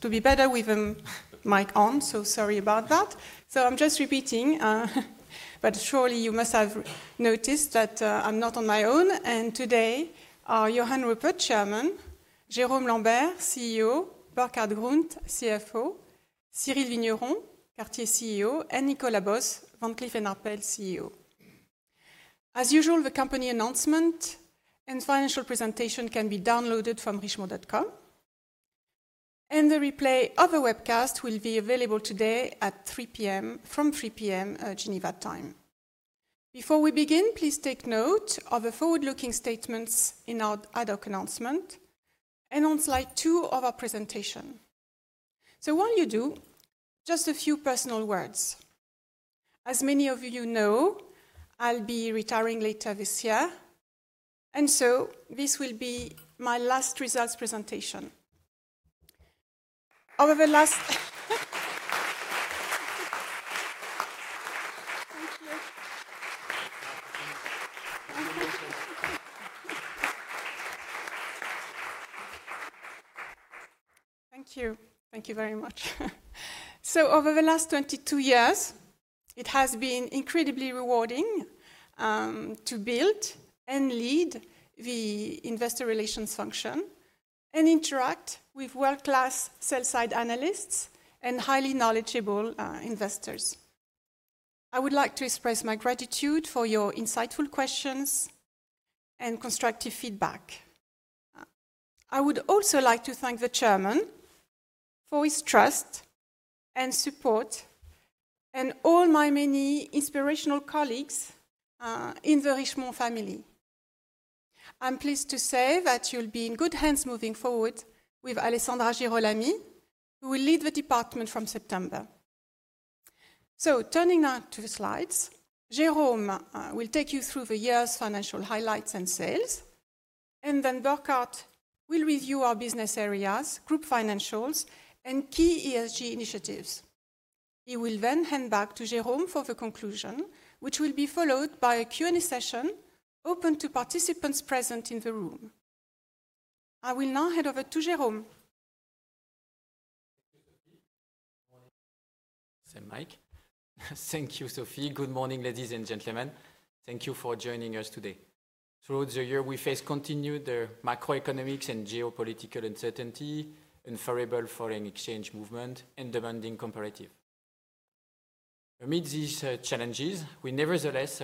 To be better with the mic on, so sorry about that. So I'm just repeating, but surely you must have noticed that, I'm not on my own, and today are Johann Rupert, Chairman; Jérôme Lambert, CEO; Burkhard Grund, CFO; Cyrille Vigneron, Cartier CEO; and Nicolas Bos, Van Cleef & Arpels CEO. As usual, the company announcement and financial presentation can be downloaded from richemont.com, and the replay of the webcast will be available today at 3:00 P.M., from 3:00 P.M., Geneva time. Before we begin, please take note of the forward-looking statements in our ad hoc announcement and on slide two of our presentation. So while you do, just a few personal words. As many of you know, I'll be retiring later this year, and so this will be my last results presentation. Over the last... Thank you. Thank you. Thank you very much. So over the last 22 years, it has been incredibly rewarding to build and lead the investor relations function and interact with world-class sell-side analysts and highly knowledgeable investors. I would like to express my gratitude for your insightful questions and constructive feedback. I would also like to thank the chairman for his trust and support and all my many inspirational colleagues in the Richemont family. I'm pleased to say that you'll be in good hands moving forward with Alessandra Girolami, who will lead the department from September. So turning now to the slides, Jérôme will take you through the year's financial highlights and sales, and then Burkhard will review our business areas, group financials, and key ESG initiatives. He will then hand back to Jérôme for the conclusion, which will be followed by a Q&A session open to participants present in the room. I will now hand over to Jérôme. Same mic. Thank you, Sophie. Good morning, ladies and gentlemen. Thank you for joining us today. Throughout the year, we faced continued macroeconomic and geopolitical uncertainty, unfavorable foreign exchange movement, and demanding comparative. Amid these challenges, we nevertheless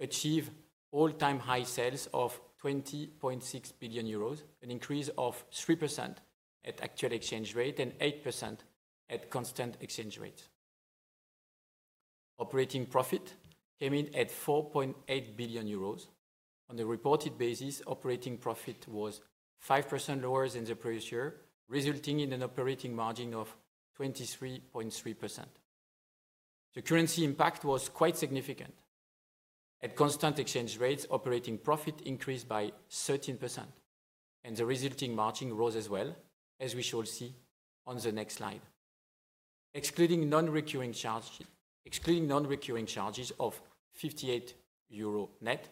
achieved all-time high sales of 20.6 billion euros, an increase of 3% at actual exchange rate and 8% at constant exchange rate. Operating profit came in at 4.8 billion euros. On a reported basis, operating profit was 5% lower than the previous year, resulting in an operating margin of 23.3%. The currency impact was quite significant. At constant exchange rates, operating profit increased by 13%, and the resulting margin rose as well, as we shall see on the next slide. Excluding non-recurring charges, excluding non-recurring charges of 58 million euro net,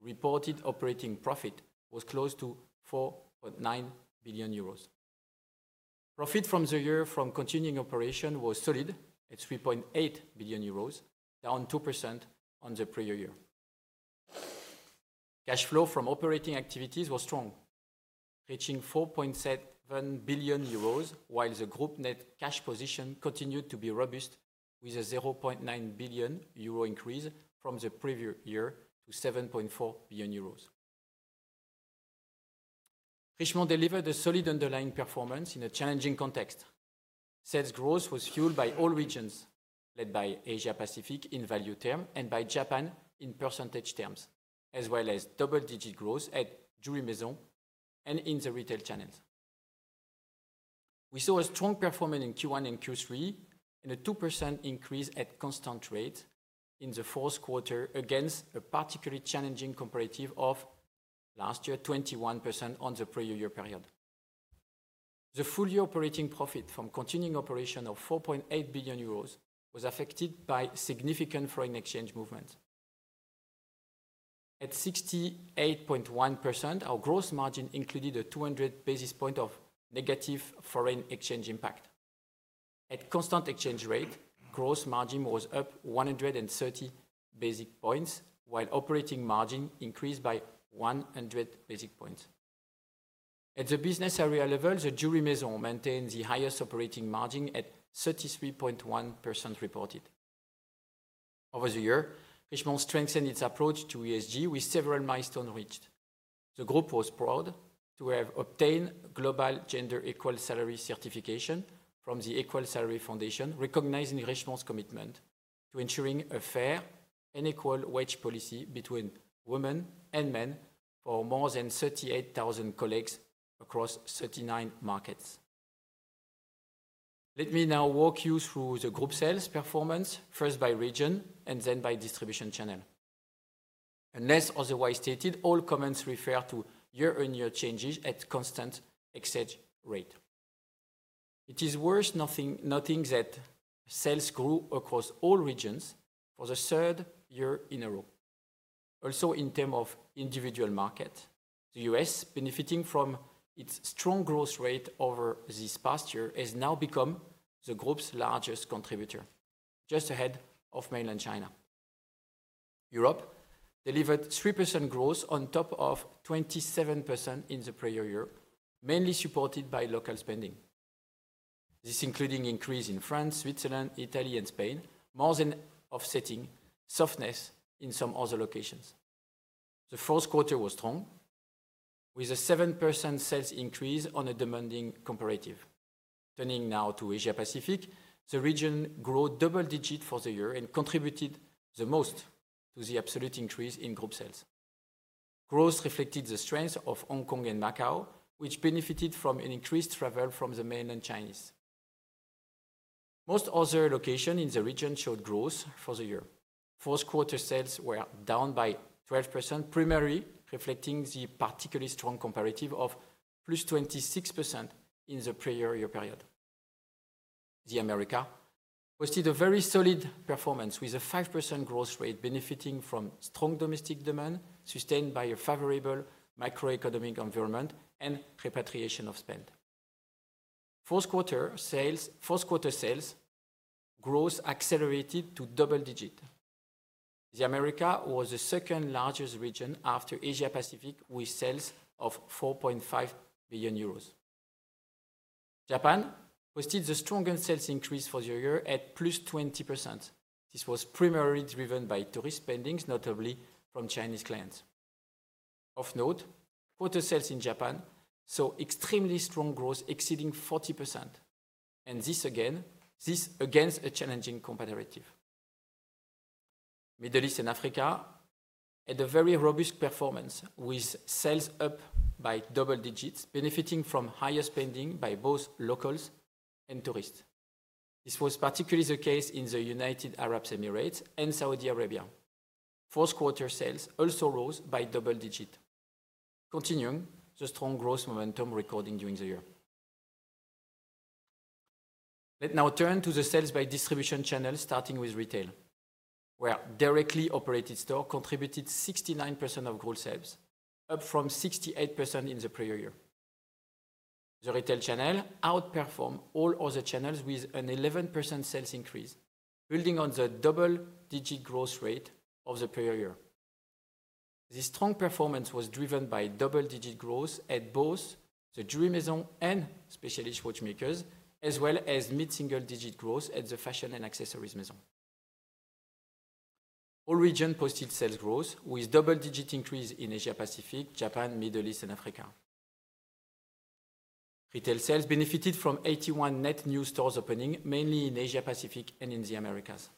reported operating profit was close to 4.9 billion euros. Profit from the year from continuing operation was solid at 3.8 billion euros, down 2% on the prior year. Cash flow from operating activities was strong, reaching 4.7 billion euros, while the group net cash position continued to be robust with a 0.9 billion euro increase from the previous year to 7.4 billion euros. Richemont delivered a solid underlying performance in a challenging context. Sales growth was fueled by all regions, led by Asia Pacific in value term and by Japan in percentage terms, as well as double-digit growth at Jewelry Maisons and in the retail channels. We saw a strong performance in Q1 and Q3 and a 2% increase at constant rate in the fourth quarter against a particularly challenging comparative of last year, 21% on the prior year period. The full year operating profit from continuing operation of 4.8 billion euros was affected by significant foreign exchange movements. At 68.1%, our gross margin included a 200 basis points of negative foreign exchange impact. At constant exchange rate, gross margin was up 130 basis points, while operating margin increased by 100 basis points. At the business area level, the Jewelry Maisons maintained the highest operating margin at 33.1% reported. Over the year, Richemont strengthened its approach to ESG, with several milestones reached. The Group was proud to have obtained Global Gender Equal Salary certification from the Equal Salary Foundation, recognizing Richemont's commitment to ensuring a fair and equal wage policy between women and men for more than 38,000 colleagues across 39 markets. Let me now walk you through the Group sales performance, first by region and then by distribution channel. Unless otherwise stated, all comments refer to year-on-year changes at constant exchange rate. It is worth noting that sales grew across all regions for the third year in a row.... Also in terms of individual market, the U.S., benefiting from its strong growth rate over this past year, has now become the Group's largest contributor, just ahead of Mainland China. Europe delivered 3% growth on top of 27% in the prior year, mainly supported by local spending. This, including increase in France, Switzerland, Italy and Spain, more than offsetting softness in some other locations. The fourth quarter was strong, with a 7% sales increase on a demanding comparative. Turning now to Asia Pacific, the region grew double-digit for the year and contributed the most to the absolute increase in group sales. Growth reflected the strength of Hong Kong and Macau, which benefited from an increased travel from the mainland Chinese. Most other locations in the region showed growth for the year. Fourth quarter sales were down by 12%, primarily reflecting the particularly strong comparative of +26% in the prior year period. The Americas posted a very solid performance, with a 5% growth rate benefiting from strong domestic demand, sustained by a favorable macroeconomic environment and repatriation of spend. Fourth quarter sales, fourth quarter sales growth accelerated to double-digit. The Americas was the second largest region after Asia Pacific, with sales of 4.5 billion euros. Japan posted the strongest sales increase for the year at +20%. This was primarily driven by tourist spendings, notably from Chinese clients. Of note, quarter sales in Japan saw extremely strong growth, exceeding 40%, and this again, this against a challenging comparative. Middle East and Africa had a very robust performance, with sales up by double digits, benefiting from higher spending by both locals and tourists. This was particularly the case in the United Arab Emirates and Saudi Arabia. Fourth quarter sales also rose by double digit, continuing the strong growth momentum recorded during the year. Let now turn to the sales by distribution channel, starting with retail, where directly operated store contributed 69% of group sales, up from 68% in the prior year. The retail channel outperformed all other channels with an 11% sales increase, building on the double-digit growth rate of the prior year. This strong performance was driven by double-digit growth at both the Jewelry Maisons and Specialist Watchmakers, as well as mid-single-digit growth at the Fashion and Accessories Maisons. All regions posted sales growth, with double-digit increase in Asia Pacific, Japan, Middle East and Africa. Retail sales benefited from 81 net new stores opening, mainly in Asia Pacific and in the Americas.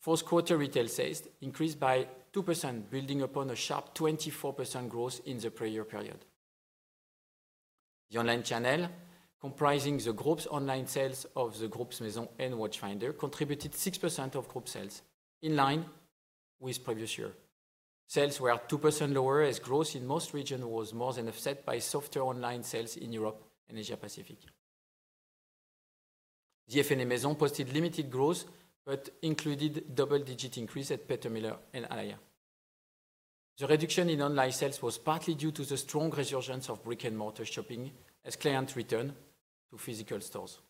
Fourth quarter retail sales increased by 2%, building upon a sharp 24% growth in the prior period. The online channel, comprising the Group's online sales of the Group's Maisons and Watchfinder, contributed 6% of Group sales, in line with previous year. Sales were 2% lower as growth in most regions was more than offset by softer online sales in Europe and Asia Pacific. The F&A Maisons posted limited growth, but included double-digit increase at Peter Millar and Alaïa. The reduction in online sales was partly due to the strong resurgence of brick-and-mortar shopping as clients return to physical stores.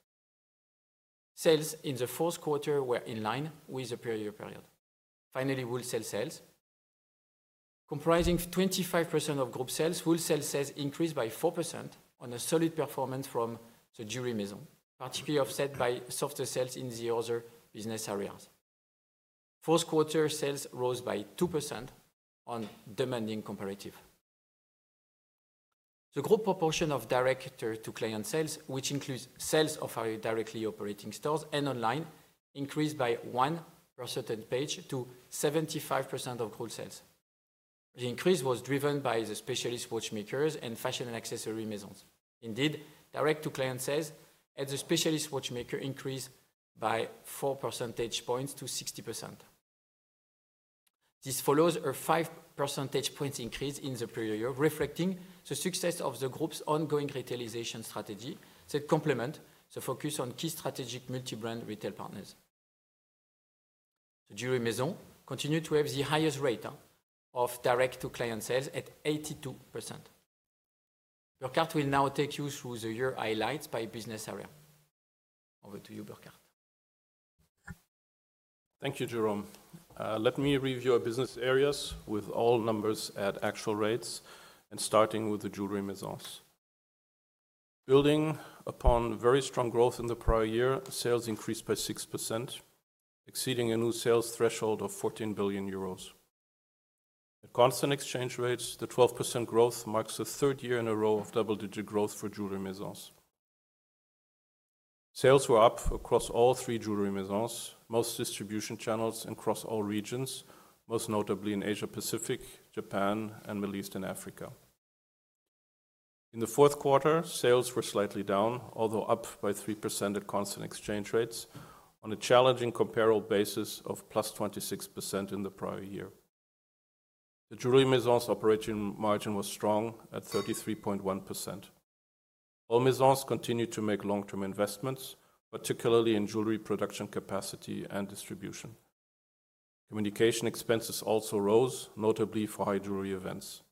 Sales in the fourth quarter were in line with the prior year period. Finally, wholesale sales, comprising 25% of Group sales, wholesale sales increased by 4% on a solid performance from the Jewelry Maisons, partially offset by softer sales in the other business areas. Fourth quarter sales rose by 2% on demanding comparative. The Group proportion of direct-to-client sales, which includes sales of our directly operating stores and online, increased by one percentage point to 75% of group sales. The increase was driven by the Specialist Watchmakers and fashion and accessory Maisons. Indeed, direct-to-client sales at the Specialist Watchmaker increased by 4 percentage points to 60%. This follows a 5 percentage points increase in the prior year, reflecting the success of the Group's ongoing retailization strategy that complements the focus on key strategic multi-brand retail partners. The Jewelry Maisons continued to have the highest rate of direct-to-client sales at 82%. Burkhard will now take you through the year highlights by business area. Over to you, Burkhard. Thank you, Jérôme. Let me review our business areas with all numbers at actual rates and starting with the Jewelry Maisons. Building upon very strong growth in the prior year, sales increased by 6%, exceeding a new sales threshold of 14 billion euros. At constant exchange rates, the 12% growth marks the third year in a row of double-digit growth for Jewelry Maisons. Sales were up across all three Jewelry Maisons, most distribution channels, and across all regions, most notably in Asia Pacific, Japan, and Middle East and Africa. In the fourth quarter, sales were slightly down, although up by 3% at constant exchange rates on a challenging comparable basis of +26% in the prior year. The Jewelry Maisons operating margin was strong at 33.1%. All Maisons continued to make long-term investments, particularly in jewelry production capacity and distribution. Communication expenses also rose, notably for High Jewelry events.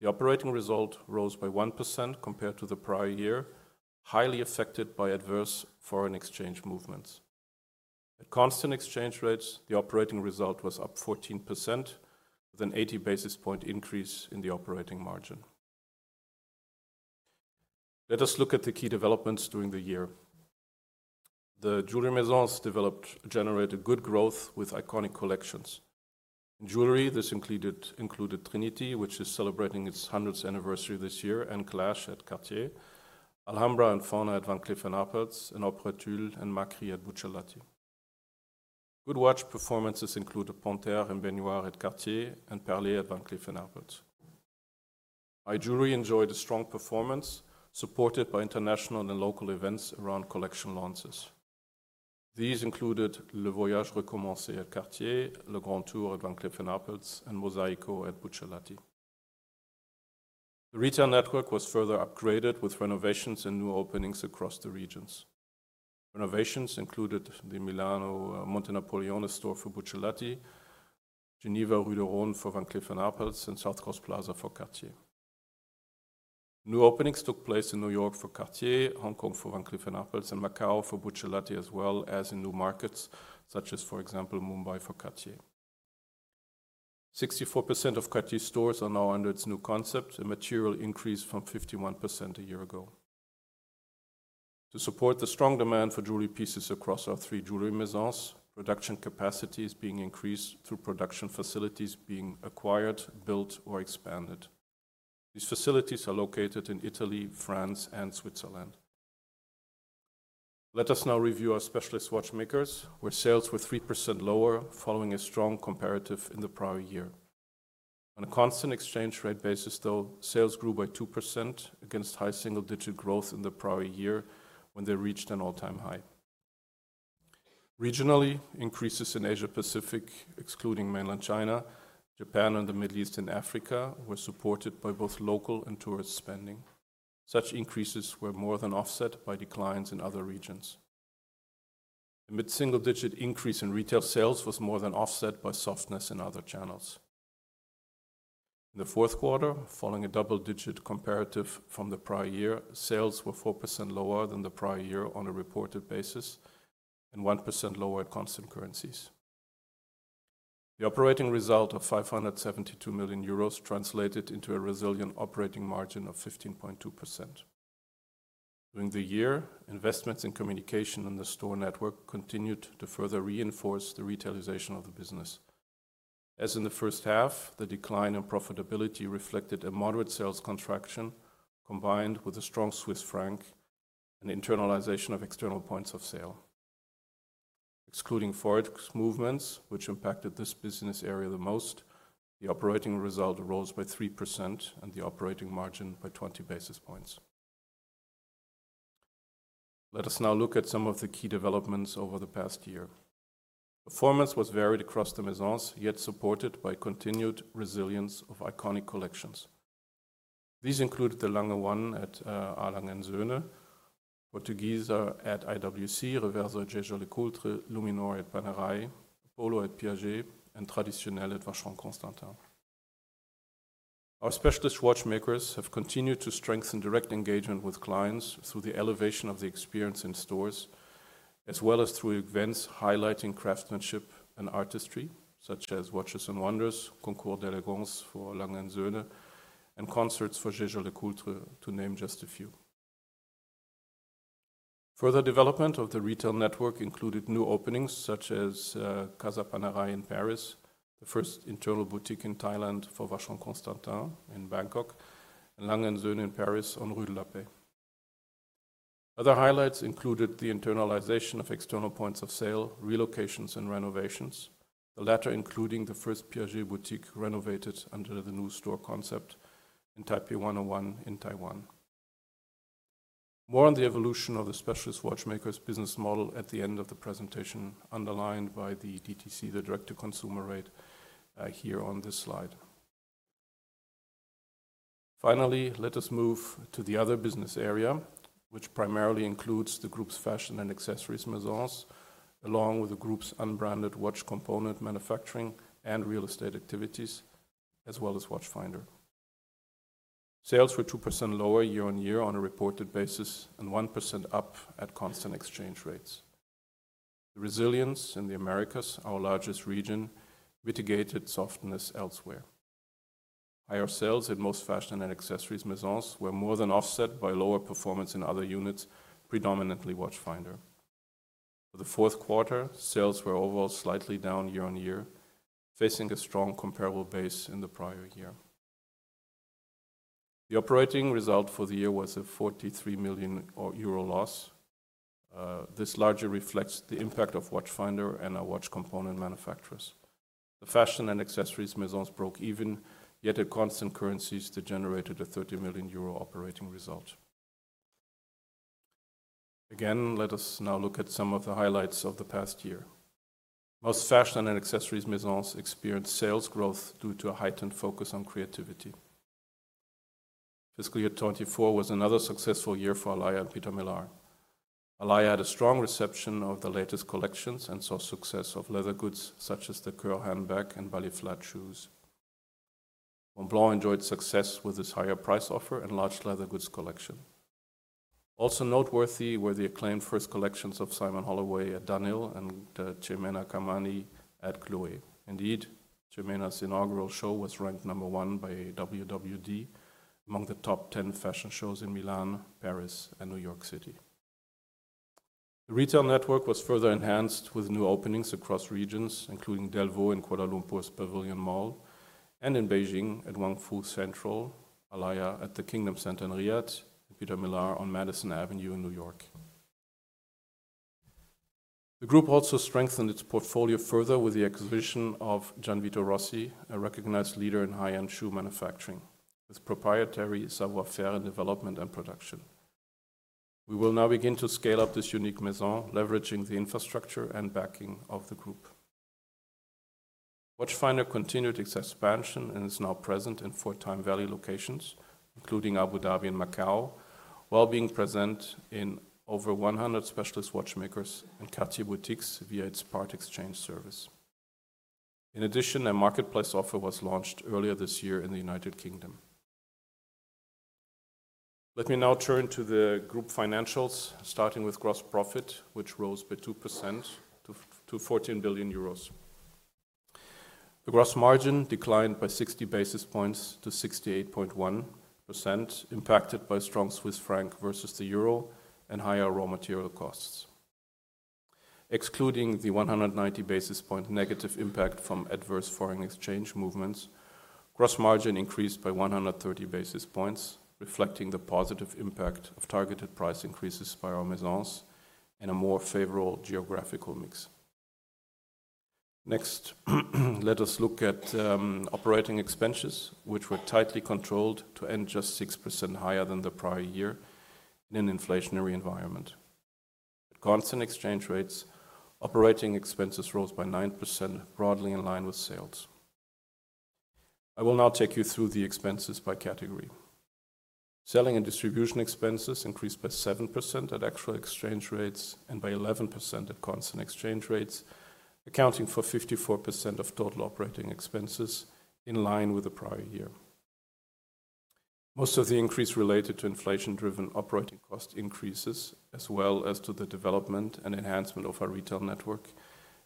The operating result rose by 1% compared to the prior year, highly affected by adverse foreign exchange movements. At constant exchange rates, the operating result was up 14%, with an 80 basis point increase in the operating margin. Let us look at the key developments during the year. The Jewelry Maisons generated good growth with iconic collections. In jewelry, this included Trinity, which is celebrating its 100th anniversary this year, and Clash at Cartier, Alhambra and Fauna at Van Cleef & Arpels, and Opera Tulle and Macri at Buccellati. Good watch performances include the Panthère and Baignoire at Cartier and Perlée at Van Cleef & Arpels. High Jewelry enjoyed a strong performance, supported by international and local events around collection launches. These included Le Voyage Recommencé at Cartier, Le Grand Tour at Van Cleef & Arpels, and Mosaico at Buccellati. The retail network was further upgraded with renovations and new openings across the regions. Renovations included the Via Montenapoleone store for Buccellati, Geneva, Rue du Rhône for Van Cleef & Arpels, and South Coast Plaza for Cartier. New openings took place in New York for Cartier, Hong Kong for Van Cleef & Arpels, and Macau for Buccellati, as well as in new markets, such as, for example, Mumbai for Cartier. 64% of Cartier stores are now under its new concept, a material increase from 51% a year ago. To support the strong demand for jewelry pieces across our three Jewelry Maisons, production capacity is being increased through production facilities being acquired, built, or expanded. These facilities are located in Italy, France, and Switzerland. Let us now review our Specialist Watchmakers, where sales were 3% lower following a strong comparative in the prior year. On a constant exchange rate basis, though, sales grew by 2% against high single-digit growth in the prior year, when they reached an all-time high. Regionally, increases in Asia Pacific, excluding Mainland China, Japan, and the Middle East and Africa, were supported by both local and tourist spending. Such increases were more than offset by declines in other regions. A mid-single-digit increase in retail sales was more than offset by softness in other channels. In the fourth quarter, following a double-digit comparative from the prior year, sales were 4% lower than the prior year on a reported basis and 1% lower at constant currencies. The operating result of 572 million euros translated into a resilient operating margin of 15.2%. During the year, investments in communication and the store network continued to further reinforce the retailization of the business. As in the first half, the decline in profitability reflected a moderate sales contraction, combined with a strong Swiss franc and internalization of external points of sale. Excluding forex movements, which impacted this business area the most, the operating result rose by 3% and the operating margin by 20 basis points. Let us now look at some of the key developments over the past year. Performance was varied across the Maisons, yet supported by continued resilience of iconic collections. These included the Lange 1 at A. Lange & Söhne, Portugieser at IWC, Reverso at Jaeger-LeCoultre, Luminor at Panerai, Polo at Piaget, and Traditionnelle at Vacheron Constantin. Our Specialist Watchmakers have continued to strengthen direct engagement with clients through the elevation of the experience in stores, as well as through events highlighting craftsmanship and artistry, such as Watches and Wonders, Concours d'Elégance for A. Lange & Söhne, and concerts for Jaeger-LeCoultre, to name just a few. Further development of the retail network included new openings such as Casa Panerai in Paris, the first internal boutique in Thailand for Vacheron Constantin in Bangkok, and A. Lange & Söhne in Paris on Rue de la Paix. Other highlights included the internalization of external points of sale, relocations, and renovations, the latter including the first Piaget boutique renovated under the new store concept in Taipei 101 in Taiwan. More on the evolution of the Specialist Watchmakers business model at the end of the presentation, underlined by the DTC, the direct-to-consumer rate, here on this slide. Finally, let us move to the other business area, which primarily includes the group's Fashion and Accessories Maisonss, along with the group's unbranded watch component manufacturing and real estate activities, as well as Watchfinder. Sales were 2% lower year-on-year on a reported basis and 1% up at constant exchange rates. The resilience in the Americas, our largest region, mitigated softness elsewhere. Higher sales at most Fashion and Accessories Maisonss were more than offset by lower performance in other units, predominantly Watchfinder. For the fourth quarter, sales were overall slightly down year-on-year, facing a strong comparable base in the prior year. The operating result for the year was a 43 million of euro loss. This largely reflects the impact of Watchfinder and our watch component manufacturers. The Fashion and Accessories Maisonss broke even, yet at constant currencies, they generated a 30 million euro operating result.... Again, let us now look at some of the highlights of the past year. Most Fashion and Accessories Maisonss experienced sales growth due to a heightened focus on creativity. Fiscal year 2024 was another successful year for Alaïa and Peter Millar. Alaïa had a strong reception of the latest collections and saw success of leather goods, such as the Le Cœur handbag and Ballet flat shoes. Montblanc enjoyed success with its higher price offer and large leather goods collection. Also noteworthy were the acclaimed first collections of Simon Holloway at Dunhill and Chemena Kamali at Chloé. Indeed, Chemena's inaugural show was ranked number one by WWD among the top 10 fashion shows in Milan, Paris, and New York City. The retail network was further enhanced with new openings across regions, including Delvaux in Kuala Lumpur's Pavilion Mall and in Beijing at Wangfujing Central, Alaïa at the Kingdom Centre in Riyadh, Peter Millar on Madison Avenue in New York. The Group also strengthened its portfolio further with the acquisition of Gianvito Rossi, a recognized leader in high-end shoe manufacturing, with proprietary savoir-faire in development and production. We will now begin to scale up this unique Maisons, leveraging the infrastructure and backing of the Group. Watchfinder continued its expansion and is now present in 4 Time Valley locations, including Abu Dhabi and Macau, while being present in over 100 Specialist Watchmakers and Cartier boutiques via its part exchange service. In addition, a marketplace offer was launched earlier this year in the United Kingdom. Let me now turn to the Group financials, starting with gross profit, which rose by 2% to 14 billion euros. The gross margin declined by 60 basis points to 68.1%, impacted by strong Swiss franc versus the euro and higher raw material costs. Excluding the 190 basis point negative impact from adverse foreign exchange movements, gross margin increased by 130 basis points, reflecting the positive impact of targeted price increases by our Maisons and a more favorable geographical mix. Next, let us look at operating expenses, which were tightly controlled to end just 6% higher than the prior year in an inflationary environment. At constant exchange rates, operating expenses rose by 9%, broadly in line with sales. I will now take you through the expenses by category. Selling and distribution expenses increased by 7% at actual exchange rates and by 11% at constant exchange rates, accounting for 54% of total operating expenses in line with the prior year. Most of the increase related to inflation-driven operating cost increases, as well as to the development and enhancement of our retail network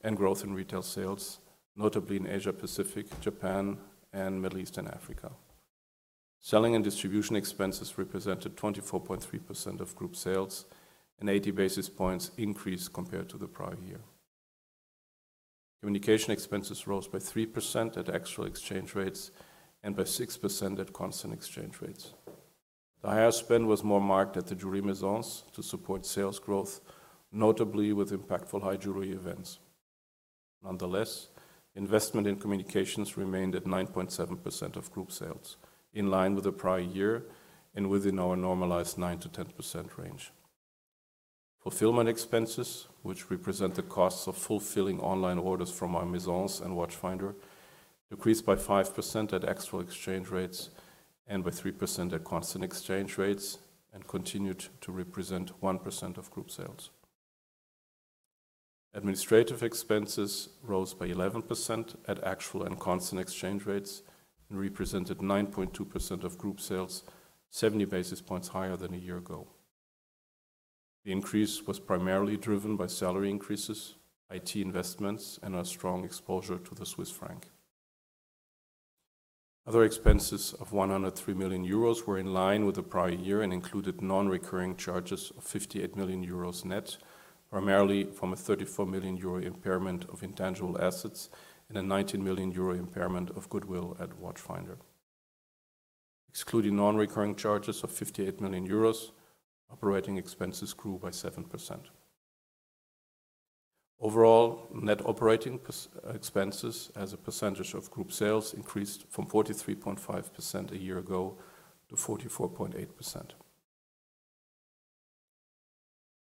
and growth in retail sales, notably in Asia Pacific, Japan, and Middle East and Africa. Selling and distribution expenses represented 24.3% of Group sales, an 80 basis points increase compared to the prior year. Communication expenses rose by 3% at actual exchange rates and by 6% at constant exchange rates. The higher spend was more marked at the Jewelry Maisons to support sales growth, notably with impactful High Jewelry events. Nonetheless, investment in communications remained at 9.7% of Group sales, in line with the prior year and within our normalized 9%-10% range. Fulfillment expenses, which represent the costs of fulfilling online orders from our Maisons and Watchfinder, decreased by 5% at actual exchange rates and by 3% at constant exchange rates and continued to represent 1% of Group sales. Administrative expenses rose by 11% at actual and constant exchange rates and represented 9.2% of Group sales, 70 basis points higher than a year ago. The increase was primarily driven by salary increases, IT investments, and a strong exposure to the Swiss franc. Other expenses of 103 million euros were in line with the prior year and included non-recurring charges of 58 million euros net, primarily from a 34 million euro impairment of intangible assets and a 19 million euro impairment of goodwill at Watchfinder. Excluding non-recurring charges of 58 million euros, operating expenses grew by 7%. Overall, net operating expenses as a percentage of Group sales increased from 43.5% a year ago to 44.8%.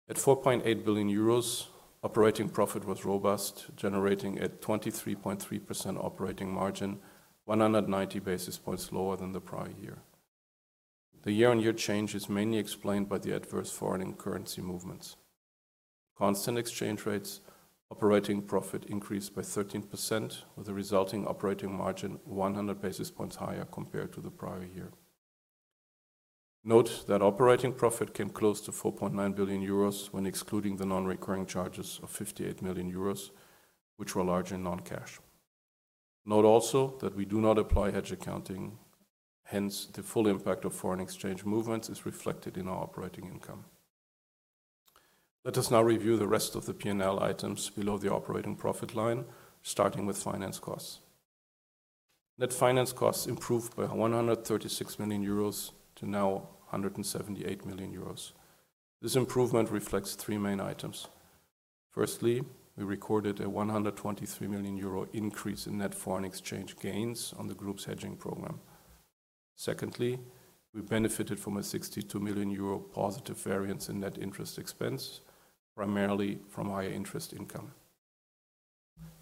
At 4.8 billion euros, operating profit was robust, generating a 23.3% operating margin, 190 basis points lower than the prior year. The year-on-year change is mainly explained by the adverse foreign currency movements. Constant exchange rates, operating profit increased by 13%, with the resulting operating margin 100 basis points higher compared to the prior year. Note that operating profit came close to 4.9 billion euros when excluding the non-recurring charges of 58 million euros, which were largely non-cash. Note also that we do not apply hedge accounting; hence, the full impact of foreign exchange movements is reflected in our operating income. Let us now review the rest of the P&L items below the operating profit line, starting with finance costs. Net finance costs improved by 136 million-178 million euros. This improvement reflects three main items. Firstly, we recorded a 123 million euro increase in net foreign exchange gains on the Group's hedging program.... Secondly, we benefited from a 62 million euro positive variance in net interest expense, primarily from higher interest income.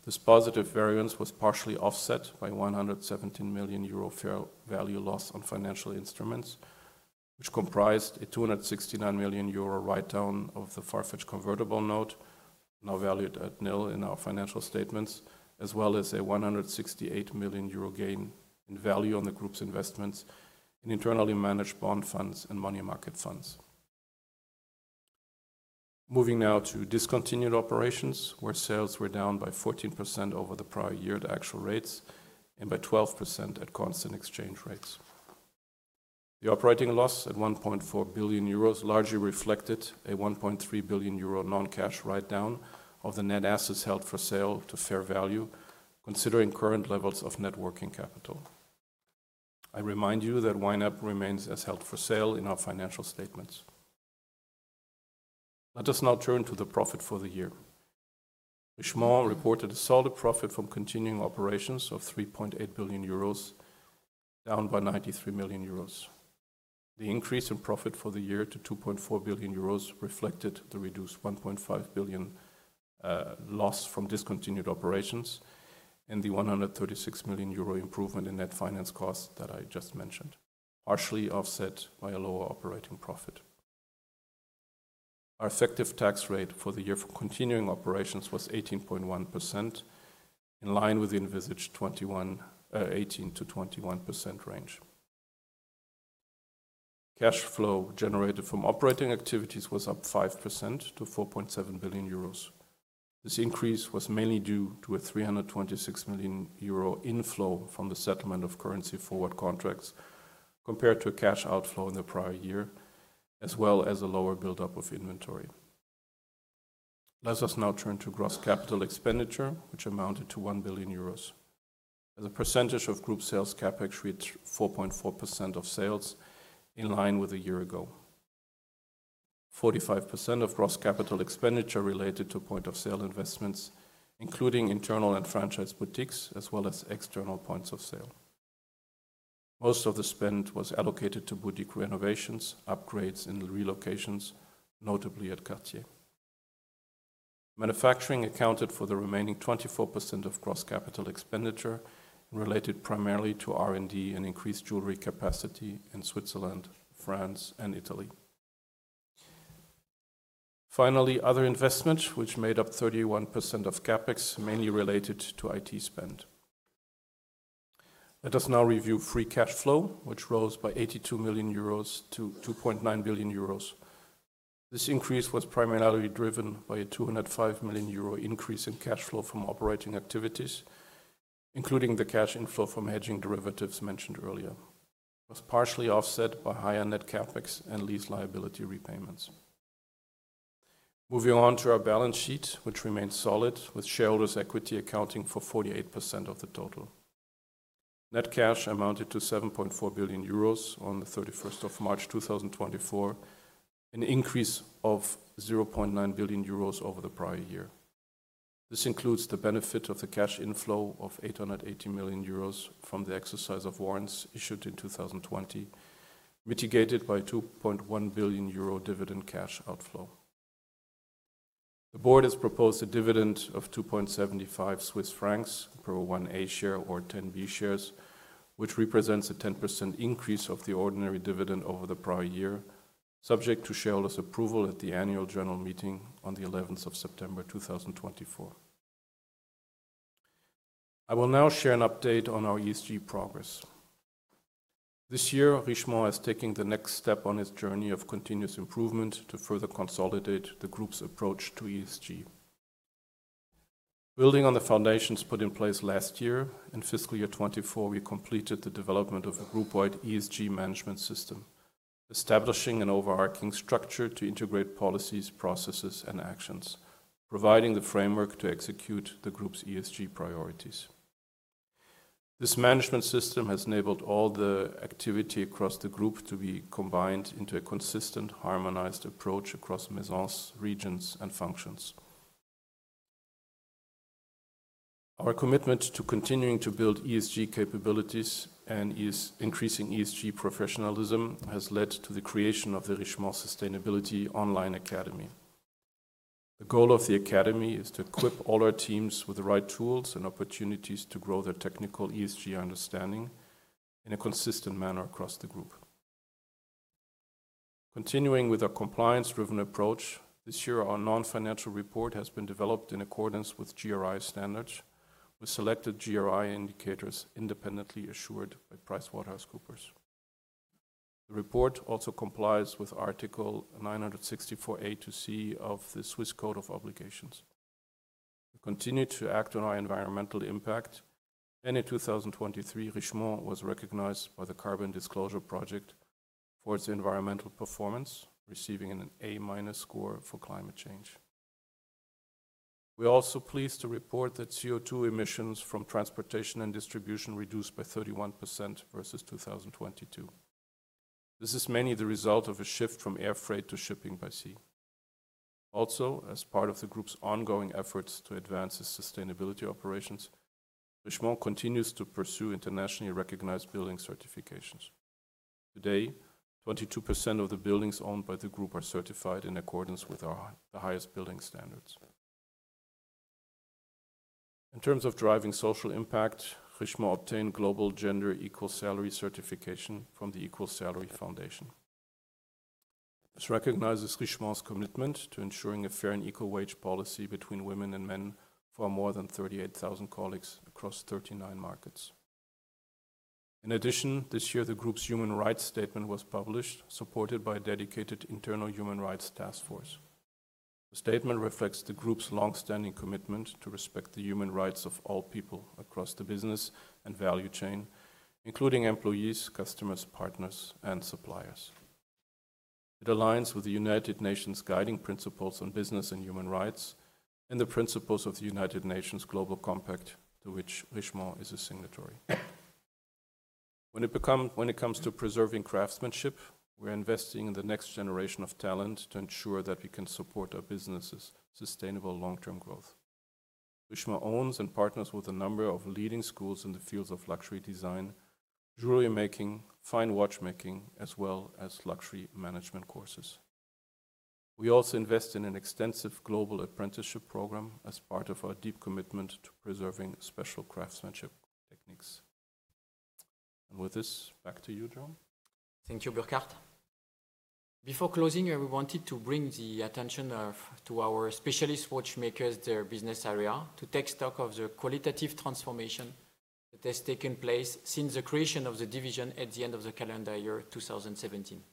This positive variance was partially offset by 117 million euro fair value loss on financial instruments, which comprised a 269 million euro write-down of the Farfetch convertible note, now valued at nil in our financial statements, as well as a 168 million euro gain in value on the group's investments in internally managed bond funds and money market funds. Moving now to discontinued operations, where sales were down by 14% over the prior year at actual rates and by 12% at constant exchange rates. The operating loss at 1.4 billion euros largely reflected a 1.3 billion euro non-cash write-down of the net assets held for sale to fair value, considering current levels of net working capital. I remind you that YNAP remains as held for sale in our financial statements. Let us now turn to the profit for the year. Richemont reported a solid profit from continuing operations of 3.8 billion euros, down by 93 million euros. The increase in profit for the year to 2.4 billion euros reflected the reduced 1.5 billion loss from discontinued operations and the 136 million euro improvement in net finance costs that I just mentioned, partially offset by a lower operating profit. Our effective tax rate for the year for continuing operations was 18.1%, in line with the envisaged 18%-21% range. Cash flow generated from operating activities was up 5% to 4.7 billion euros. This increase was mainly due to a 326 million euro inflow from the settlement of currency forward contracts, compared to a cash outflow in the prior year, as well as a lower buildup of inventory. Let us now turn to gross capital expenditure, which amounted to 1 billion euros. As a percentage of group sales, CapEx reached 4.4% of sales, in line with a year ago. 45% of gross capital expenditure related to point-of-sale investments, including internal and franchise boutiques, as well as external points of sale. Most of the spend was allocated to boutique renovations, upgrades, and relocations, notably at Cartier. Manufacturing accounted for the remaining 24% of gross capital expenditure, related primarily to R&D and increased jewelry capacity in Switzerland, France, and Italy. Finally, other investments, which made up 31% of CapEx, mainly related to IT spend. Let us now review free cash flow, which rose by 82 million-2.9 billion euros. This increase was primarily driven by a 205 million euro increase in cash flow from operating activities, including the cash inflow from hedging derivatives mentioned earlier. It was partially offset by higher net CapEx and lease liability repayments. Moving on to our balance sheet, which remains solid, with shareholders' equity accounting for 48% of the total. Net cash amounted to 7.4 billion euros on the 31st of March, 2024, an increase of 0.9 billion euros over the prior year. This includes the benefit of the cash inflow of 880 million euros from the exercise of warrants issued in 2020, mitigated by a 2.1 billion euro dividend cash outflow. The board has proposed a dividend of 2.75 Swiss francs per 1 A share or 10 B shares, which represents a 10% increase of the ordinary dividend over the prior year, subject to shareholders' approval at the annual general meeting on the 11th of September 2024. I will now share an update on our ESG progress. This year, Richemont is taking the next step on its journey of continuous improvement to further consolidate the group's approach to ESG. Building on the foundations put in place last year, in fiscal year 2024, we completed the development of a group-wide ESG management system, establishing an overarching structure to integrate policies, processes, and actions, providing the framework to execute the group's ESG priorities. This management system has enabled all the activity across the group to be combined into a consistent, harmonized approach across Maisons, regions, and functions. Our commitment to continuing to build ESG capabilities and increasing ESG professionalism has led to the creation of the Richemont Sustainability Online Academy. The goal of the academy is to equip all our teams with the right tools and opportunities to grow their technical ESG understanding in a consistent manner across the group. Continuing with our compliance-driven approach, this year our non-financial report has been developed in accordance with GRI standards, with selected GRI indicators independently assured by PricewaterhouseCoopers. The report also complies with Article 964 A to C of the Swiss Code of Obligations. We continue to act on our environmental impact, and in 2023, Richemont was recognized by the Carbon Disclosure Project for its environmental performance, receiving an A- score for climate change. We are also pleased to report that CO₂ emissions from transportation and distribution reduced by 31% versus 2022. This is mainly the result of a shift from air freight to shipping by sea. Also, as part of the Group's ongoing efforts to advance its sustainability operations, Richemont continues to pursue internationally recognized building certifications. Today, 22% of the buildings owned by the Group are certified in accordance with our, the highest building standards. In terms of driving social impact, Richemont obtained Global Gender Equal Salary certification from the Equal Salary Foundation. This recognizes Richemont's commitment to ensuring a fair and equal wage policy between women and men for more than 38,000 colleagues across 39 markets. In addition, this year, the Group's Human Rights Statement was published, supported by a dedicated internal human rights task force. The statement reflects the Group's long-standing commitment to respect the human rights of all people across the business and value chain, including employees, customers, partners, and suppliers. It aligns with the United Nations Guiding Principles on Business and Human Rights and the principles of the United Nations Global Compact, to which Richemont is a signatory. When it comes to preserving craftsmanship, we're investing in the next generation of talent to ensure that we can support our business's sustainable long-term growth. Richemont owns and partners with a number of leading schools in the fields of luxury design, jewelry making, fine watchmaking, as well as luxury management courses. We also invest in an extensive global apprenticeship program as part of our deep commitment to preserving special craftsmanship techniques. With this, back to you, Jérôme. Thank you, Burkhard. Before closing, we wanted to bring the attention of, to our Specialist Watchmakers, their business area, to take stock of the qualitative transformation that has taken place since the creation of the division at the end of the calendar year 2017.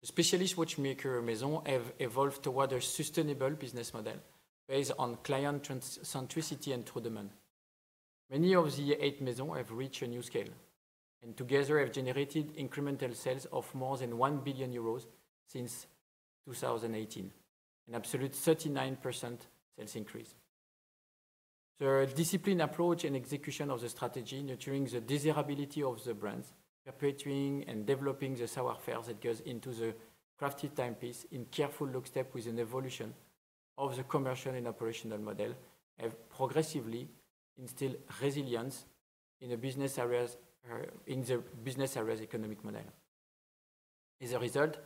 The Specialist Watchmaker Maisons have evolved towards a sustainable business model based on client trans-centricity and true demand. Many of the eight Maisons have reached a new scale and together have generated incremental sales of more than 1 billion euros since 2018, an absolute 39% sales increase. The disciplined approach and execution of the strategy, nurturing the desirability of the brands, perpetuating and developing the savoir-faire that goes into the crafted timepiece in careful lockstep with an evolution of the commercial and operational model, have progressively instilled resilience in the business areas, in the business areas' economic model. As a result,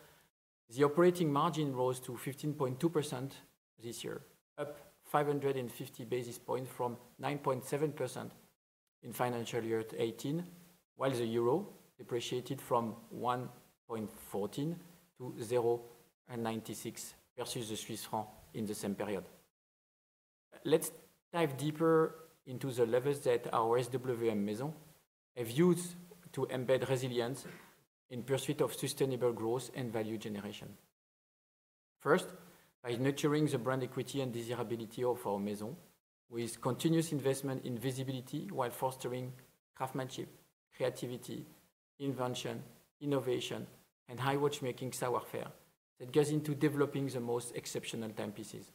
the operating margin rose to 15.2% this year, up 550 basis points from 9.7% in financial year 2018, while the euro depreciated from 1.14 to 0.96 versus the Swiss franc in the same period. Let's dive deeper into the levels that our SWM Maisons have used to embed resilience in pursuit of sustainable growth and value generation. First, by nurturing the brand equity and desirability of our Maisons with continuous investment in visibility while fostering craftsmanship, creativity, invention, innovation, and high watchmaking savoir-faire that goes into developing the most exceptional timepieces.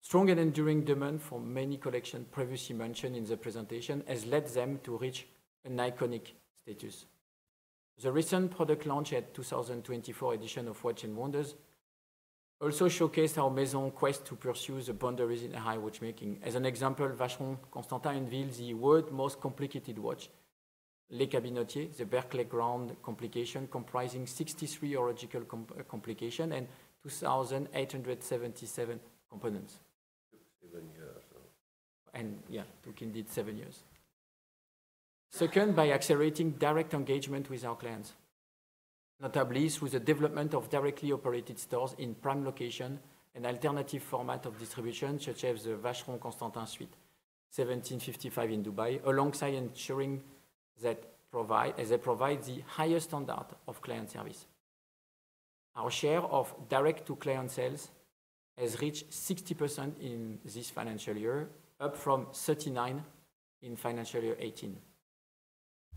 Strong and enduring demand for many collection previously mentioned in the presentation has led them to reach an iconic status. The recent product launch at the 2024 edition of Watches and Wonders also showcased our Maisons quest to pursue the boundaries in high watchmaking. As an example, Vacheron Constantin unveiled the world's most complicated watch, Les Cabinotiers - The Berkley Grand Complication, comprising 63 horological complications and 2,877 components. Seven years. Yeah, took indeed 7 years. Second, by accelerating direct engagement with our clients, notably with the development of directly operated stores in prime location and alternative format of distribution, such as the Vacheron Constantin Suite 1755 in Dubai, alongside ensuring that provide, as they provide the highest standard of client service. Our share of direct-to-client sales has reached 60% in this financial year, up from 39 in financial year 2018.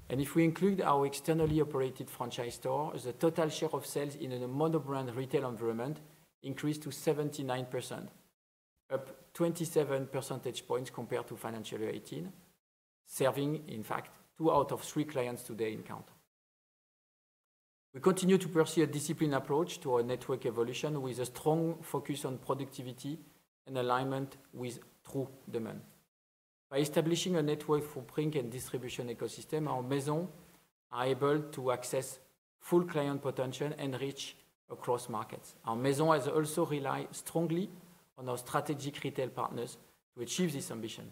And if we include our externally operated franchise store, the total share of sales in a monobrand retail environment increased to 79%, up 27 percentage points compared to financial year 2018, serving, in fact, two out of three clients today in count. We continue to pursue a disciplined approach to our network evolution with a strong focus on productivity and alignment with true demand. By establishing a network footprint and distribution ecosystem, our Maisons are able to access full client potential and reach across markets. Our Maisons has also relied strongly on our strategic retail partners to achieve this ambition,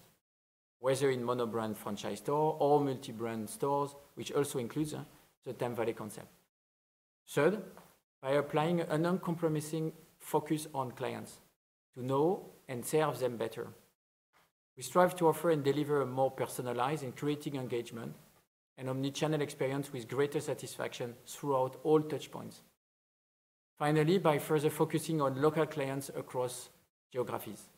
whether in monobrand franchise store or multi-brand stores, which also includes the Time Valley concept. Third, by applying an uncompromising focus on clients to know and serve them better. We strive to offer and deliver a more personalized and creating engagement and omnichannel experience with greater satisfaction throughout all touchpoints. Finally, by further focusing on local clients across geographies,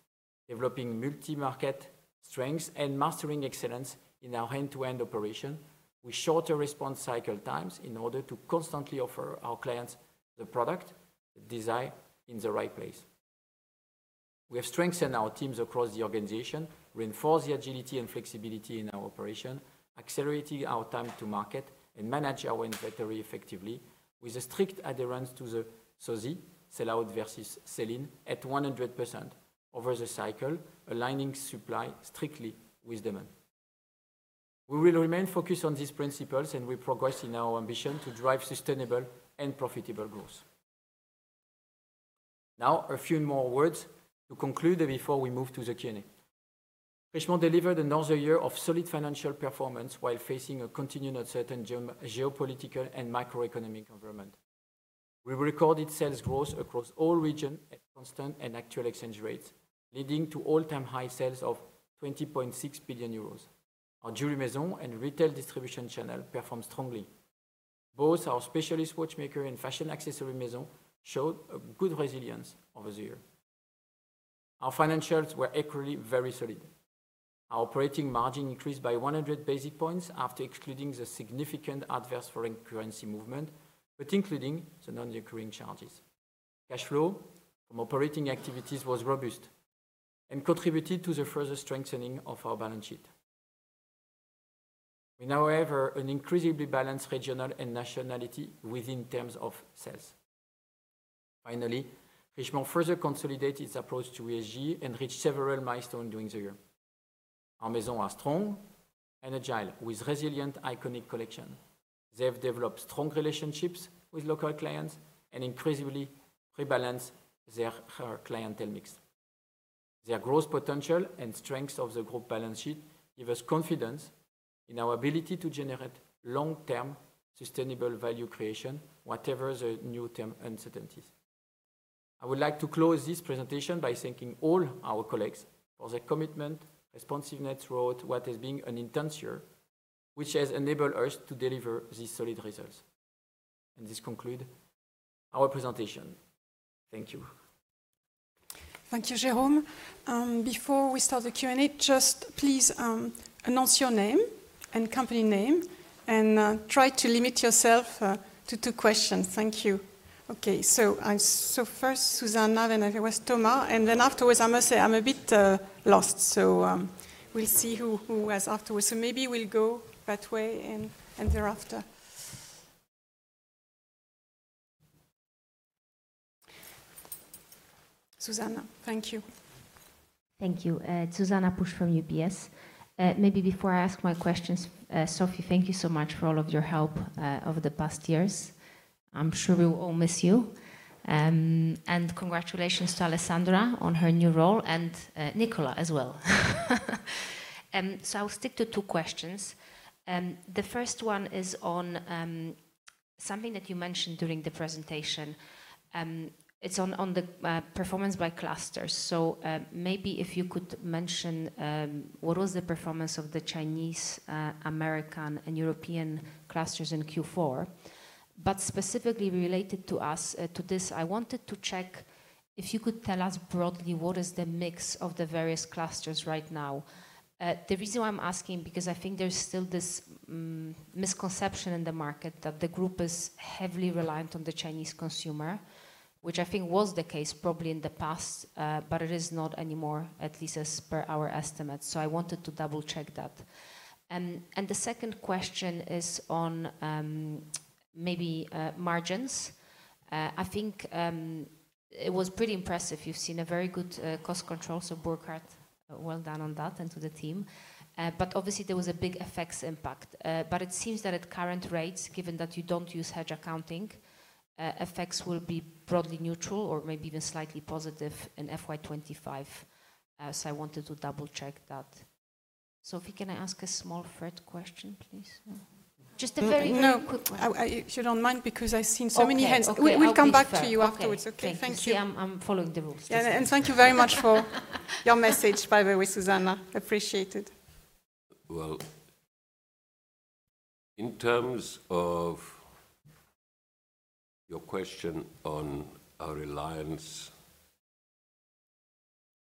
developing multi-market strengths and mastering excellence in our end-to-end operation, with shorter response cycle times in order to constantly offer our clients the product, design in the right place.... We have strengthened our teams across the organization, reinforced the agility and flexibility in our operation, accelerating our time to market, and manage our inventory effectively with a strict adherence to the SO/SI, sell-out versus sell-in, at 100% over the cycle, aligning supply strictly with demand. We will remain focused on these principles, and we progress in our ambition to drive sustainable and profitable growth. Now, a few more words to conclude before we move to the Q&A. Richemont delivered another year of solid financial performance while facing a continuing uncertain geopolitical and macroeconomic environment. We recorded sales growth across all regions at constant and actual exchange rates, leading to all-time high sales of 20.6 billion euros. Our Jewelry Maisons and Retail Distribution channel performed strongly. Both our Specialist Watchmaker and Fashion and Accessory Maisons showed a good resilience over the year. Our financials were equally very solid. Our operating margin increased by 100 basis points after excluding the significant adverse foreign currency movement, but including the non-recurring charges. Cash flow from operating activities was robust and contributed to the further strengthening of our balance sheet. We now have an increasingly balanced regional and nationality within terms of sales. Finally, Richemont further consolidated its approach to ESG and reached several milestone during the year. Our Maisons are strong and agile, with resilient, iconic collection. They have developed strong relationships with local clients and increasingly rebalance their clientele mix. Their growth potential and strength of the group balance sheet give us confidence in our ability to generate long-term sustainable value creation, whatever the new term uncertainties. I would like to close this presentation by thanking all our colleagues for their commitment, responsiveness throughout what has been an intense year, which has enabled us to deliver these solid results. This concludes our presentation. Thank you. Thank you, Jérôme. Before we start the Q&A, just please announce your name and company name, and try to limit yourself to two questions. Thank you. Okay, so first Zuzanna, then it was Thomas, and then afterwards, I must say I'm a bit lost. So we'll see who has afterwards. So maybe we'll go that way and thereafter. Zuzanna, thank you. Thank you. Zuzanna Pusz from UBS. Maybe before I ask my questions, Sophie, thank you so much for all of your help over the past years. I'm sure we will all miss you. And congratulations to Alessandra on her new role, and, Nicolas as well. So I'll stick to two questions. The first one is on something that you mentioned during the presentation. It's on the performance by clusters. So, maybe if you could mention what was the performance of the Chinese, American, and European clusters in Q4? But specifically related to us, to this, I wanted to check if you could tell us broadly, what is the mix of the various clusters right now? The reason why I'm asking, because I think there's still this misconception in the market that the group is heavily reliant on the Chinese consumer, which I think was the case probably in the past, but it is not anymore, at least as per our estimates. So I wanted to double-check that. And the second question is on maybe margins. I think it was pretty impressive. You've seen a very good cost control, so Burkhard, well done on that and to the team. But obviously, there was a big FX impact. But it seems that at current rates, given that you don't use hedge accounting, FX effects will be broadly neutral or maybe even slightly positive in FY 2025. So I wanted to double-check that. Sophie, can I ask a small third question, please? Just a very, very quick one. No, if you don't mind, because I've seen so many hands. Okay. We, we'll come back to you afterwards. Okay. Okay, thank you. See, I'm following the rules. Yeah, and thank you very much for your message, by the way, Zuzanna. Appreciate it. Well, in terms of your question on our reliance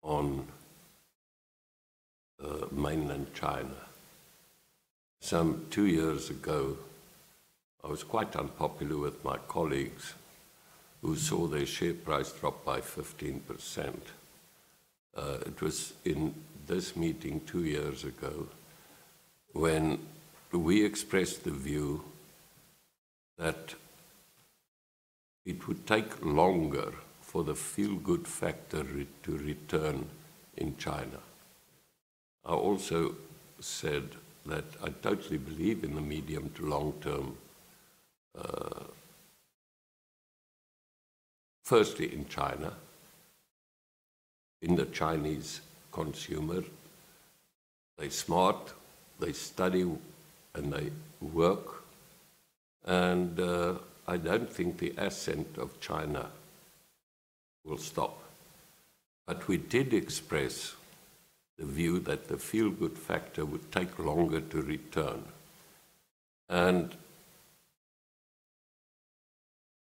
on Mainland China, some two years ago, I was quite unpopular with my colleagues who saw their share price drop by 15%. It was in this meeting two years ago when we expressed the view that it would take longer for the feel-good factor to return in China. I also said that I totally believe in the medium to long term, firstly in China, in the Chinese consumer. They smart, they study, and they work, and I don't think the ascent of China will stop. But we did express the view that the feel-good factor would take longer to return. And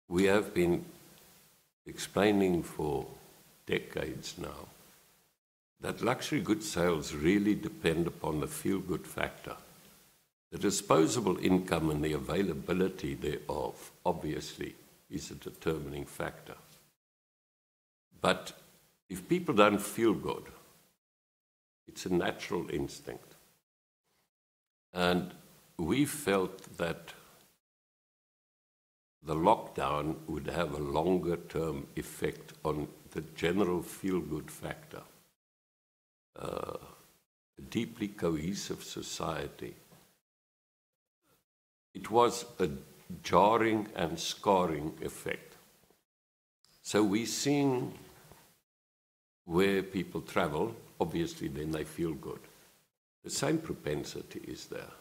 we have been explaining for decades now that luxury good sales really depend upon the feel-good factor. The disposable income and the availability thereof, obviously, is a determining factor. But if people don't feel good, it's a natural instinct, and we felt that the lockdown would have a longer-term effect on the general feel-good factor. Deeply cohesive society, it was a jarring and scarring effect. So we've seen where people travel, obviously, then they feel good. The same propensity is there.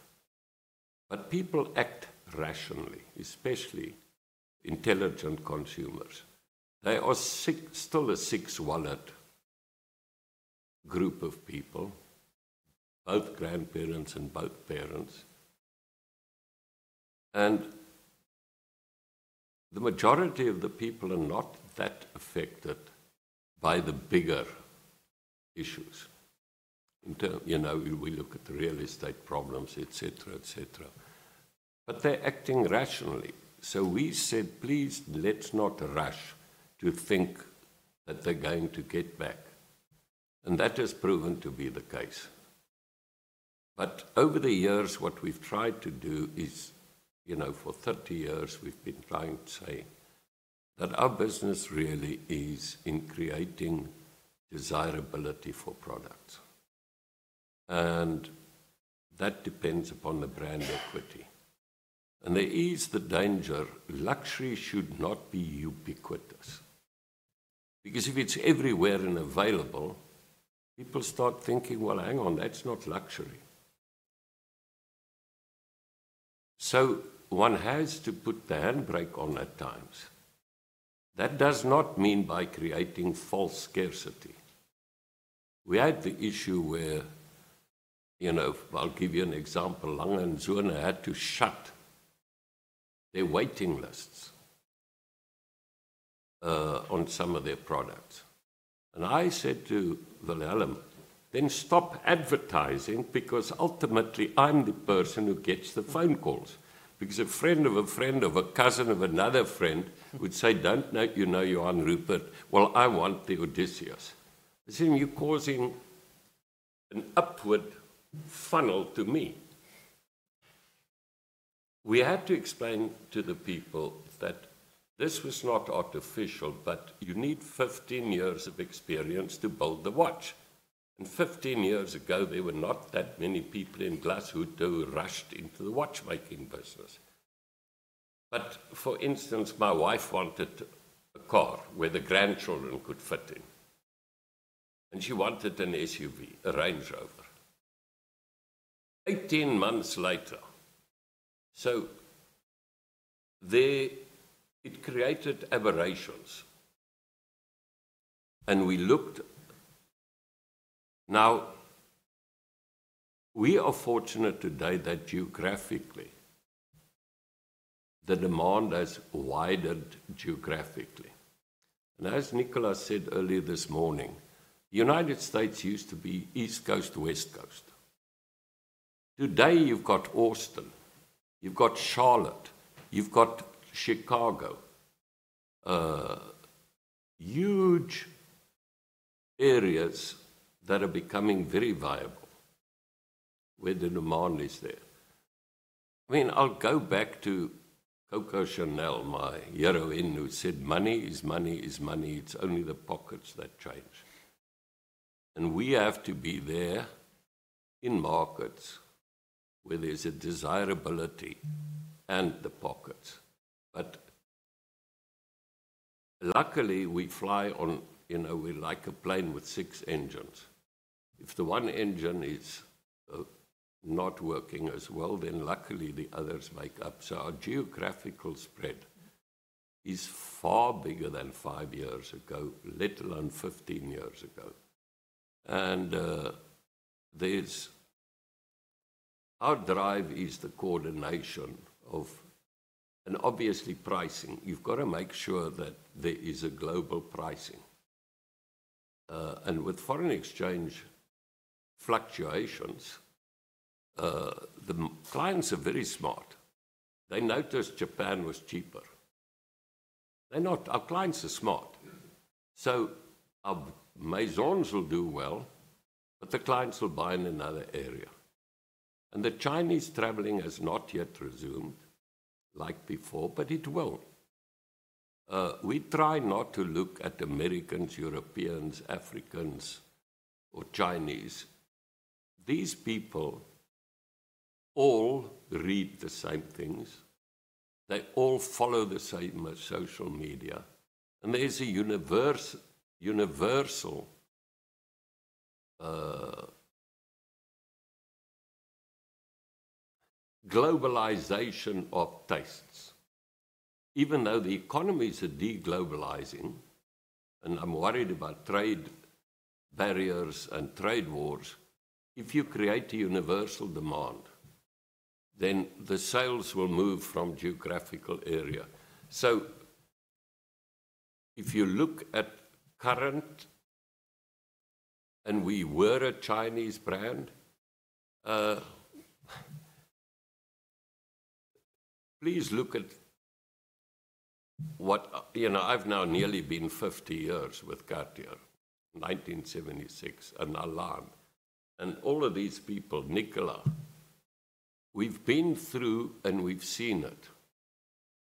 But people act rationally, especially intelligent consumers. They are six – still a six wallet group of people, both grandparents and both parents. And the majority of the people are not that affected by the bigger issues in term... You know, we look at real estate problems, et cetera, et cetera, but they're acting rationally. So we said, "Please, let's not rush to think that they're going to get back," and that has proven to be the case. But over the years, what we've tried to do is, you know, for 30 years, we've been trying to say that our business really is in creating desirability for products, and that depends upon the brand equity. And there is the danger, luxury should not be ubiquitous, because if it's everywhere and available, people start thinking, "Well, hang on, that's not luxury." So one has to put the handbrake on at times. That does not mean by creating false scarcity. We had the issue where, you know... I'll give you an example. A. Lange & Söhne had to shut their waiting lists, on some of their products. And I said to Wilhelm, "Then stop advertising," because ultimately, I'm the person who gets the phone calls. Because a friend of a friend of a cousin of another friend would say, "Don't know you know Johann Rupert? Well, I want the Odysseus." You see, you're causing an upward funnel to me. We had to explain to the people that this was not artificial, but you need 15 years of experience to build the watch. And 15 years ago, there were not that many people in Glashütte who rushed into the watchmaking business. But, for instance, my wife wanted a car where the grandchildren could fit in, and she wanted an SUV, a Range Rover. 18 months later... So there, it created aberrations, and we looked. Now, we are fortunate today that geographically, the demand has widened geographically. And as Nicolas said earlier this morning, United States used to be East Coast, West Coast. Today, you've got Austin, you've got Charlotte, you've got Chicago, huge areas that are becoming very viable where the demand is there. I mean, I'll go back to Coco Chanel, my heroine, who said, "Money is money is money. It's only the pockets that change." And we have to be there in markets where there's a desirability and the pockets. But luckily, we fly on, you know, we're like a plane with 6 engines. If the 1 engine is not working as well, then luckily the others make up. So our geographical spread is far bigger than 5 years ago, let alone 15 years ago. Our drive is the coordination of, and obviously, pricing. You've got to make sure that there is a global pricing. And with foreign exchange fluctuations, the clients are very smart. They noticed Japan was cheaper. They know. Our clients are smart. Mm-hmm. So our Maisons will do well, but the clients will buy in another area. And the Chinese traveling has not yet resumed like before, but it will. We try not to look at Americans, Europeans, Africans, or Chinese. These people all read the same things. They all follow the same social media, and there's a universal globalization of tastes. Even though the economies are de-globalizing, and I'm worried about trade barriers and trade wars, if you create a universal demand, then the sales will move from geographical area. So if you look at current, and we were a Chinese brand, please look at what you know, I've now nearly been 50 years with Cartier, 1976, an alarm. And all of these people, Nicolas, we've been through and we've seen it,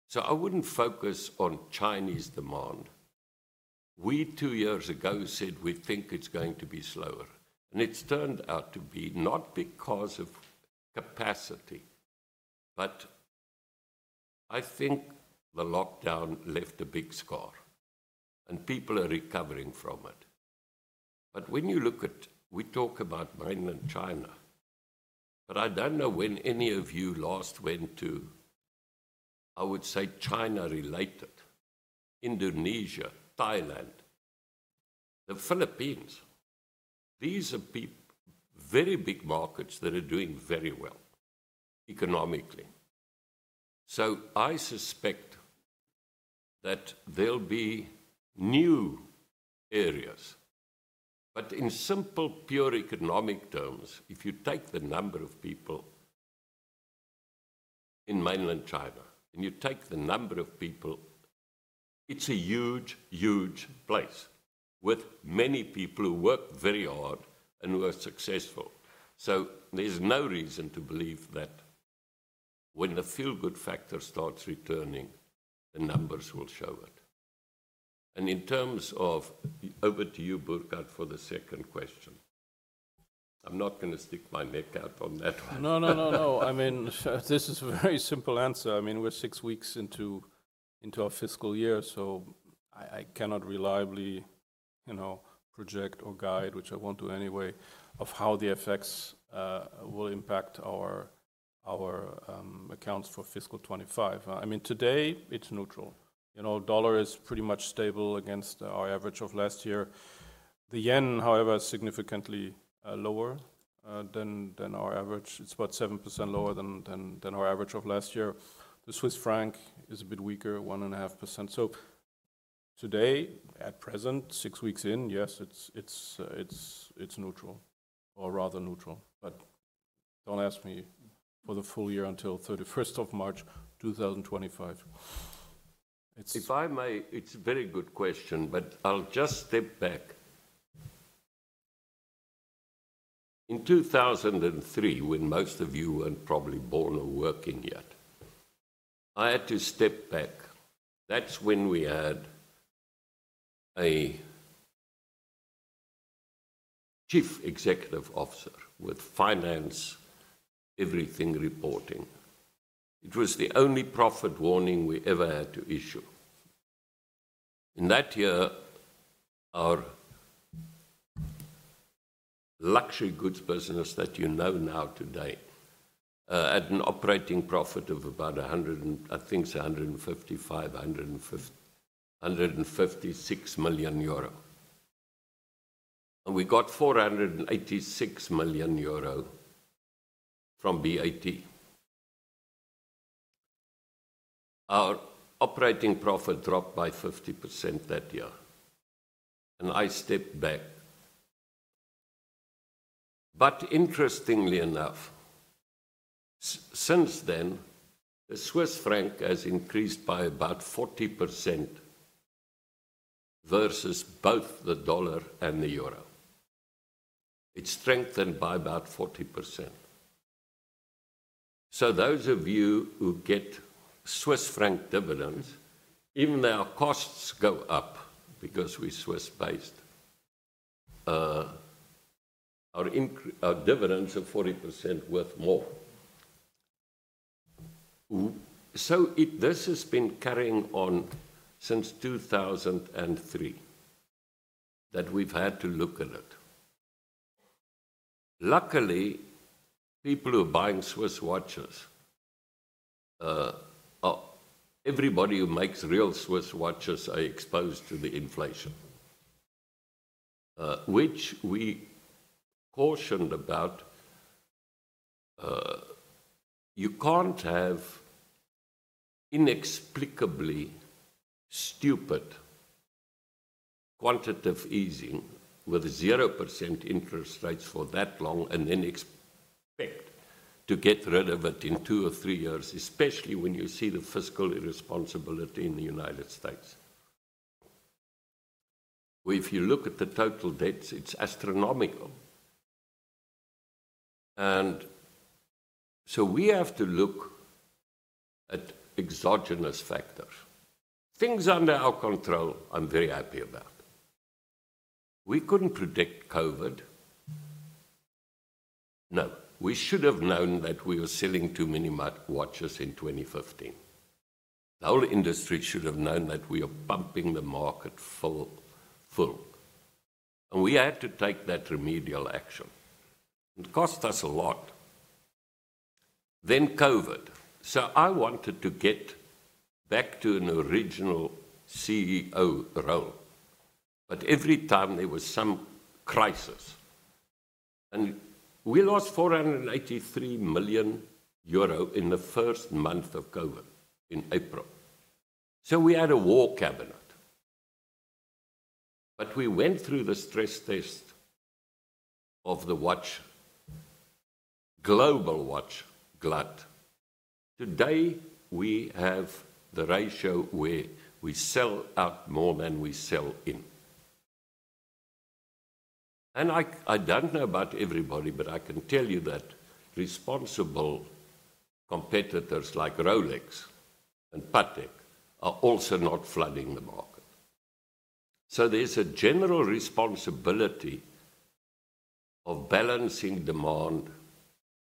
so I wouldn't focus on Chinese demand. We, two years ago, said we think it's going to be slower, and it's turned out to be not because of capacity, but I think the lockdown left a big scar, and people are recovering from it. But when you look at... We talk about Mainland China, but I don't know when any of you last went to, I would say, China-related, Indonesia, Thailand, the Philippines. These are very big markets that are doing very well economically. So I suspect that there'll be new areas, but in simple, pure economic terms, if you take the number of people in Mainland China and you take the number of people, it's a huge, huge place with many people who work very hard and who are successful. So there's no reason to believe that when the feel-good factor starts returning, the numbers will show it. And in terms of... Over to you, Burkhard, for the second question. I'm not gonna stick my neck out on that one. No, no, no, no. I mean, this is a very simple answer. I mean, we're six weeks into our fiscal year, so I cannot reliably, you know, project or guide, which I won't do anyway, of how the effects will impact our accounts for fiscal 2025. I mean, today it's neutral. You know, dollar is pretty much stable against our average of last year. The yen, however, is significantly lower than our average. It's about 7% lower than our average of last year. The Swiss franc is a bit weaker, 1.5%. So today, at present, six weeks in, yes, it's neutral, or rather neutral. But don't ask me for the full year until 31st of March, 2025. It's- If I may, it's a very good question, but I'll just step back. In 2003, when most of you weren't probably born or working yet, I had to step back. That's when we had a chief executive officer with finance, everything reporting. It was the only profit warning we ever had to issue. In that year, our luxury goods business that you know now today had an operating profit of about 156 million euro. And we got 486 million euro from BAT. Our operating profit dropped by 50% that year, and I stepped back. But interestingly enough, since then, the Swiss franc has increased by about 40% versus both the dollar and the euro. It strengthened by about 40%. So those of you who get Swiss franc dividends, even though our costs go up because we're Swiss-based, our dividends are 40% worth more. So if this has been carrying on since 2003, that we've had to look at it. Luckily, people who are buying Swiss watches, everybody who makes real Swiss watches are exposed to the inflation, which we cautioned about. You can't have inexplicably stupid quantitative easing with 0% interest rates for that long and then expect to get rid of it in 2 or 3 years, especially when you see the fiscal irresponsibility in the United States. If you look at the total debts, it's astronomical. And so we have to look at exogenous factors. Things under our control, I'm very happy about. We couldn't predict COVID. Now, we should have known that we were selling too many mud watches in 2015. The whole industry should have known that we are pumping the market full, full, and we had to take that remedial action. It cost us a lot. Then COVID. So I wanted to get back to an original CEO role, but every time there was some crisis and we lost 483 million euro in the first month of COVID, in April. So we had a war cabinet. But we went through the stress test of the watch global watch glut. Today, we have the ratio where we sell out more than we sell in. And I, I don't know about everybody, but I can tell you that responsible competitors like Rolex and Patek are also not flooding the market. So there's a general responsibility of balancing demand.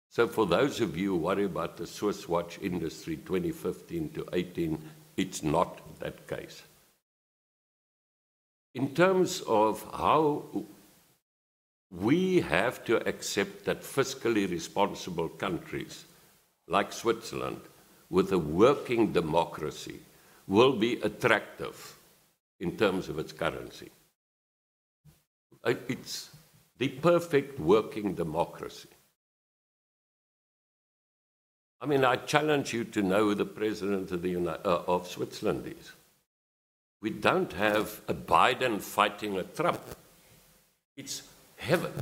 So for those of you who worry about the Swiss watch industry, 2015 to 2018, it's not that case. In terms of how we have to accept that fiscally responsible countries, like Switzerland, with a working democracy, will be attractive in terms of its currency. It's the perfect working democracy. I mean, I challenge you to know who the President of Switzerland is. We don't have a Biden fighting a Trump. It's heaven.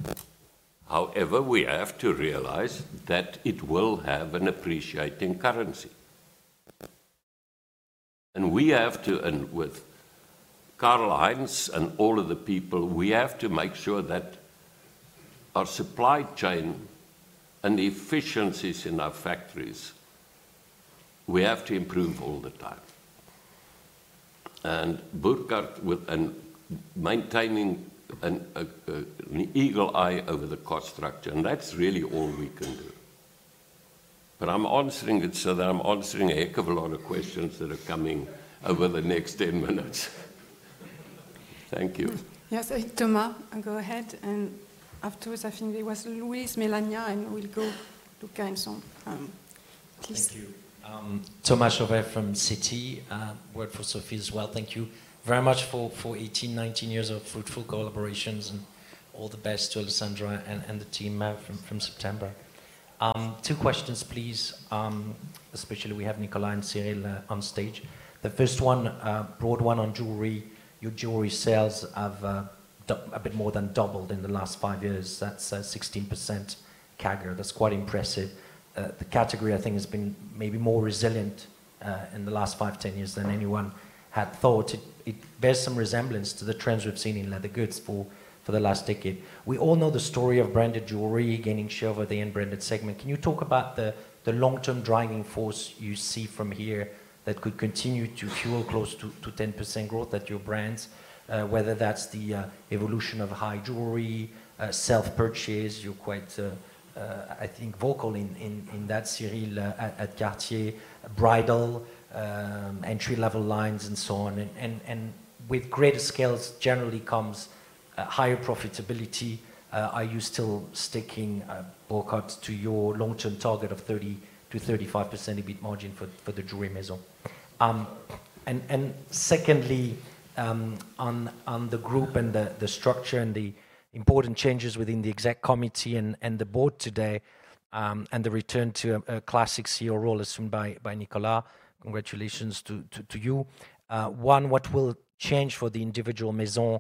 However, we have to realize that it will have an appreciating currency. And we have to, and with Karlheinz and all of the people, we have to make sure that our supply chain and the efficiencies in our factories, we have to improve all the time. And Burkhard, maintaining an eagle eye over the cost structure, and that's really all we can do. I'm answering it so that I'm answering a heck of a lot of questions that are coming over the next 10 minutes. Thank you. Yes, Thomas, go ahead, and afterwards, I think it was Louise, Melania, and we'll go to Carole. Please. Thank you. Thomas Chauvet from Citi, work for Sophie as well. Thank you very much for 18, 19 years of fruitful collaborations, and all the best to Alessandra and the team from September. Two questions, please. Especially we have Nicolas and Cyrille on stage. The first one, broad one on jewelry. Your jewelry sales have a bit more than doubled in the last five years. That's 16% CAGR. That's quite impressive. The category, I think, has been maybe more resilient in the last 5, 10 years than anyone had thought. It bears some resemblance to the trends we've seen in leather goods for the last decade. We all know the story of branded jewelry gaining share over the unbranded segment. Can you talk about the long-term driving force you see from here that could continue to fuel close to 10% growth at your brands? Whether that's the evolution of High Jewelry, self-purchase. You're quite, I think, vocal in that, Cyrille, at Cartier. Bridal, entry-level lines, and so on. With greater scales generally comes higher profitability. Are you still sticking, Burkhard, to your long-term target of 30%-35% EBIT margin for the jewelry Maison? Secondly, on the group and the structure and the important changes within the exec committee and the board today, and the return to a classic CEO role assumed by Nicolas, congratulations to you. One, what will change for the individual Maisons,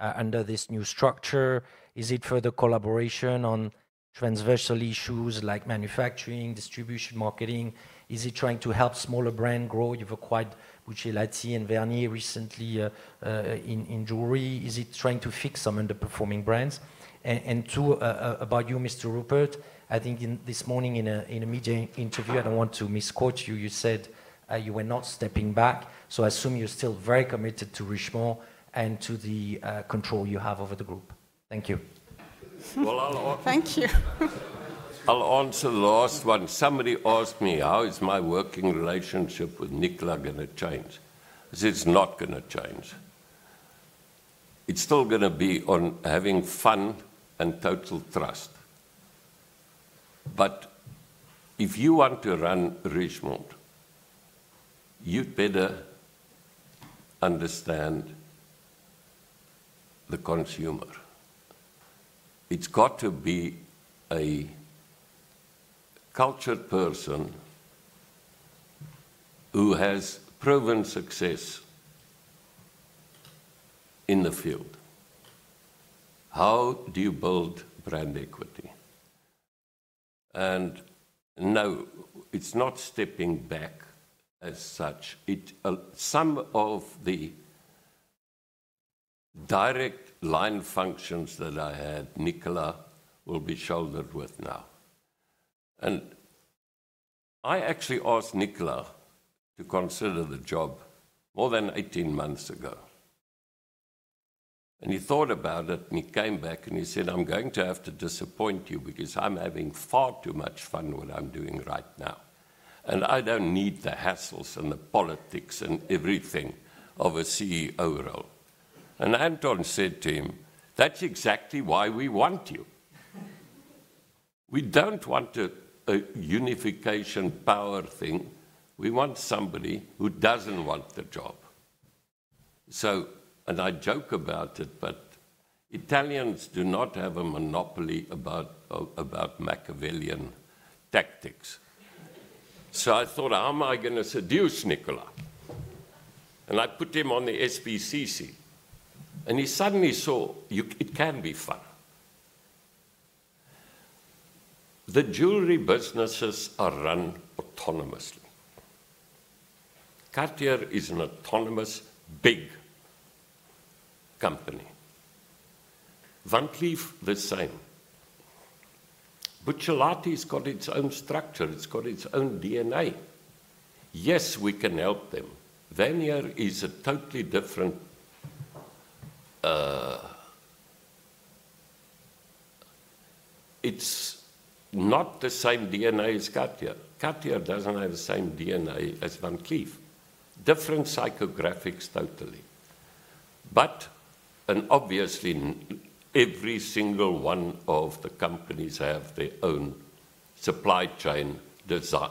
under this new structure? Is it further collaboration on transversal issues like manufacturing, distribution, marketing? Is it trying to help smaller brand grow? You've acquired Buccellati and Vhernier recently, in jewelry. Is it trying to fix some underperforming brands? And two, about you, Mr. Rupert, I think this morning, in a media interview, I don't want to misquote you, you said, you were not stepping back. So I assume you're still very committed to Richemont and to the control you have over the group. Thank you. Well, I'll answer- Thank you. I'll answer the last one. Somebody asked me, how is my working relationship with Nicolas gonna change? I said, "It's not gonna change." It's still gonna be on having fun and total trust. But if you want to run Richemont, you'd better understand the consumer. It's got to be a cultured person who has proven success in the field. How do you build brand equity? And no, it's not stepping back as such. It. Some of the direct line functions that I had, Nicolas will be shouldered with now. I actually asked Nicolas to consider the job more than 18 months ago, and he thought about it, and he came back, and he said, "I'm going to have to disappoint you because I'm having far too much fun what I'm doing right now, and I don't need the hassles and the politics and everything of a CEO role." And Anton said to him, "That's exactly why we want you. We don't want a unification power thing. We want somebody who doesn't want the job." So I joke about it, but Italians do not have a monopoly about about Machiavellian tactics. So I thought, "How am I gonna seduce Nicolas?" And I put him on the SBCC, and he suddenly saw it can be fun. The jewelry businesses are run autonomously. Cartier is an autonomous, big company. Van Cleef, the same. Buccellati's got its own structure, it's got its own DNA. Yes, we can help them. Vhernier is a totally different. It's not the same DNA as Cartier. Cartier doesn't have the same DNA as Van Cleef. Different psychographics, totally. But, and obviously, every single one of the companies have their own supply chain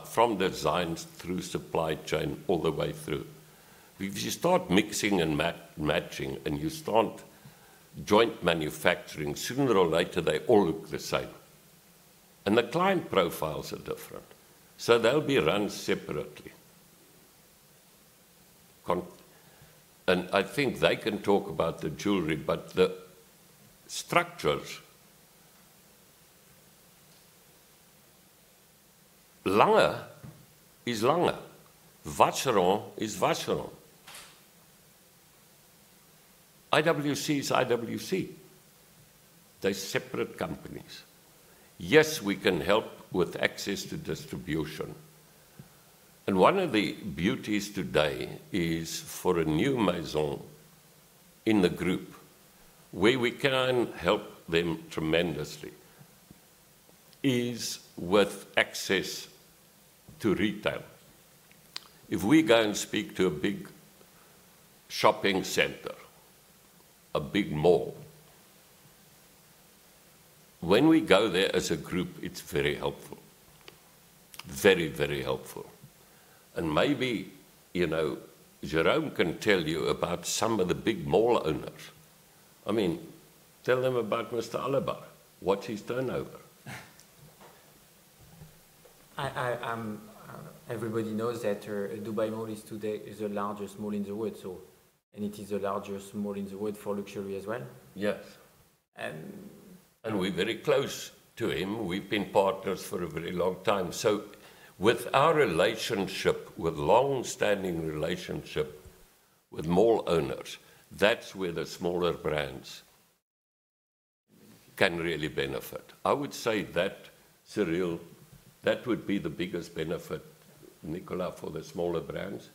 from designs through supply chain, all the way through. If you start mixing and matching, and you start joint manufacturing, sooner or later, they all look the same. And the client profiles are different, so they'll be run separately. And I think they can talk about the jewelry, but the structures... Lange is Lange. Vacheron is Vacheron. IWC is IWC. They're separate companies. Yes, we can help with access to distribution. One of the beauties today is for a new Maison in the group, where we can help them tremendously, is with access to retail. If we go and speak to a big shopping center, a big mall, when we go there as a group, it's very helpful. Very, very helpful. And maybe, you know, Jérôme can tell you about some of the big mall owners. I mean, tell them about Mr. Alabbar. What's his turnover? Everybody knows that Dubai Mall is today the largest mall in the world, so... And it is the largest mall in the world for luxury as well. Yes. And, and we're very close to him. We've been partners for a very long time. So with our relationship, with long-standing relationship with mall owners, that's where the smaller brands can really benefit. I would say that, Cyrille, that would be the biggest benefit, Nicolas, for the smaller brands.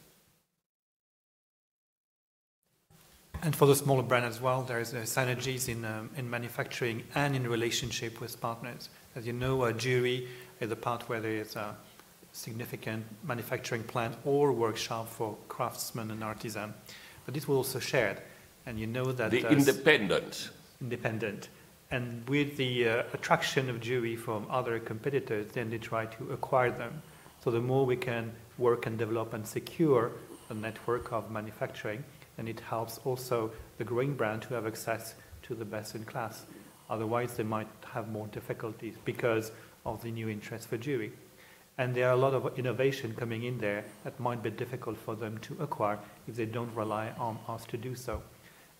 For the smaller brand as well, there is synergies in manufacturing and in relationship with partners. As you know, jewelry is a part where there is a significant manufacturing plant or workshop for craftsmen and artisan, but this we also share. And you know that as- The independent. Independent. With the attraction of jewelry from other competitors, then they try to acquire them. The more we can work and develop and secure the network of manufacturing, then it helps also the growing brand to have access to the best in class. Otherwise, they might have more difficulties because of the new interest for jewelry. There are a lot of innovation coming in there that might be difficult for them to acquire if they don't rely on us to do so.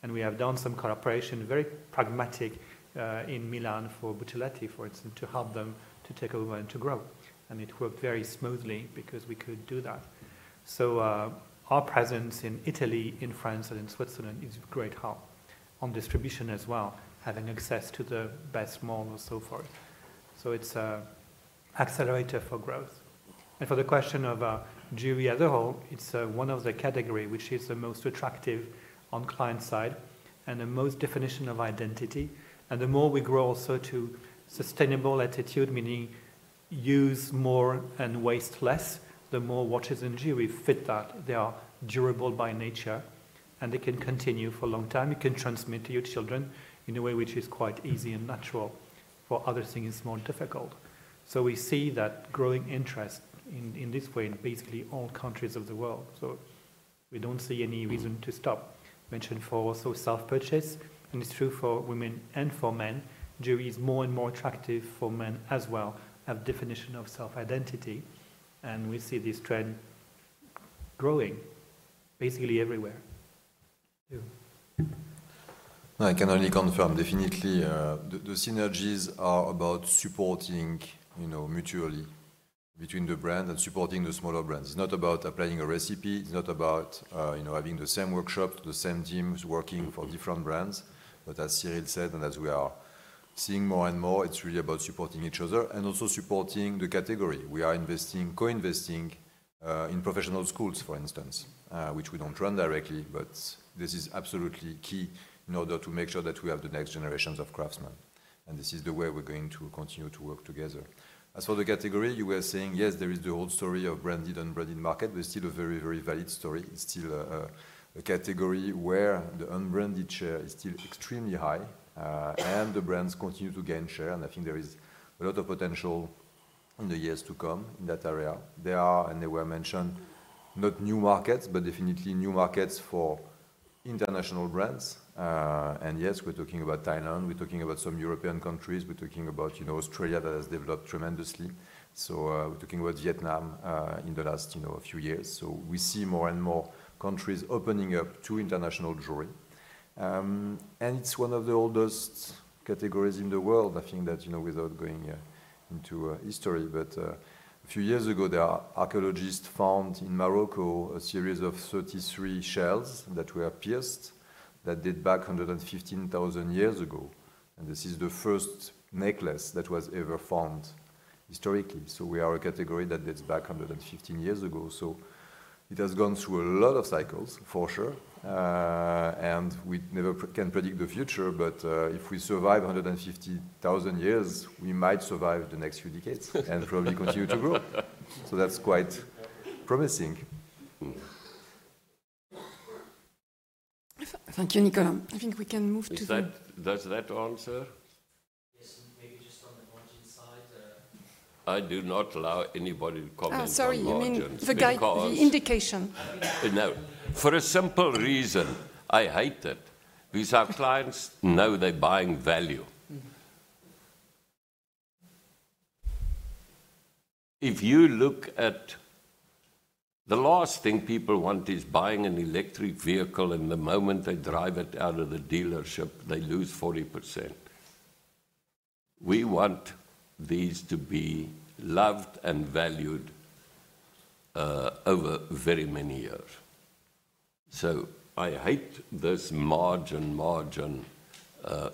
We have done some cooperation, very pragmatic, in Milan, for Buccellati, for instance, to help them to take over and to grow. It worked very smoothly because we could do that. Our presence in Italy, in France, and in Switzerland is a great help on distribution as well, having access to the best malls and so forth. So it's an accelerator for growth. For the question of jewelry as a whole, it's one of the category which is the most attractive on client side and the most definition of identity. And the more we grow also to sustainable attitude, meaning use more and waste less, the more watches and jewelry fit that. They are durable by nature, and they can continue for a long time. You can transmit to your children in a way which is quite easy and natural, for other things, it's more difficult. So we see that growing interest in this way, in basically all countries of the world, so we don't see any reason to stop. Mentioned for also self-purchase, and it's true for women and for men. Jewelry is more and more attractive for men as well, have definition of self-identity, and we see this trend growing basically everywhere. Thank you. I can only confirm, definitely, the synergies are about supporting, you know, mutually between the brands and supporting the smaller brands. It's not about applying a recipe. It's not about, you know, having the same workshop, the same teams working for different brands. But as Cyrille said, and as we are seeing more and more, it's really about supporting each other and also supporting the category. We are investing, co-investing, in professional schools, for instance, which we don't run directly, but this is absolutely key in order to make sure that we have the next generations of craftsmen, and this is the way we're going to continue to work together. As for the category, you were saying, yes, there is the old story of branded, unbranded market, but still a very, very valid story. It's still a category where the unbranded share is still extremely high, and the brands continue to gain share, and I think there is a lot of potential in the years to come in that area. There are, and they were mentioned, not new markets, but definitely new markets for international brands. And yes, we're talking about Thailand, we're talking about some European countries, we're talking about, you know, Australia that has developed tremendously. So, we're talking about Vietnam in the last, you know, few years. So we see more and more countries opening up to international jewelry. And it's one of the oldest categories in the world. I think that, you know, without going into history, but a few years ago, archaeologists found in Morocco a series of 33 shells that were pierced, that date back 115,000 years ago, and this is the first necklace that was ever found historically. So we are a category that dates back 115 years ago. So it has gone through a lot of cycles, for sure, and we never can predict the future, but if we survive 115,000 years, we might survive the next few decades and probably continue to grow. So that's quite promising. Mm. Thank you, Nicolas. I think we can move to the... Is that... Does that answer? Yes, maybe just on the margin side, I do not allow anybody to comment on margins- Oh, sorry, you mean the guide- because- The indication. No. For a simple reason, I hate it, because our clients know they're buying value. Mm. If you look at... The last thing people want is buying an electric vehicle, and the moment they drive it out of the dealership, they lose 40%. We want these to be loved and valued over very many years. So I hate this margin, margin.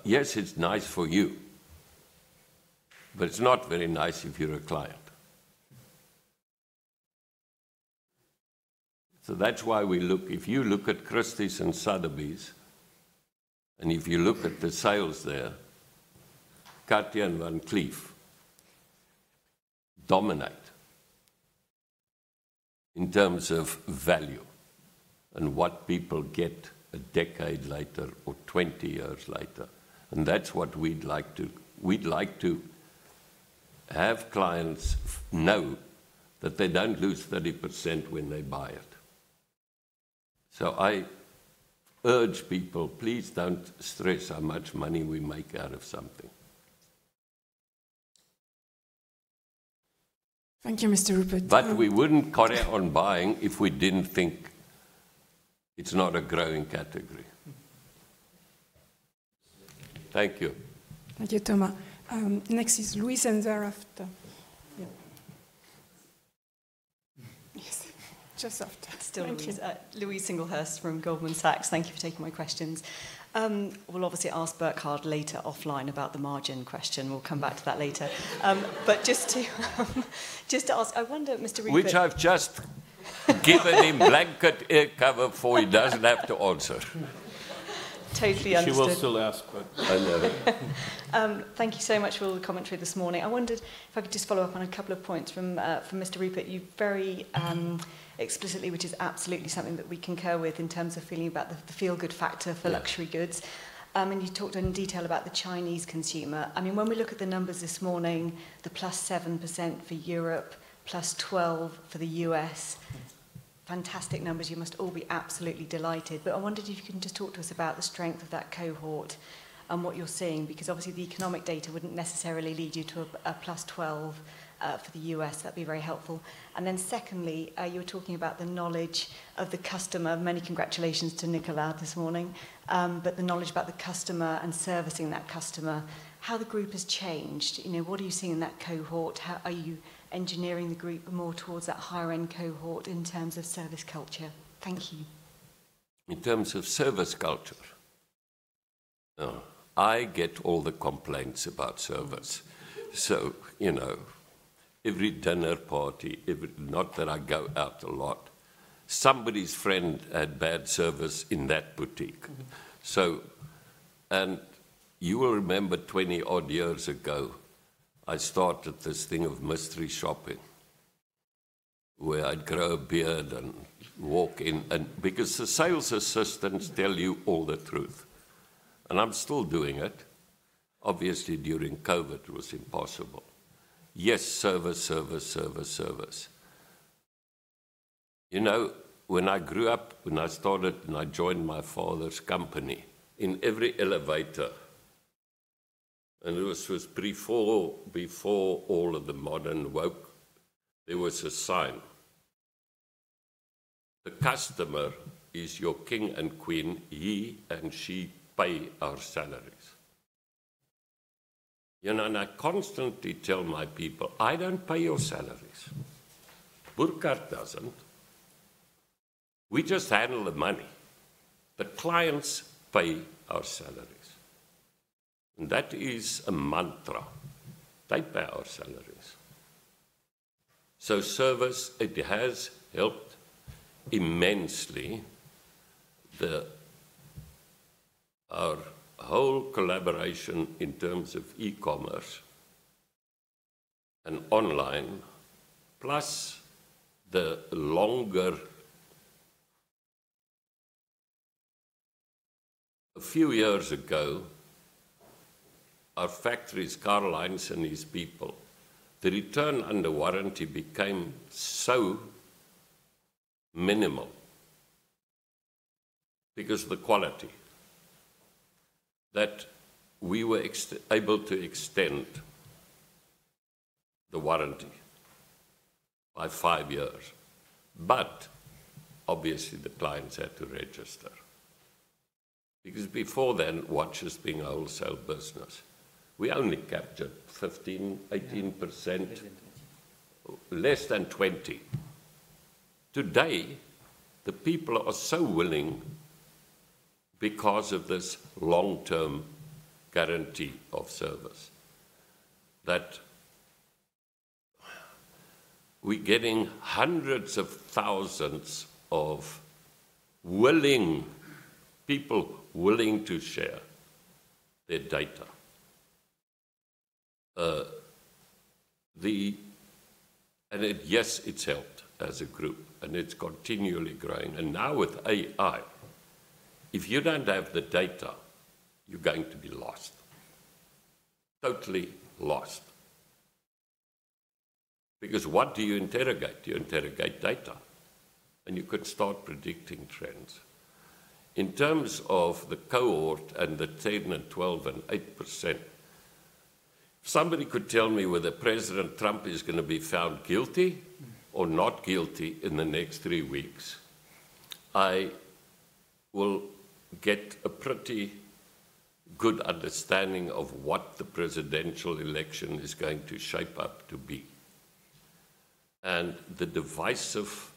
Yes, it's nice for you, but it's not very nice if you're a client. So that's why we look. If you look at Christie's and Sotheby's, and if you look at the sales there, Cartier and Van Cleef dominate in terms of value and what people get a decade later or 20 years later, and that's what we'd like to... We'd like to have clients know that they don't lose 30% when they buy it. So I urge people, please don't stress how much money we make out of something. Thank you, Mr. Rupert. We wouldn't carry on buying if we didn't think it's not a growing category. Thank you. Thank you, Thomas. Next is Louise, and thereafter. Yeah. Yes, just after. Still Louise. Thank you. Louise Singlehurst from Goldman Sachs. Thank you for taking my questions. We'll obviously ask Burkhard later offline about the margin question. We'll come back to that later. But just to ask, I wonder, Mr. Rupert- Which I've just given him blanket cover for, he doesn't have to answer. Totally understood. She will still ask, but I know. Thank you so much for all the commentary this morning. I wondered if I could just follow up on a couple of points from Mr. Rupert. You very explicitly, which is absolutely something that we concur with in terms of feeling about the feel-good factor for luxury- Yeah... goods. And you talked in detail about the Chinese consumer. I mean, when we look at the numbers this morning, the +7% for Europe, +12% for the US, fantastic numbers. You must all be absolutely delighted. But I wondered if you can just talk to us about the strength of that cohort and what you're seeing, because obviously, the economic data wouldn't necessarily lead you to a plus twelve for the US. That'd be very helpful. And then secondly, you were talking about the knowledge of the customer. Many congratulations to Nicolas this morning. But the knowledge about the customer and servicing that customer, how the group has changed? You know, what are you seeing in that cohort? How are you engineering the group more towards that higher-end cohort in terms of service culture? Thank you. In terms of service culture, I get all the complaints about service. So, you know, every dinner party, every... Not that I go out a lot. Somebody's friend had bad service in that boutique. Mm-hmm. You will remember, 20-odd years ago, I started this thing of mystery shopping, where I'd grow a beard and walk in, and because the sales assistants tell you all the truth, and I'm still doing it. Obviously, during COVID, it was impossible. Yes, service, service, service, service. You know, when I grew up, when I started, and I joined my father's company, in every elevator, and this was before, before all of the modern woke, there was a sign: "The customer is your king and queen. He and she pay our salaries." You know, and I constantly tell my people, "I don't pay your salaries. Burkhard doesn't. We just handle the money. The clients pay our salaries." And that is a mantra. They pay our salaries. So service, it has helped immensely our whole collaboration in terms of e-commerce and online. A few years ago, our factories, car lines, and his people, the return under warranty became so minimal because of the quality, that we were able to extend the warranty by five years. But obviously, the clients had to register. Because before then, watches being a wholesale business, we only captured 15%-18%. Yeah, 18%. Less than 20. Today, the people are so willing because of this long-term guarantee of service, that we're getting hundreds of thousands of willing people, willing to share their data. And it, yes, it's helped as a group, and it's continually growing. And now with AI, if you don't have the data, you're going to be lost, totally lost. Because what do you interrogate? You interrogate data, and you could start predicting trends. In terms of the cohort and the 10% and 12% and 8%, somebody could tell me whether President Trump is gonna be found guilty or not guilty in the next three weeks. I will get a pretty good understanding of what the presidential election is going to shape up to be. And the divisive...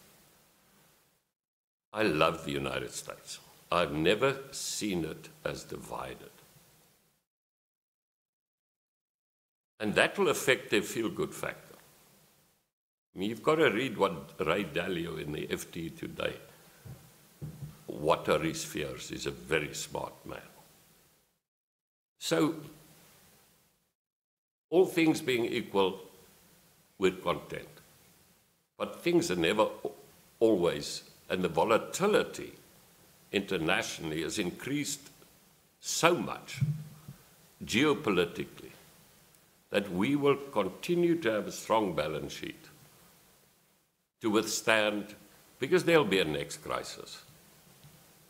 I love the United States. I've never seen it as divided. And that will affect the feel-good factor. You've got to read what Ray Dalio in the FT today, what are his fears. He's a very smart man. So all things being equal, we're content. But things are never always, and the volatility internationally has increased so much geopolitically, that we will continue to have a strong balance sheet to withstand, because there'll be a next crisis.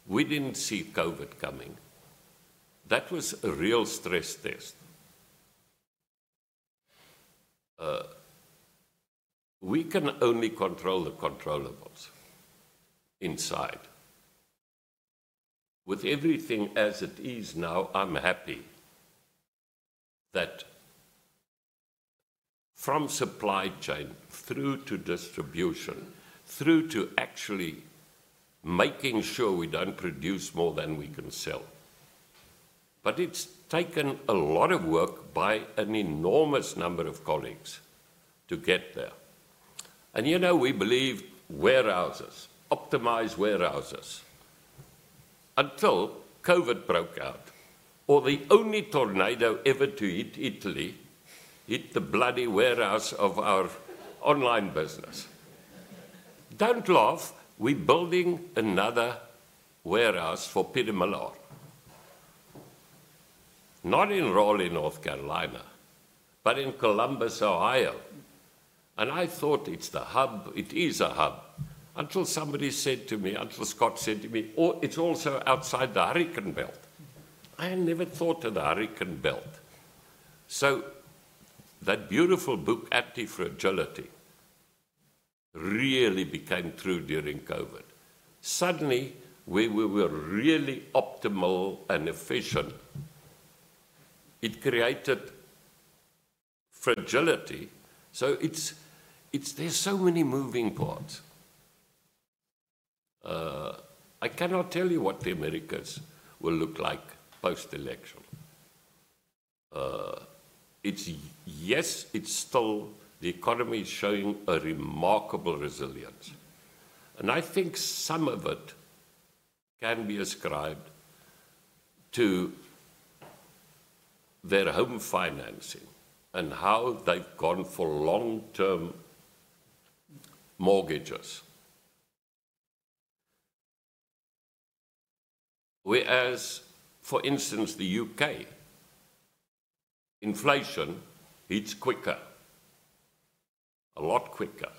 We didn't see COVID coming. That was a real stress test. We can only control the controllables inside. With everything as it is now, I'm happy that from supply chain, through to distribution, through to actually making sure we don't produce more than we can sell. But it's taken a lot of work by an enormous number of colleagues to get there. And, you know, we believe warehouses, optimize warehouses, until COVID broke out, or the only tornado ever to hit Italy, hit the bloody warehouse of our online business. Don't laugh. We're building another warehouse for Peter Millar. Not in Raleigh, North Carolina, but in Columbus, Ohio. And I thought it's the hub. It is a hub. Until Scott said to me, "Oh, it's also outside the hurricane belt." I had never thought of the hurricane belt. So that beautiful book, Antifragility, really became true during COVID. Suddenly, where we were really optimal and efficient, it created fragility. So it's, there's so many moving parts. I cannot tell you what the Americas will look like post-election. It's, yes, it's still, the economy is showing a remarkable resilience, and I think some of it can be ascribed to their home financing and how they've gone for long-term mortgages. Whereas, for instance, the UK, inflation hits quicker, a lot quicker,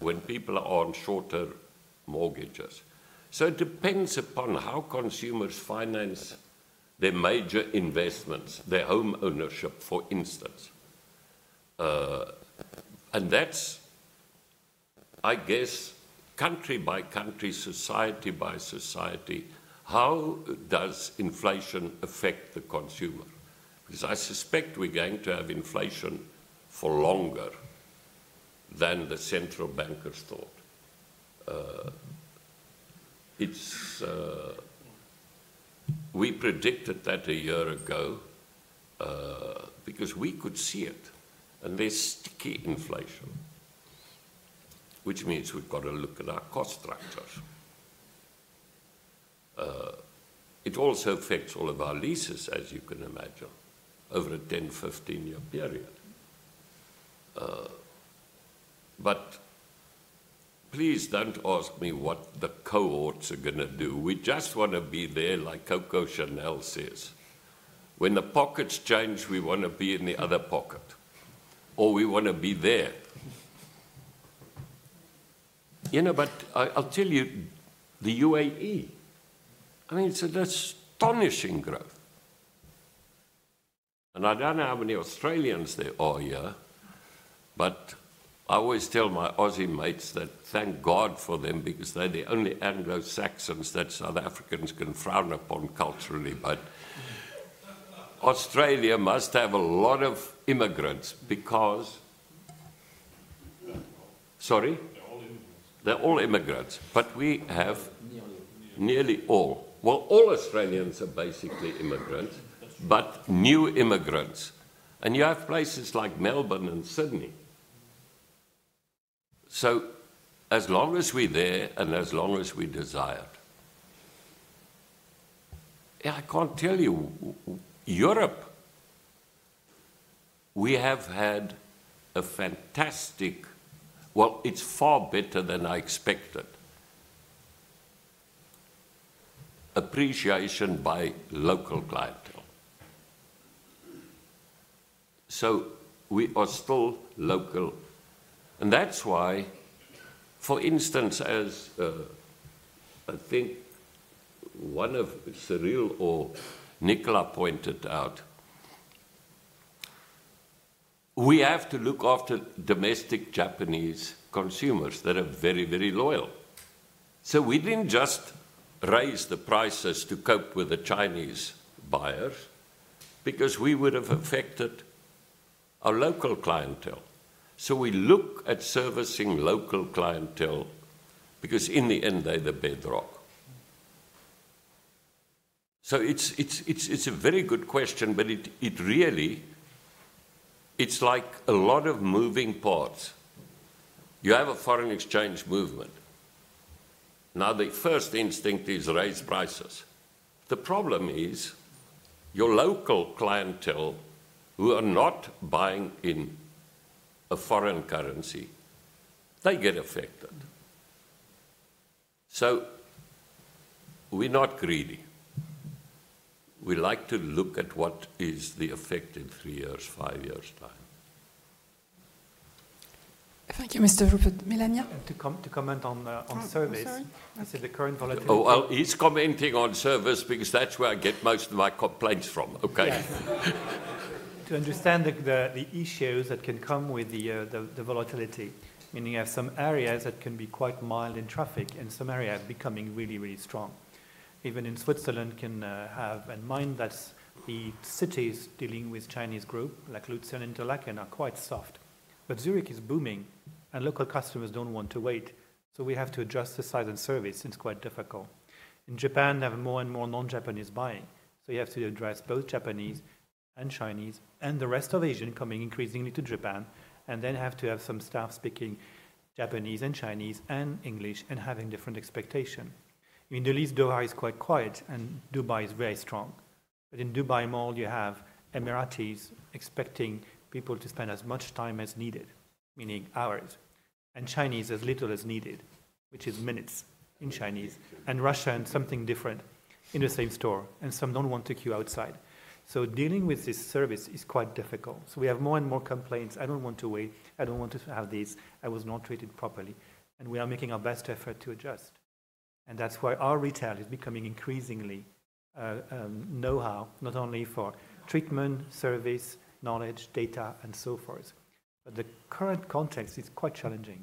when people are on shorter mortgages. So it depends upon how consumers finance their major investments, their home ownership, for instance. And that's, I guess, country by country, society by society, how does inflation affect the consumer? Because I suspect we're going to have inflation for longer than the central bankers thought. It's... We predicted that a year ago, because we could see it, and there's sticky inflation, which means we've got to look at our cost structures. It also affects all of our leases, as you can imagine, over a 10-15-year period... but please don't ask me what the cohorts are gonna do. We just wanna be there, like Coco Chanel says, "When the pockets change, we wanna be in the other pocket, or we wanna be there." You know, but I, I'll tell you, the UAE, I mean, it's an astonishing growth! I don't know how many Australians there are here, but I always tell my Aussie mates that thank God for them because they're the only Anglo-Saxons that South Africans can frown upon culturally. But Australia must have a lot of immigrants because... Sorry? They're all immigrants. They're all immigrants, but we have- Nearly all. Nearly all. Well, all Australians are basically immigrants- ... but new immigrants, and you have places like Melbourne and Sydney. So as long as we're there and as long as we're desired... Yeah, I can't tell you, Europe, we have had a fantastic... Well, it's far better than I expected. Appreciation by local clientele. So we are still local, and that's why, for instance, as I think one of Cyrille or Nicolas pointed out, we have to look after domestic Japanese consumers that are very, very loyal. So we didn't just raise the prices to cope with the Chinese buyers, because we would have affected our local clientele. So we look at servicing local clientele, because in the end, they're the bedrock. So it's a very good question, but it really is like a lot of moving parts. You have a foreign exchange movement. Now, the first instinct is raise prices. The problem is, your local clientele, who are not buying in a foreign currency, they get affected. Mm. So we're not greedy. We like to look at what is the effect in 3 years, 5 years' time. Thank you, Mr. Rupert. Melania? To come to comment on service- Oh, I'm sorry. I said the current volatility- Oh, well, he's commenting on service because that's where I get most of my complaints from, okay? To understand the issues that can come with the volatility, meaning you have some areas that can be quite mild in traffic and some areas becoming really, really strong. Even in Switzerland can have. And mind that the cities dealing with Chinese group, like Lucerne, Interlaken, are quite soft. But Zurich is booming, and local customers don't want to wait, so we have to adjust the size and service. It's quite difficult. In Japan, they have more and more non-Japanese buying, so you have to address both Japanese and Chinese, and the rest of Asian coming increasingly to Japan, and then have to have some staff speaking Japanese and Chinese and English and having different expectation. In the Middle East, Doha is quite quiet, and Dubai is very strong. But in Dubai Mall, you have Emiratis expecting people to spend as much time as needed, meaning hours, and Chinese as little as needed, which is minutes, in Chinese, and Russians and something different in the same store, and some don't want to queue outside. So dealing with this service is quite difficult. So we have more and more complaints: "I don't want to wait. I don't want to have this. I was not treated properly." And we are making our best effort to adjust, and that's why our retail is becoming increasingly know-how, not only for treatment, service, knowledge, data, and so forth, but the current context is quite challenging.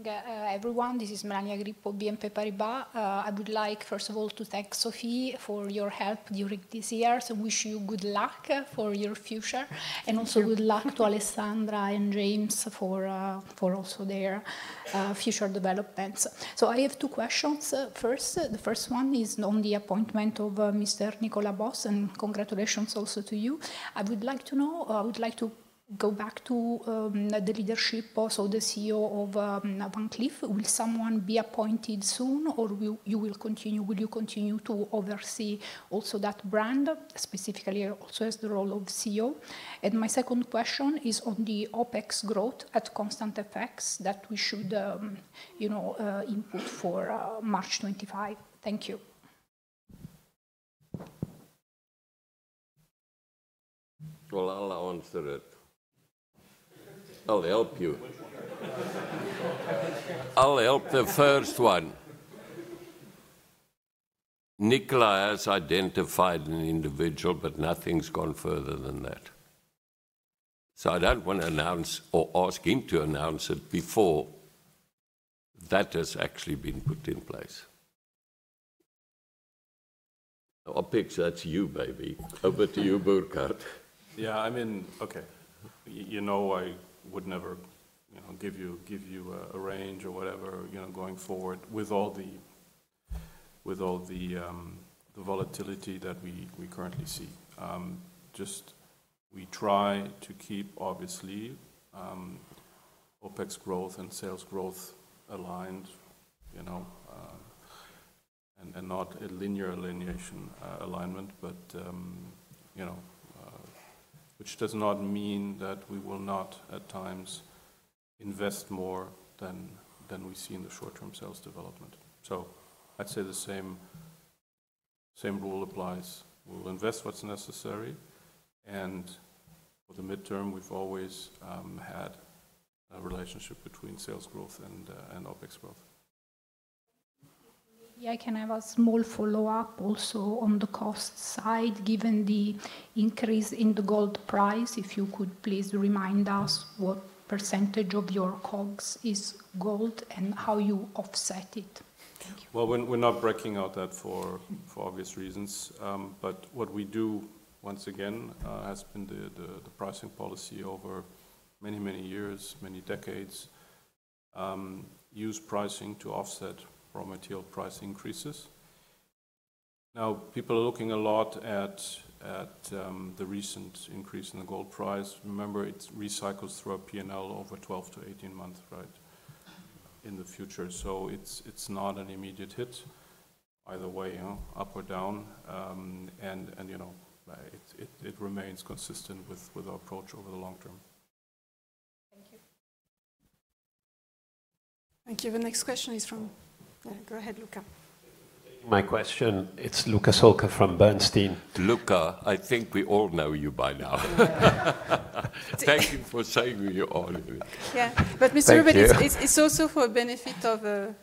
First of all, good morning, everyone. This is Melania Grippo, BNP Paribas. I would like, first of all, to thank Sophie for your help during this year, so wish you good luck for your future. Thank you. Also good luck to Alessandra and James for also their future developments. So I have two questions. First, the first one is on the appointment of Mr. Nicolas Bos, and congratulations also to you. I would like to know, or I would like to go back to, the leadership, also the CEO of Van Cleef & Arpels. Will someone be appointed soon, or will you continue to oversee also that brand, specifically also as the role of CEO? And my second question is on the OpEx growth at constant FX that we should, you know, input for March 2025. Thank you. Well, I'll answer it. I'll help you. I'll help the first one. Nicolas has identified an individual, but nothing's gone further than that. So I don't want to announce or ask him to announce it before that has actually been put in place. OpEx, that's you, baby. Over to you, Burkhard. Yeah, I mean... Okay. You know, I would never, you know, give you, give you a range or whatever, you know, going forward with all the, with all the the volatility that we, we currently see. Just we try to keep, obviously.... OpEx growth and sales growth aligned, you know, and not a linear alignment. But, you know, which does not mean that we will not, at times, invest more than we see in the short-term sales development. So I'd say the same rule applies. We'll invest what's necessary, and for the midterm, we've always had a relationship between sales growth and OpEx growth. Yeah, can I have a small follow-up also on the cost side, given the increase in the gold price? If you could please remind us what percentage of your COGS is gold and how you offset it? Thank you. Well, we're not breaking out that for obvious reasons. But what we do, once again, has been the pricing policy over many, many years, many decades. Use pricing to offset raw material price increases. Now, people are looking a lot at the recent increase in the gold price. Remember, it recycles through our PNL over 12-18 months, right? In the future. So it's not an immediate hit either way, you know, up or down. And, you know, it remains consistent with our approach over the long term. Thank you. Thank you. The next question is from... Yeah, go ahead, Luca. My question, it's Luca Solca from Bernstein. Luca, I think we all know you by now. Yeah. Thank you for saying you all. Yeah. Thank you. But, Mr. Rupert, it's also for benefit of Oh...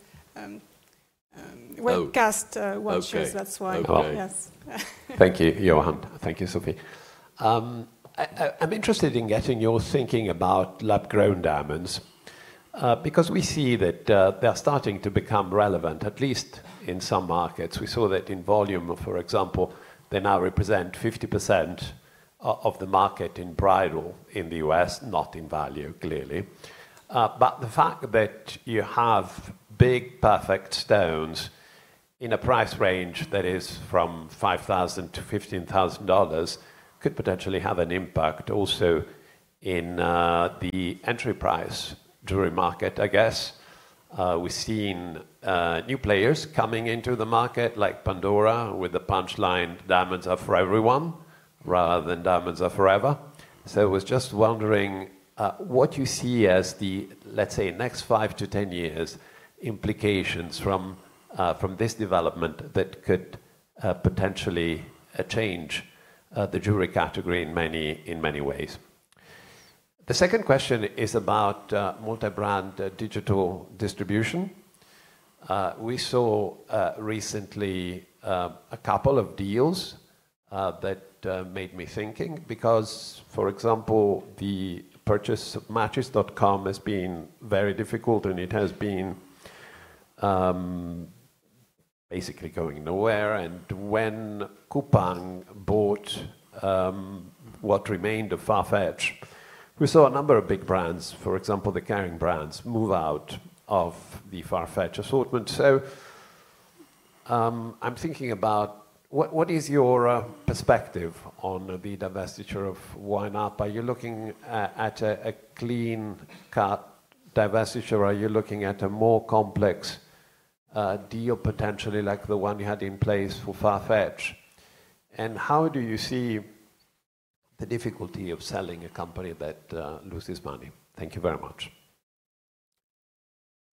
webcast, watchers. Okay. That's why. Okay. Yes. Thank you, Johann. Thank you, Sophie. I'm interested in getting your thinking about lab-grown diamonds, because we see that they are starting to become relevant, at least in some markets. We saw that in volume, for example, they now represent 50% of the market in bridal in the U.S., not in value, clearly. But the fact that you have big, perfect stones in a price range that is from $5,000-$15,000 could potentially have an impact also in the fine jewelry market, I guess. We've seen new players coming into the market, like Pandora, with the punchline, "Diamonds are for everyone," rather than, "Diamonds are forever." So I was just wondering what you see as the, let's say, next five to 10 years' implications from this development that could potentially change the jewelry category in many, in many ways. The second question is about multi-brand digital distribution. We saw recently a couple of deals that made me thinking, because, for example, the purchase of Matches.com has been very difficult, and it has been basically going nowhere. And when Coupang bought what remained of Farfetch, we saw a number of big brands, for example, the Kering brands, move out of the Farfetch assortment. So I'm thinking about what is your perspective on the divestiture of YNAP? Are you looking at a clean-cut divestiture, or are you looking at a more complex deal, potentially like the one you had in place for Farfetch? And how do you see the difficulty of selling a company that loses money? Thank you very much.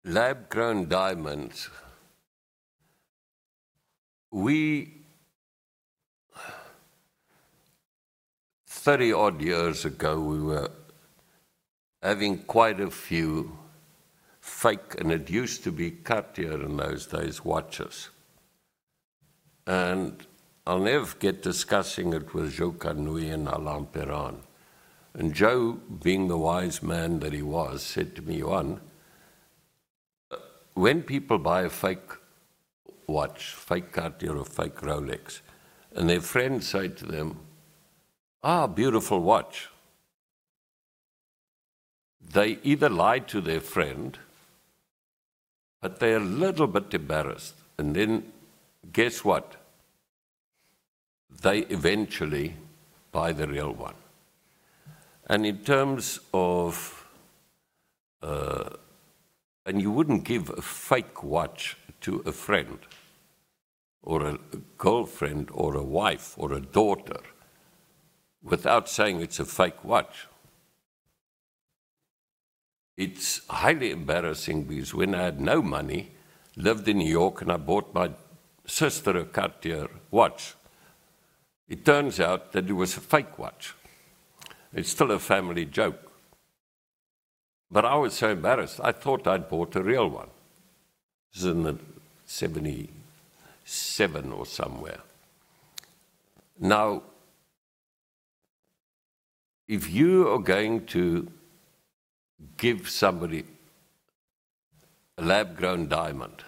Lab-grown diamonds. 30-odd years ago, we were having quite a few fake, and it used to be Cartier in those days, watches. I'll never forget discussing it with Joe Kanoui and Alain Perrin. Joe, being the wise man that he was, said to me, "Johann, when people buy a fake watch, fake Cartier or fake Rolex, and their friends say to them, 'Ah, beautiful watch,' they either lie to their friend, but they're a little bit embarrassed. And then guess what? They eventually buy the real one." In terms of... You wouldn't give a fake watch to a friend or a girlfriend or a wife or a daughter without saying it's a fake watch. It's highly embarrassing because when I had no money, lived in New York, and I bought my sister a Cartier watch, it turns out that it was a fake watch. It's still a family joke. But I was so embarrassed. I thought I'd bought a real one. It was in the 1977 or somewhere. Now, if you are going to give somebody a lab-grown diamond,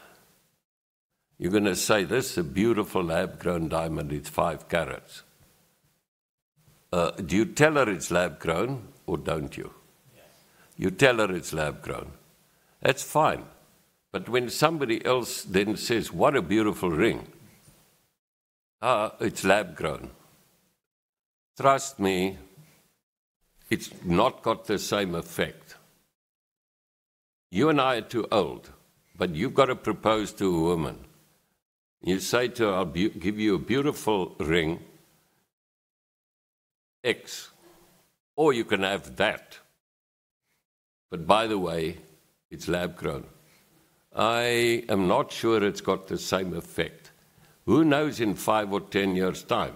you're gonna say, "This is a beautiful lab-grown diamond. It's five carats." Do you tell her it's lab-grown or don't you? Yes. You tell her it's lab-grown. That's fine. But when somebody else then says, "What a beautiful ring!"... ah, it's lab-grown. Trust me, it's not got the same effect. You and I are too old, but you've got to propose to a woman. You say to her, "I'll be-- give you a beautiful ring, X, or you can have that. But by the way, it's lab-grown." I am not sure it's got the same effect. Who knows in five or 10 years' time?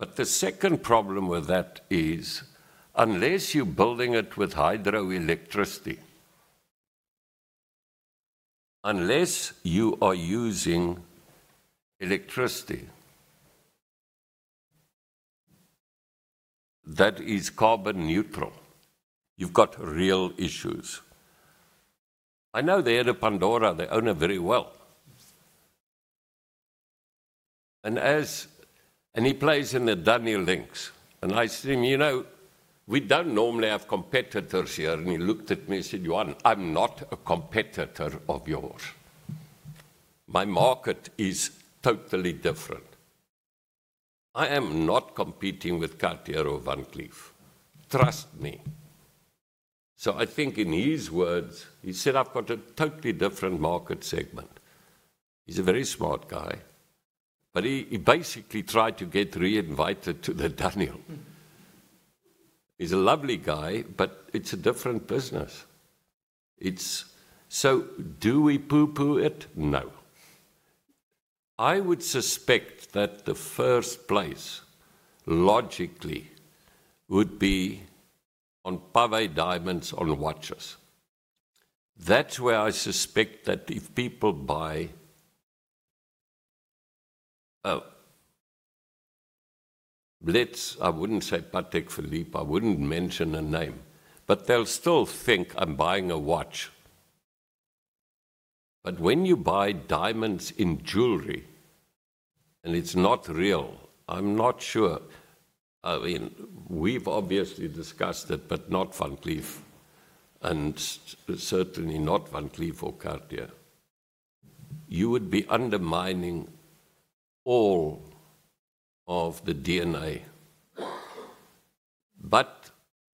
But the second problem with that is, unless you're building it with hydroelectricity, unless you are using electricity that is carbon neutral, you've got real issues. I know they had a Pandora. They own it very well. And he plays in the Dunhill Links, and I said to him, "You know, we don't normally have competitors here." And he looked at me and said, "Johann, I'm not a competitor of yours. My market is totally different. I am not competing with Cartier or Van Cleef, trust me." So I think in his words, he said, "I've got a totally different market segment." He's a very smart guy, but he basically tried to get re-invited to the Dunhill Links. He's a lovely guy, but it's a different business. So do we pooh-pooh it? No. I would suspect that the first place, logically, would be on pavé diamonds on watches. That's where I suspect that if people buy, oh, let's-- I wouldn't say Patek Philippe. I wouldn't mention a name, but they'll still think I'm buying a watch. But when you buy diamonds in jewelry and it's not real, I'm not sure. I mean, we've obviously discussed it, but not Van Cleef, and certainly not Van Cleef or Cartier. You would be undermining all of the DNA, but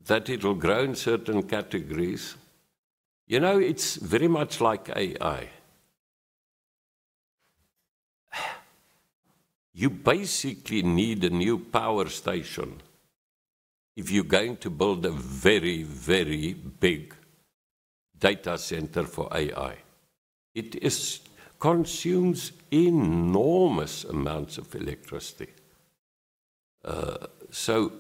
that it'll grow in certain categories. You know, it's very much like AI. You basically need a new power station if you're going to build a very, very big data center for AI. It consumes enormous amounts of electricity. So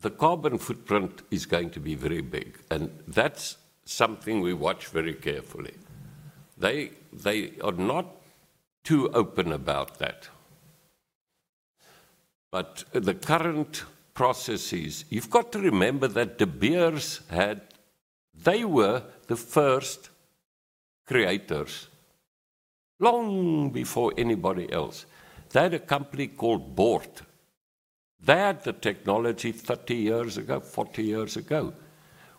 the carbon footprint is going to be very big, and that's something we watch very carefully. They are not too open about that. But the current processes, you've got to remember that De Beers had they were the first creators, long before anybody else. They had a company called Boart. They had the technology 30 years ago, 40 years ago,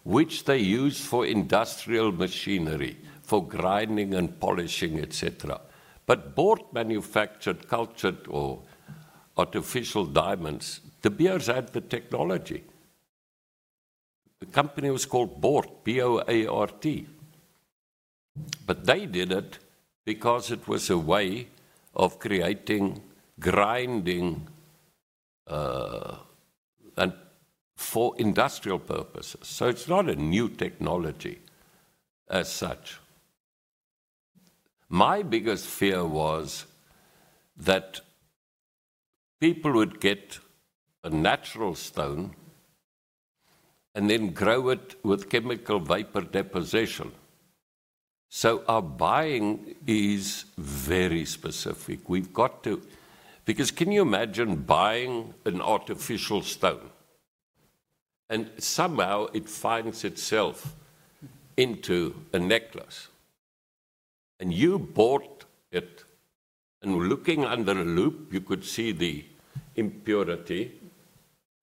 which they used for industrial machinery, for grinding and polishing, et cetera. But Boart manufactured cultured or artificial diamonds. De Beers had the technology. The company was called Boart, B-O-A-R-T. But they did it because it was a way of creating, grinding, and for industrial purposes, so it's not a new technology as such. My biggest fear was that people would get a natural stone and then grow it with chemical vapor deposition. So our buying is very specific. We've got to. Because can you imagine buying an artificial stone, and somehow it finds itself into a necklace? And you bought it, and looking under a loupe, you could see the impurity,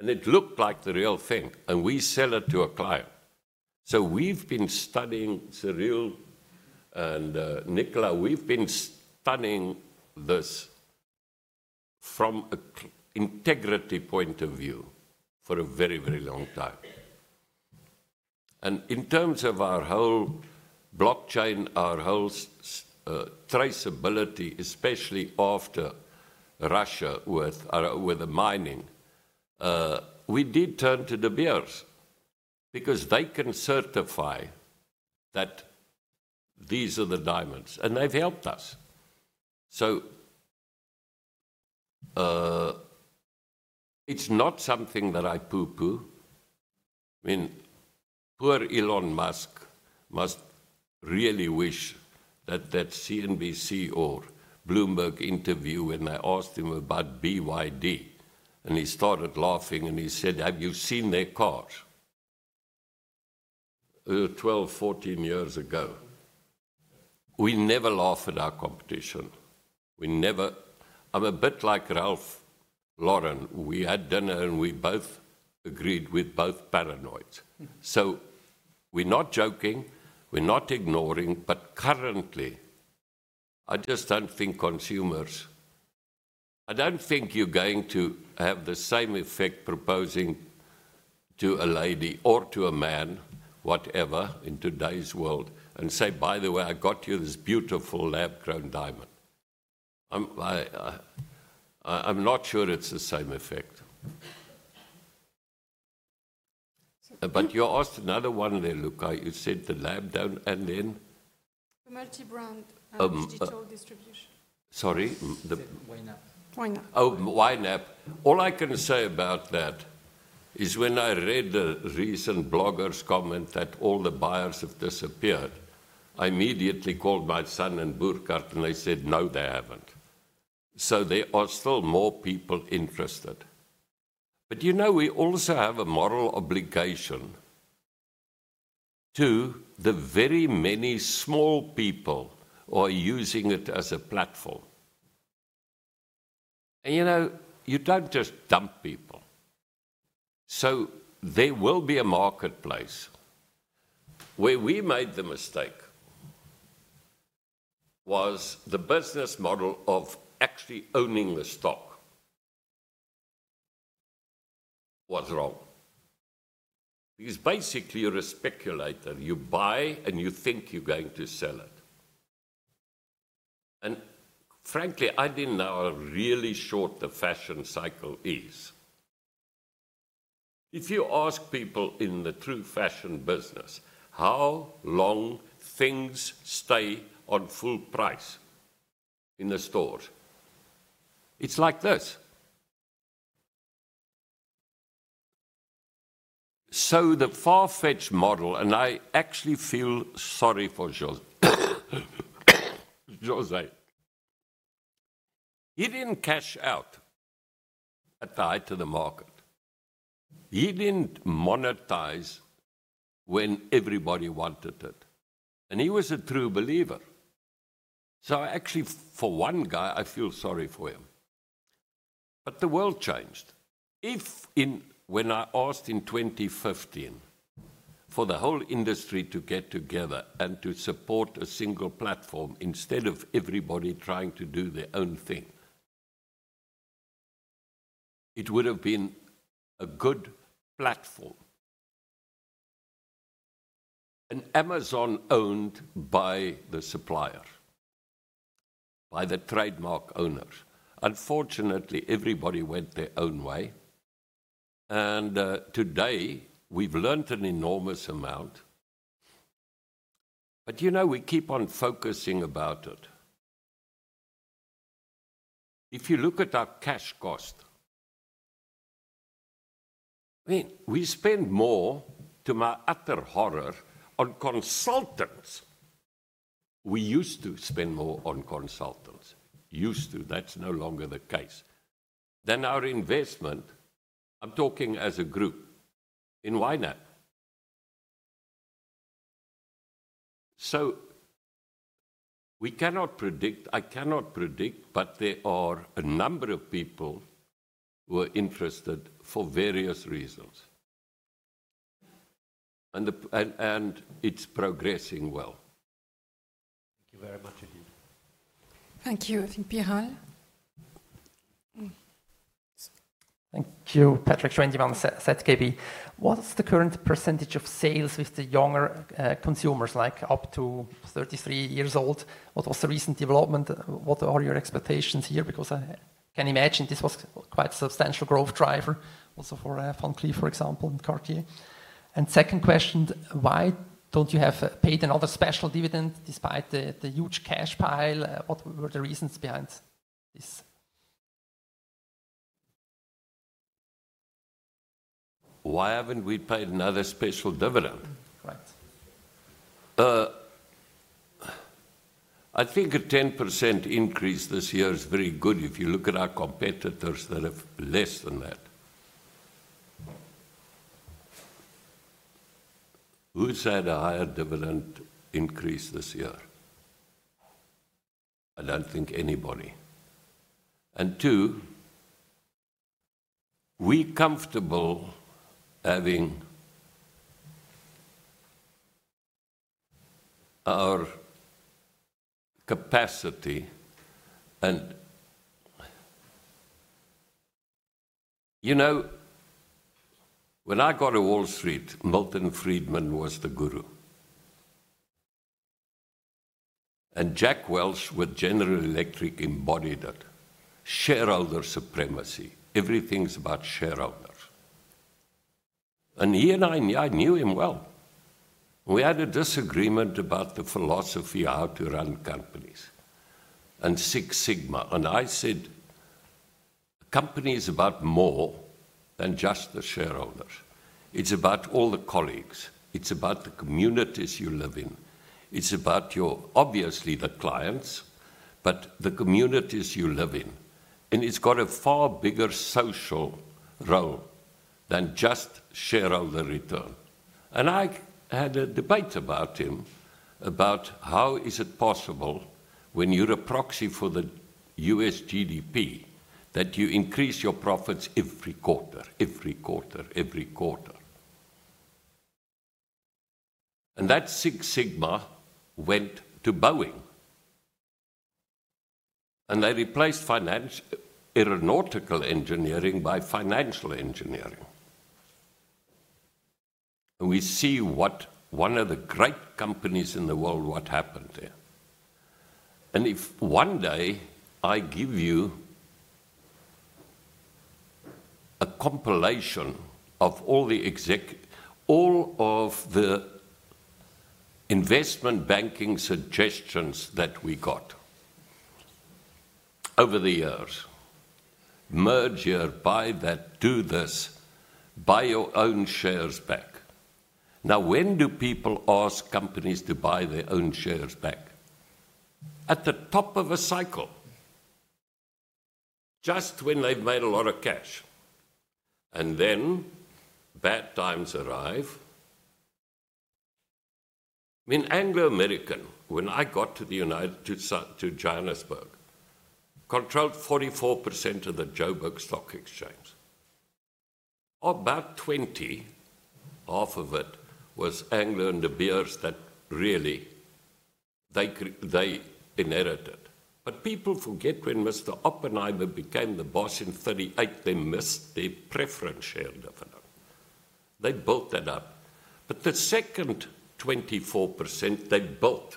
and it looked like the real thing, and we sell it to a client. So, Nicolas, we've been studying this from a supply chain integrity point of view for a very, very long time. And in terms of our whole blockchain, our whole supply chain traceability, especially after Russia, with the mining, we did turn to De Beers because they can certify that these are the diamonds, and they've helped us. So, it's not something that I pooh-pooh. I mean, poor Elon Musk must really wish that that CNBC or Bloomberg interview, when they asked him about BYD, and he started laughing, and he said, "Have you seen their cars?" 12, 14 years ago. We never laugh at our competition. We never. I'm a bit like Ralph Lauren. We had dinner, and we both agreed we're both paranoid. So... We're not joking, we're not ignoring, but currently, I just don't think consumers, I don't think you're going to have the same effect proposing to a lady or to a man, whatever, in today's world, and say, "By the way, I got you this beautiful lab-grown diamond." I'm not sure it's the same effect. So- You asked another one there, Luca. You said the lab down, and then? The multi-brand- Um- and digital distribution. Sorry. You said YNAP. YNAP. Oh, YNAP. All I can say about that is when I read the recent blogger's comment that all the buyers have disappeared, I immediately called my son and Burkhard, and they said, "No, they haven't." So there are still more people interested. But, you know, we also have a moral obligation to the very many small people who are using it as a platform. And, you know, you don't just dump people. So there will be a marketplace. Where we made the mistake was the business model of actually owning the stock was wrong. Because basically, you're a speculator: you buy, and you think you're going to sell it. And frankly, I didn't know how really short the fashion cycle is. If you ask people in the true fashion business how long things stay on full price in the stores, it's like this. So the Farfetch model, and I actually feel sorry for José Neves. He didn't cash out at the height of the market. He didn't monetize when everybody wanted it, and he was a true believer. So actually, for one guy, I feel sorry for him. But the world changed. If in, when I asked in 2015 for the whole industry to get together and to support a single platform instead of everybody trying to do their own thing, it would have been a good platform. An Amazon owned by the supplier, by the trademark owners. Unfortunately, everybody went their own way, and today, we've learned an enormous amount. But, you know, we keep on focusing about it. If you look at our cash cost, I mean, we spend more, to my utter horror, on consultants. We used to spend more on consultants than our investment, I'm talking as a group, in YNAP. That's no longer the case. So we cannot predict. I cannot predict, but there are a number of people who are interested for various reasons. And it's progressing well. Thank you very much, indeed. Thank you. I think Piral? Thank you. Patrick Schwendimann, ZKB. What's the current percentage of sales with the younger, consumers, like up to 33 years old? What was the recent development? What are your expectations here? Because I can imagine this was quite a substantial growth driver also for, Van Cleef, for example, and Cartier. Second question, why don't you have paid another special dividend despite the, the huge cash pile? What were the reasons behind this? Why haven't we paid another special dividend? Mm-hmm. Right. I think a 10% increase this year is very good if you look at our competitors that have less than that. Who's had a higher dividend increase this year? I don't think anybody. And two, we're comfortable having our capacity... And, you know, when I got to Wall Street, Milton Friedman was the guru, and Jack Welch with General Electric embodied it, shareholder supremacy. Everything's about shareholders. And he and I, I knew him well. We had a disagreement about the philosophy, how to run companies and Six Sigma, and I said, "A company is about more than just the shareholders. It's about all the colleagues. It's about the communities you live in. It's about your, obviously, the clients, but the communities you live in, and it's got a far bigger social role than just shareholder return." And I had a debate about him-... about how is it possible when you're a proxy for the U.S. GDP, that you increase your profits every quarter, every quarter, every quarter? And that Six Sigma went to Boeing, and they replaced financial, aeronautical engineering by financial engineering. And we see what one of the great companies in the world, what happened there. And if one day I give you a compilation of all of the investment banking suggestions that we got over the years: merge here, buy that, do this, buy your own shares back. Now, when do people ask companies to buy their own shares back? At the top of a cycle, just when they've made a lot of cash, and then bad times arrive. I mean, Anglo American, when I got to Johannesburg, controlled 44% of the Joburg Stock Exchange. About 20, half of it was Anglo and De Beers that really, they inherited. But people forget when Mr. Oppenheimer became the boss in 1938, they missed their preference share dividend. They built that up. But the second 24%, they built.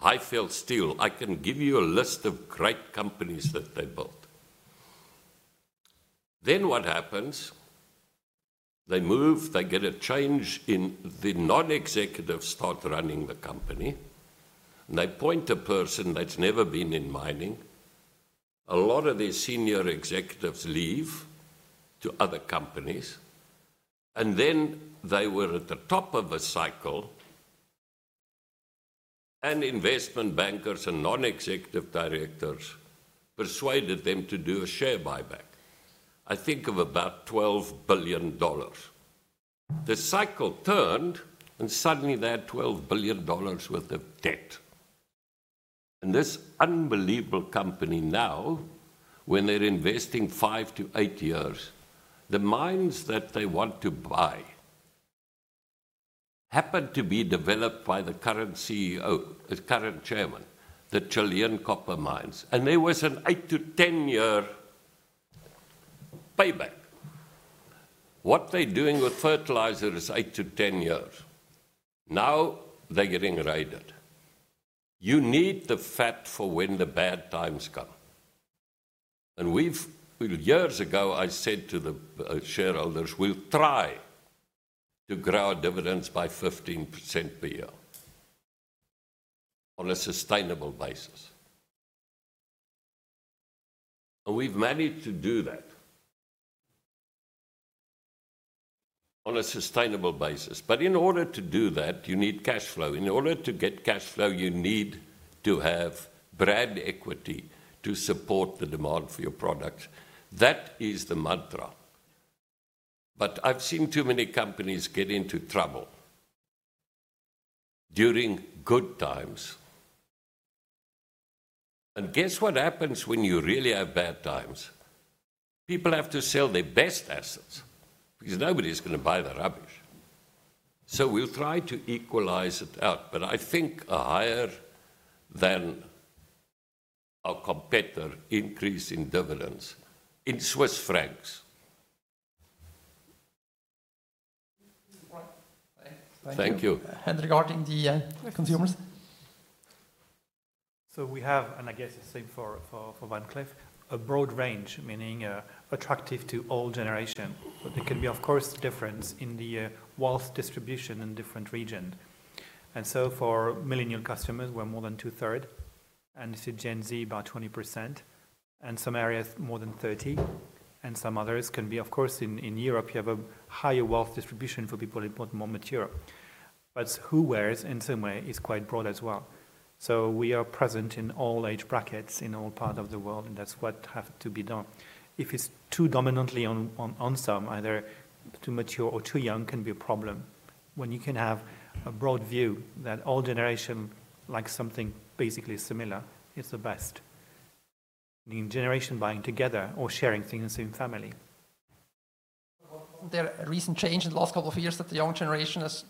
Highveld Steel, I can give you a list of great companies that they built. Then what happens? They move, they get a change in... The non-executives start running the company, and they appoint a person that's never been in mining. A lot of their senior executives leave to other companies, and then they were at the top of a cycle, and investment bankers and non-executive directors persuaded them to do a share buyback, I think of about $12 billion. The cycle turned, and suddenly they had $12 billion worth of debt. This unbelievable company now, when they're investing 5-8 years, the mines that they want to buy happened to be developed by the current CEO, the current chairman, the Chilean copper mines, and there was an 8-10-year payback. What they're doing with fertilizer is 8-10 years. Now, they're getting raided. You need the fat for when the bad times come. Years ago, I said to the shareholders, "We'll try to grow our dividends by 15% per year on a sustainable basis." And we've managed to do that on a sustainable basis. But in order to do that, you need cash flow. In order to get cash flow, you need to have brand equity to support the demand for your products. That is the mantra. But I've seen too many companies get into trouble during good times. And guess what happens when you really have bad times? People have to sell their best assets because nobody's gonna buy the rubbish. So we'll try to equalize it out, but I think a higher than our competitor increase in dividends in Swiss francs. Thank you. Regarding the consumers? So we have, and I guess it's the same for Van Cleef, a broad range, meaning attractive to all generations. But there can be, of course, differences in the wealth distribution in different regions. And so for millennial customers, we're more than 2/3, and you see Gen Z about 20%, and some areas more than 30%, and some others can be... Of course, in Europe, you have a higher wealth distribution for people a bit more mature. But who wears, in some way, is quite broad as well. So we are present in all age brackets, in all parts of the world, and that's what has to be done. If it's too dominantly on some, either too mature or too young, can be a problem. When you can have a broad view that all generations like something basically similar, it's the best. I mean, generation buying together or sharing things in family. There's a recent change in the last couple of years that the young generation has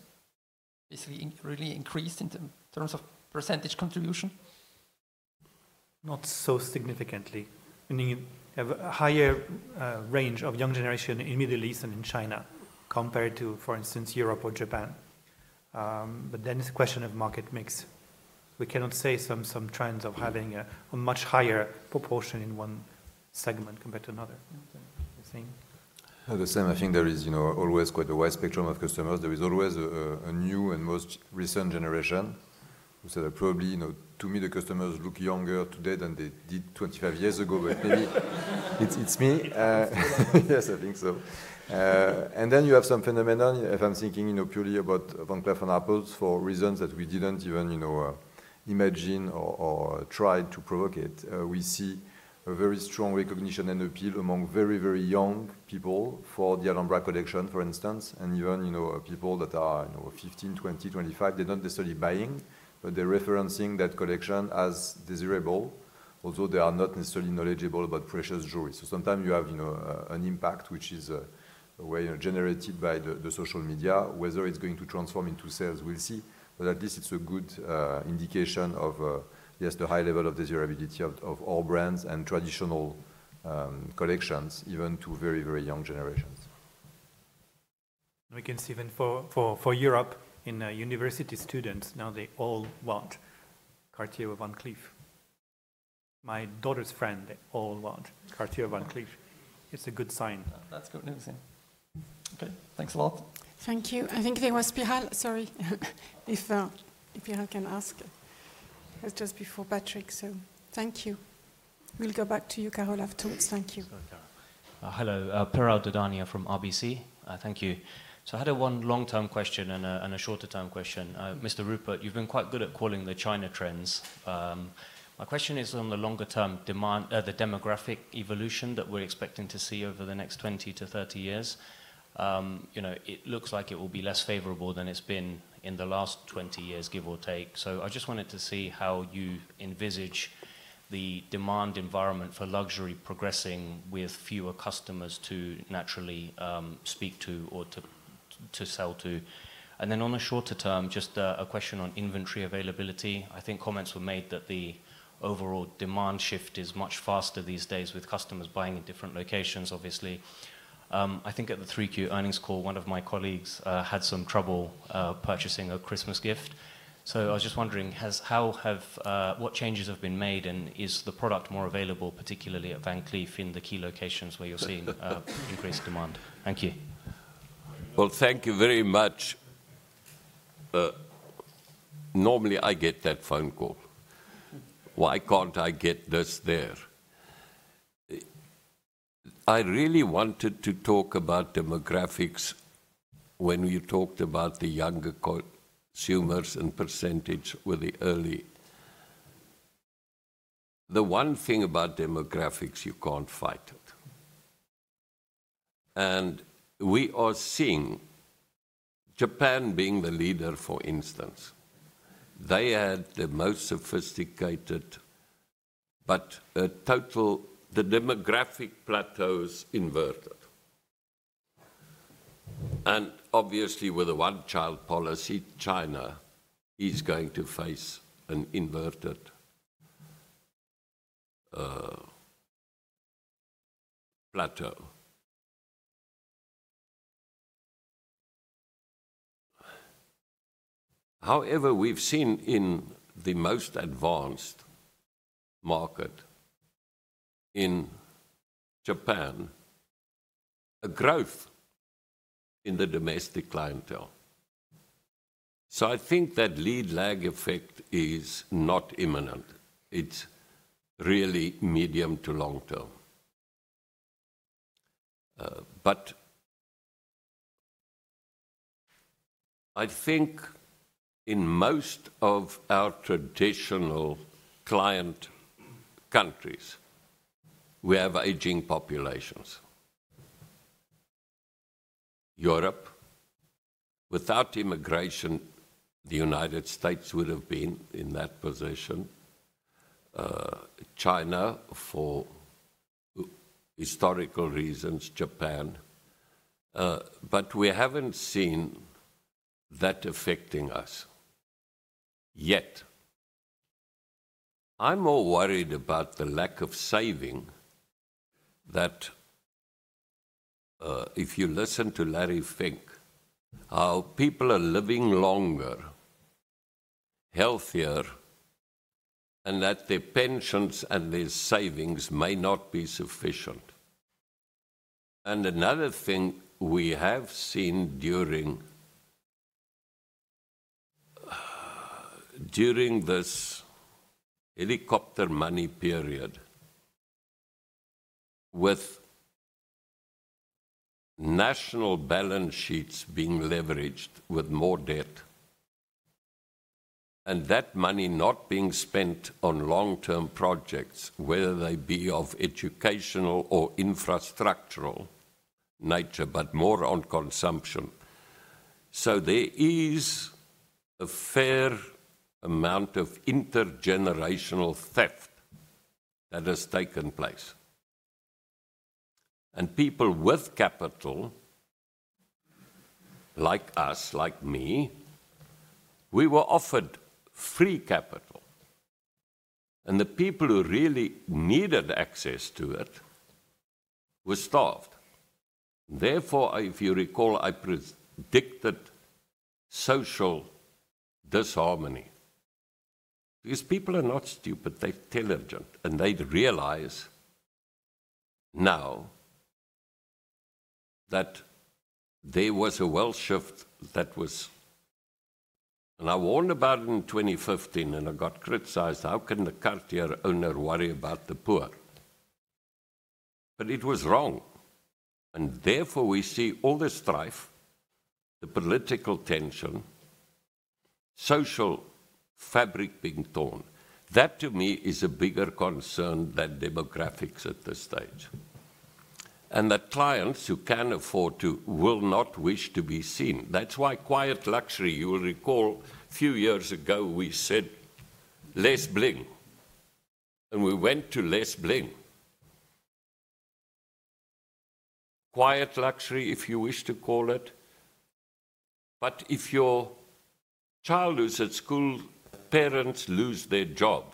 basically really increased in terms of percentage contribution? Not so significantly, meaning you have a higher range of young generation in Middle East and in China compared to, for instance, Europe or Japan. But then it's a question of market mix. We cannot say some trends of having a much higher proportion in one segment compared to another. Okay. The same? The same. I think there is, you know, always quite a wide spectrum of customers. There is always a new and most recent generation. So that probably, you know, to me, the customers look younger today than they did 25 years ago, but maybe it's me. Yes, I think so. And then you have some phenomenon, if I'm thinking, you know, purely about Van Cleef & Arpels, for reasons that we didn't even, you know, imagine or try to provoke it. We see a very strong recognition and appeal among very, very young people for the Alhambra collection, for instance. And even, you know, people that are, you know, 15, 20, 25, they're not necessarily buying, but they're referencing that collection as desirable, although they are not necessarily knowledgeable about precious jewelry. So sometimes you have, you know, an impact, which is where you are generated by the social media. Whether it's going to transform into sales, we'll see. But at least it's a good indication of yes, the high level of desirability of all brands and traditional collections, even to very, very young generations. We can see even for Europe, in university students, now they all want Cartier Van Cleef. My daughter's friend, they all want Cartier Van Cleef. It's a good sign. That's good news. Okay, thanks a lot. Thank you. I think there was Piral. Sorry, if Piral can ask. It was just before Patrick, so thank you. We'll go back to you, Carole, afterwards. Thank you. Sorry, Carole. Hello, Piral Dadhania from RBC. Thank you. So I had one long-term question and a shorter-term question. Mr. Rupert, you've been quite good at calling the China trends. My question is on the longer-term demand—the demographic evolution that we're expecting to see over the next 20-30 years. You know, it looks like it will be less favorable than it's been in the last 20 years, give or take. So I just wanted to see how you envisage the demand environment for luxury progressing with fewer customers to naturally speak to or to sell to. And then on the shorter term, just a question on inventory availability. I think comments were made that the overall demand shift is much faster these days with customers buying in different locations, obviously. I think at the 3Q earnings call, one of my colleagues had some trouble purchasing a Christmas gift. So I was just wondering, how have what changes have been made, and is the product more available, particularly at Van Cleef, in the key locations where you're seeing increased demand? Thank you. Well, thank you very much. Normally, I get that phone call. "Why can't I get this there?" I really wanted to talk about demographics when we talked about the younger consumers and percentage with the early... The one thing about demographics, you can't fight it. We are seeing Japan being the leader, for instance. They had the most sophisticated, but a total, the demographic plateau is inverted. Obviously, with a one-child policy, China is going to face an inverted plateau. However, we've seen in the most advanced market in Japan, a growth in the domestic clientele. I think that lead lag effect is not imminent. It's really medium to long term. But I think in most of our traditional client countries, we have aging populations. Europe, without immigration, the United States would have been in that position, China, for historical reasons, Japan. But we haven't seen that affecting us yet. I'm more worried about the lack of saving, that, if you listen to Larry Fink, how people are living longer, healthier, and that their pensions and their savings may not be sufficient. And another thing we have seen during this helicopter money period, with national balance sheets being leveraged with more debt, and that money not being spent on long-term projects, whether they be of educational or infrastructural nature, but more on consumption. So there is a fair amount of intergenerational theft that has taken place. And people with capital, like us, like me, we were offered free capital, and the people who really needed access to it were starved. Therefore, I, if you recall, I predicted social disharmony, because people are not stupid, they're intelligent, and they realize now that there was a wealth shift that was... And I warned about it in 2015, and I got criticized, "How can the Cartier owner worry about the poor?"... but it was wrong, and therefore, we see all the strife, the political tension, social fabric being torn. That, to me, is a bigger concern than demographics at this stage. And the clients who can afford to will not wish to be seen. That's why quiet luxury, you will recall, a few years ago, we said, "Less bling," and we went to less bling. Quiet luxury, if you wish to call it. But if your child who's at school, parents lose their job,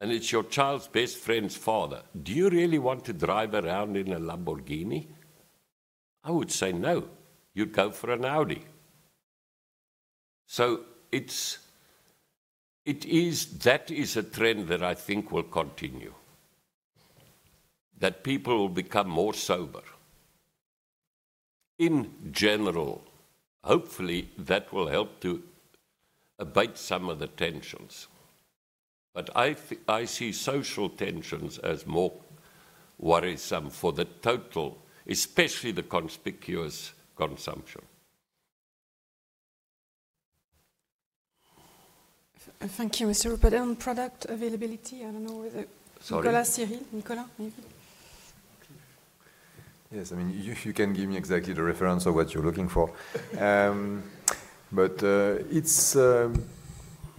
and it's your child's best friend's father, do you really want to drive around in a Lamborghini? I would say no. You'd go for an Audi. So it's, it is, that is a trend that I think will continue, that people will become more sober. In general, hopefully, that will help to abate some of the tensions. But I see social tensions as more worrisome for the total, especially the conspicuous consumption. Thank you, Mr. Rupert. On product availability, I don't know whether- Sorry. Nicolas, Cyrille, Nicolas, maybe? Yes, I mean, if you can give me exactly the reference of what you're looking for. But it's,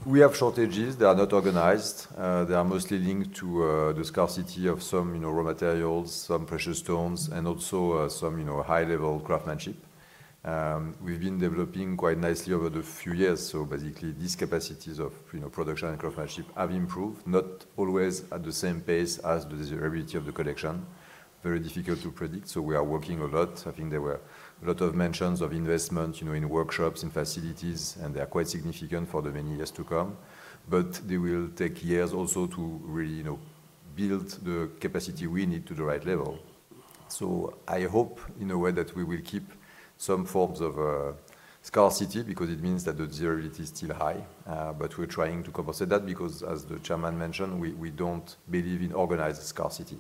we have shortages. They are not organized. They are mostly linked to the scarcity of some, you know, raw materials, some precious stones, and also some, you know, high-level craftsmanship. We've been developing quite nicely over the few years, so basically, these capacities of, you know, production and craftsmanship have improved, not always at the same pace as the desirability of the collection. Very difficult to predict, so we are working a lot. I think there were a lot of mentions of investment, you know, in workshops and facilities, and they are quite significant for the many years to come. But they will take years also to really, you know, build the capacity we need to the right level. So I hope, in a way, that we will keep some forms of scarcity because it means that the desirability is still high, but we're trying to compensate that because, as the chairman mentioned, we, we don't believe in organized scarcity.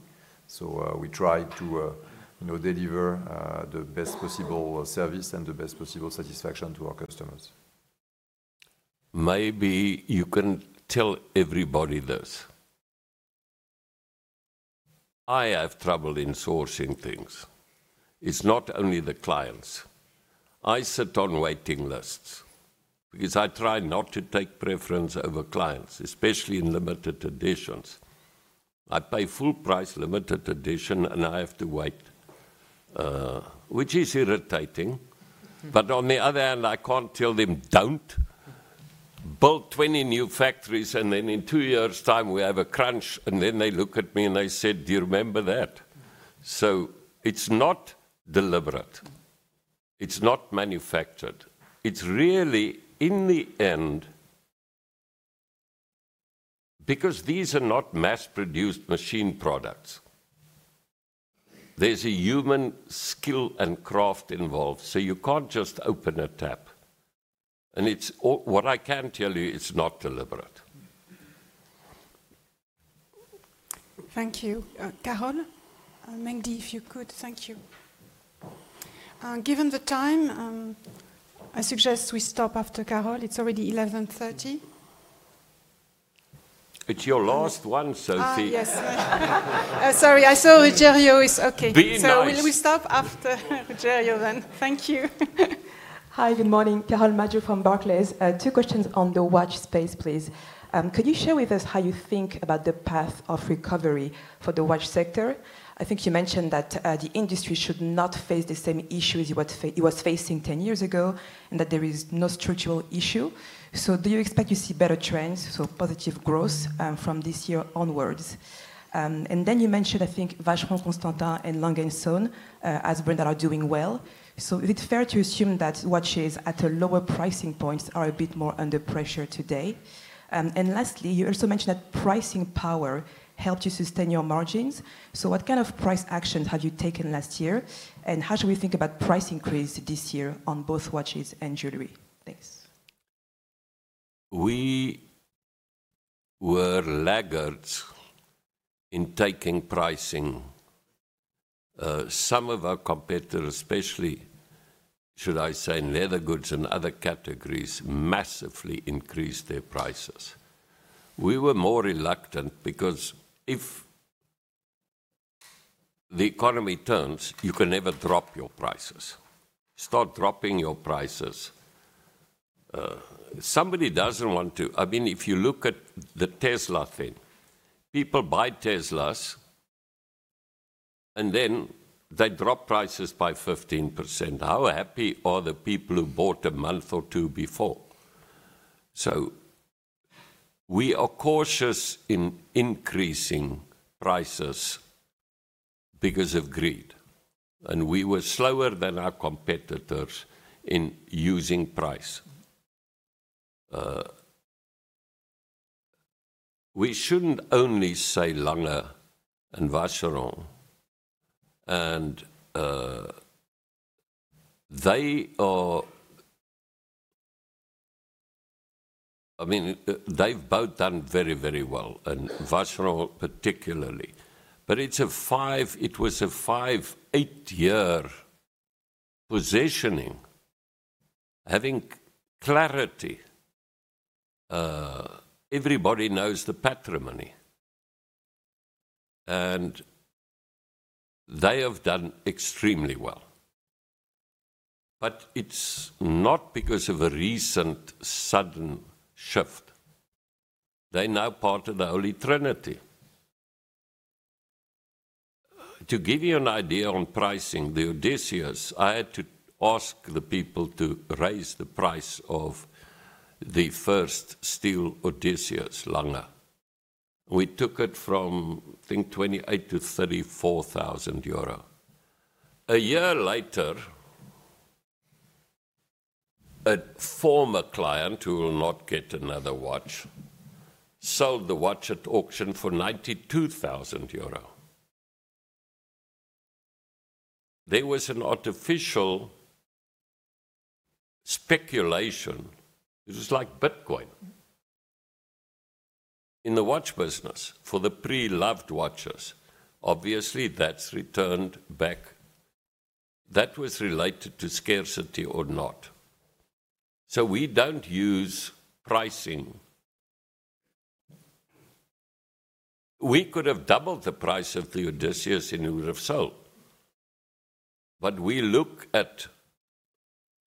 So, we try to, you know, deliver the best possible service and the best possible satisfaction to our customers. Maybe you can tell everybody this. I have trouble in sourcing things. It's not only the clients. I sit on waiting lists because I try not to take preference over clients, especially in limited editions. I pay full price, limited edition, and I have to wait, which is irritating. But on the other hand, I can't tell them, "Don't!" Build 20 new factories, and then in 2 years' time, we have a crunch, and then they look at me and they said, "Do you remember that?" So it's not deliberate. It's not manufactured. It's really, in the end... Because these are not mass-produced machine products. There's a human skill and craft involved, so you can't just open a tap. And it's all... What I can tell you, it's not deliberate. Thank you. Carole Madjo, if you could, thank you. Given the time, I suggest we stop after Carole. It's already 11:30. It's your last one, Sophie. Ah, yes. Sorry, I saw Rogerio is okay. Be nice! So we stop after Rogerio then. Thank you. Hi, good morning. Carole Madjo from Barclays. Two questions on the watch space, please. Could you share with us how you think about the path of recovery for the watch sector? I think you mentioned that the industry should not face the same issues it was facing ten years ago, and that there is no structural issue. So do you expect to see better trends, so positive growth, from this year onwards? And then you mentioned, I think, Vacheron Constantin and Lange & Söhne as brands that are doing well. So is it fair to assume that watches at a lower pricing points are a bit more under pressure today? And lastly, you also mentioned that pricing power helped you sustain your margins. What kind of price actions have you taken last year, and how should we think about price increase this year on both watches and jewelry? Thanks. We were laggards in taking pricing. Some of our competitors, especially, should I say, in leather goods and other categories, massively increased their prices. We were more reluctant because if the economy turns, you can never drop your prices. Start dropping your prices, somebody doesn't want to... I mean, if you look at the Tesla thing, people buy Teslas, and then they drop prices by 15%. How happy are the people who bought a month or two before? So we are cautious in increasing prices because of greed, and we were slower than our competitors in using price. We shouldn't only say Lange and Vacheron. I mean, they've both done very, very well, and Vacheron particularly. But it's a five, it was a five, eight-year positioning, having clarity. Everybody knows the Patrimony, and they have done extremely well. But it's not because of a recent sudden shift. They're now part of the Holy Trinity. To give you an idea on pricing, the Odysseus, I had to ask the people to raise the price of the first steel Odysseus Lange. We took it from, I think, 28,000-34,000 euro. A year later, a former client, who will not get another watch, sold the watch at auction for 92,000 euro. There was an artificial speculation. It was like Bitcoin. In the watch business, for the pre-loved watches, obviously, that's returned back. That was related to scarcity or not. So we don't use pricing. We could have doubled the price of the Odysseus, and it would have sold. But we look at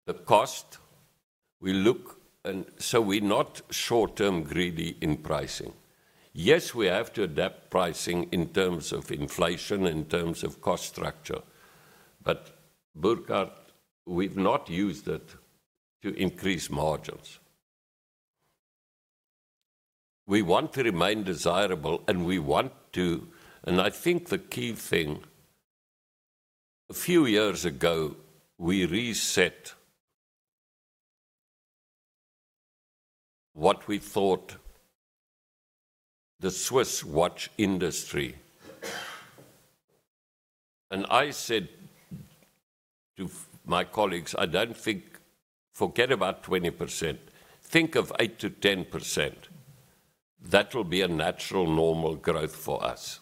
the cost, we look... And so we're not short-term greedy in pricing. Yes, we have to adapt pricing in terms of inflation, in terms of cost structure, but Burkhard, we've not used it to increase margins. We want to remain desirable, and we want to— And I think the key thing, a few years ago, we reset what we thought the Swiss watch industry. And I said to my colleagues, "I don't think... Forget about 20%. Think of 8%-10%. That will be a natural, normal growth for us.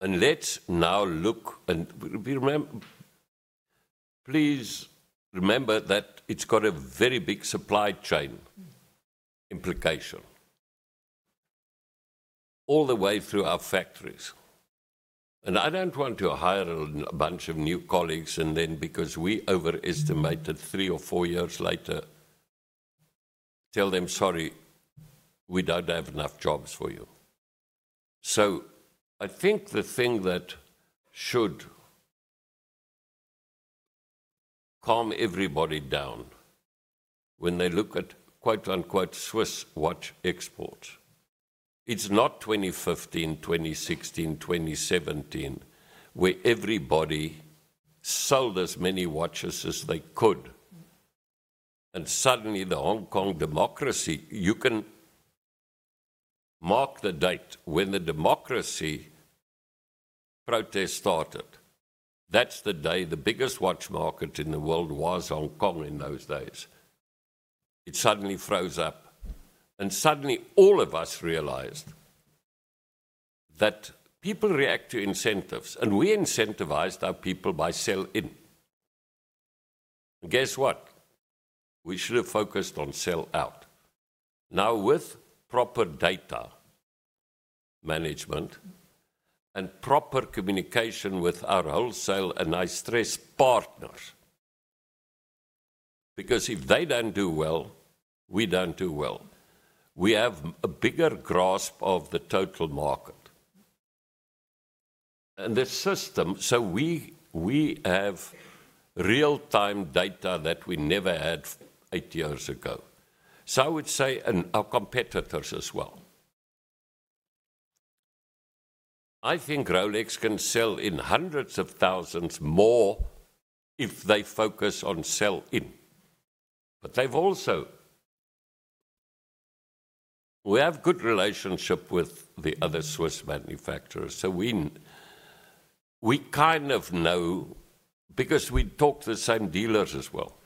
And let's now look," and we, we rem— Please remember that it's got a very big supply chain implication all the way through our factories. I don't want to hire a bunch of new colleagues, and then because we overestimated, three or four years later, tell them, "Sorry, we don't have enough jobs for you." I think the thing that should calm everybody down when they look at, quote-unquote, Swiss watch exports, it's not 2015, 2016, 2017, where everybody sold as many watches as they could. Suddenly, the Hong Kong democracy... You can mark the date when the democracy protest started. That's the day the biggest watch market in the world was Hong Kong in those days. It suddenly froze up, and suddenly all of us realized that people react to incentives, and we incentivized our people by sell-in. Guess what? We should have focused on sell-out. Now, with proper data management and proper communication with our wholesale, and I stress partners, because if they don't do well, we don't do well. We have a bigger grasp of the total market and the system, so we have real-time data that we never had eight years ago. So I would say, and our competitors as well. I think Rolex can sell in hundreds of thousands more if they focus on sell-in. But they've also... We have good relationship with the other Swiss manufacturers, so we kind of know because we talk to the same dealers as well.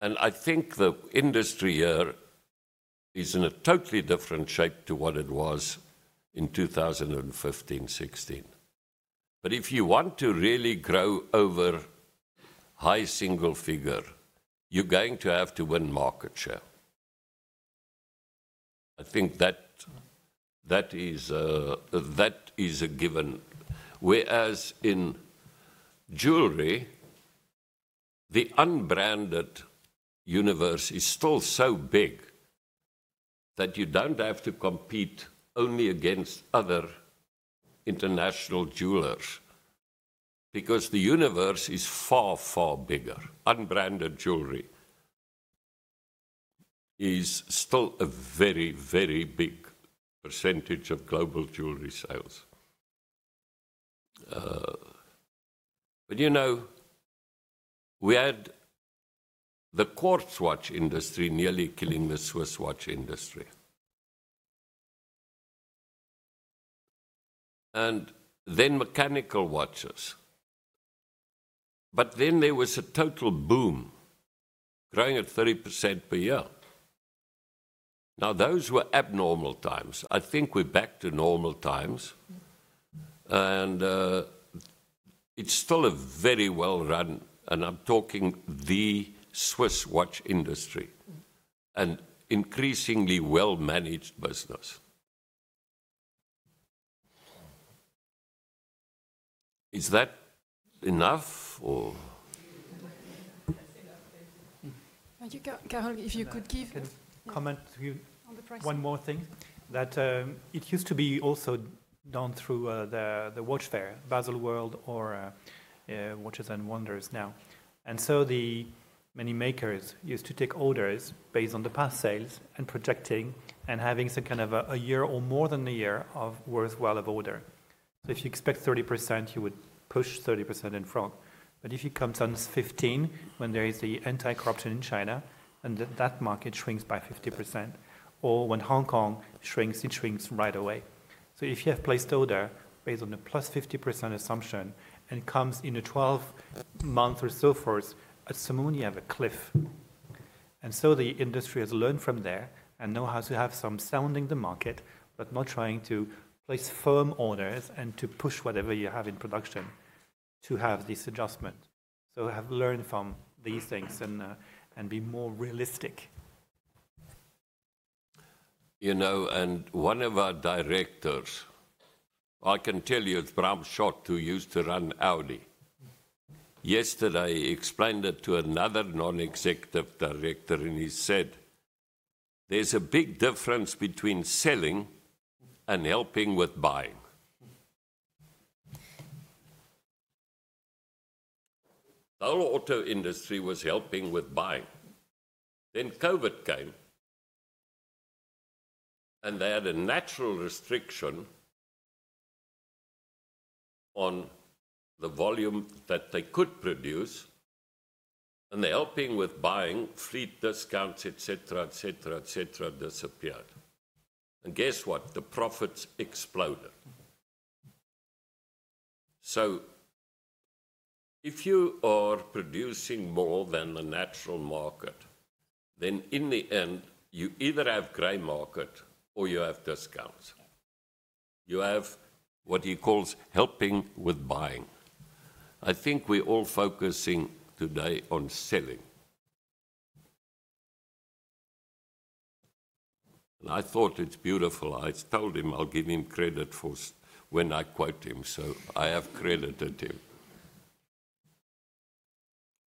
And I think the industry here is in a totally different shape to what it was in 2015, 2016. But if you want to really grow over high single figure, you're going to have to win market share. I think that, that is a, that is a given. Whereas in jewelry, the unbranded universe is still so big that you don't have to compete only against other international jewelers, because the universe is far, far bigger. Unbranded jewelry is still a very, very big percentage of global jewelry sales. But you know, we had the quartz watch industry nearly killing the Swiss watch industry... and then mechanical watches. But then there was a total boom, growing at 30% per year. Now, those were abnormal times. I think we're back to normal times, and, it's still a very well-run, and I'm talking the Swiss watch industry, an increasingly well-managed business. Is that enough, or? That's enough. Thank you. And you, Carole, if you could give- Can I comment to you- On the price.... one more thing? That, it used to be also done through, the, the watch fair, Baselworld or, Watches and Wonders now. And so the many makers used to take orders based on the past sales and projecting and having some kind of a, a year or more than a year of worthwhile of order. So if you expect 30%, you would push 30% in front. But if it comes down to 15%, when there is the anti-corruption in China, and that market shrinks by 50%, or when Hong Kong shrinks, it shrinks right away. So if you have placed order based on a +50% assumption, and it comes in a 12-month or so forth, at some point you have a cliff. So the industry has learned from there and know how to have some sounding the market, but not trying to place firm orders and to push whatever you have in production to have this adjustment. So have learned from these things and, and be more realistic. You know, and one of our directors, I can tell you it's Bram Schot, who used to run Audi. Yesterday, he explained it to another non-executive director, and he said, "There's a big difference between selling and helping with buying." The whole auto industry was helping with buying. Then COVID came, and they had a natural restriction on the volume that they could produce, and the helping with buying, fleet discounts, et cetera, et cetera, et cetera, disappeared. And guess what? The profits exploded. Mm-hmm. So if you are producing more than the natural market, then in the end, you either have gray market or you have discounts. You have what he calls helping with buying. I think we're all focusing today on selling. I thought it's beautiful. I told him I'll give him credit for shit when I quote him, so I have credited him.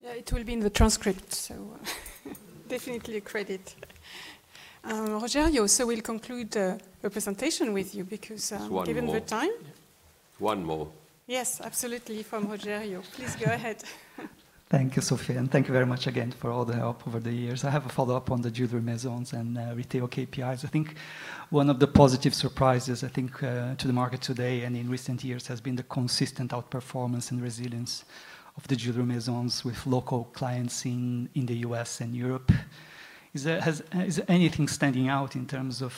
Yeah, it will be in the transcript, so definitely a credit. Rogerio, we'll conclude the presentation with you because, Just one more.... given the time. One more. Yes, absolutely, from Rogerio. Please go ahead. Thank you, Sophie, and thank you very much again for all the help over the years. I have a follow-up on the jewelry Maisons and retail KPIs. I think one of the positive surprises, I think, to the market today and in recent years, has been the consistent outperformance and resilience of the jewelry Maisons with local clients in the U.S. and Europe. Is there anything standing out in terms of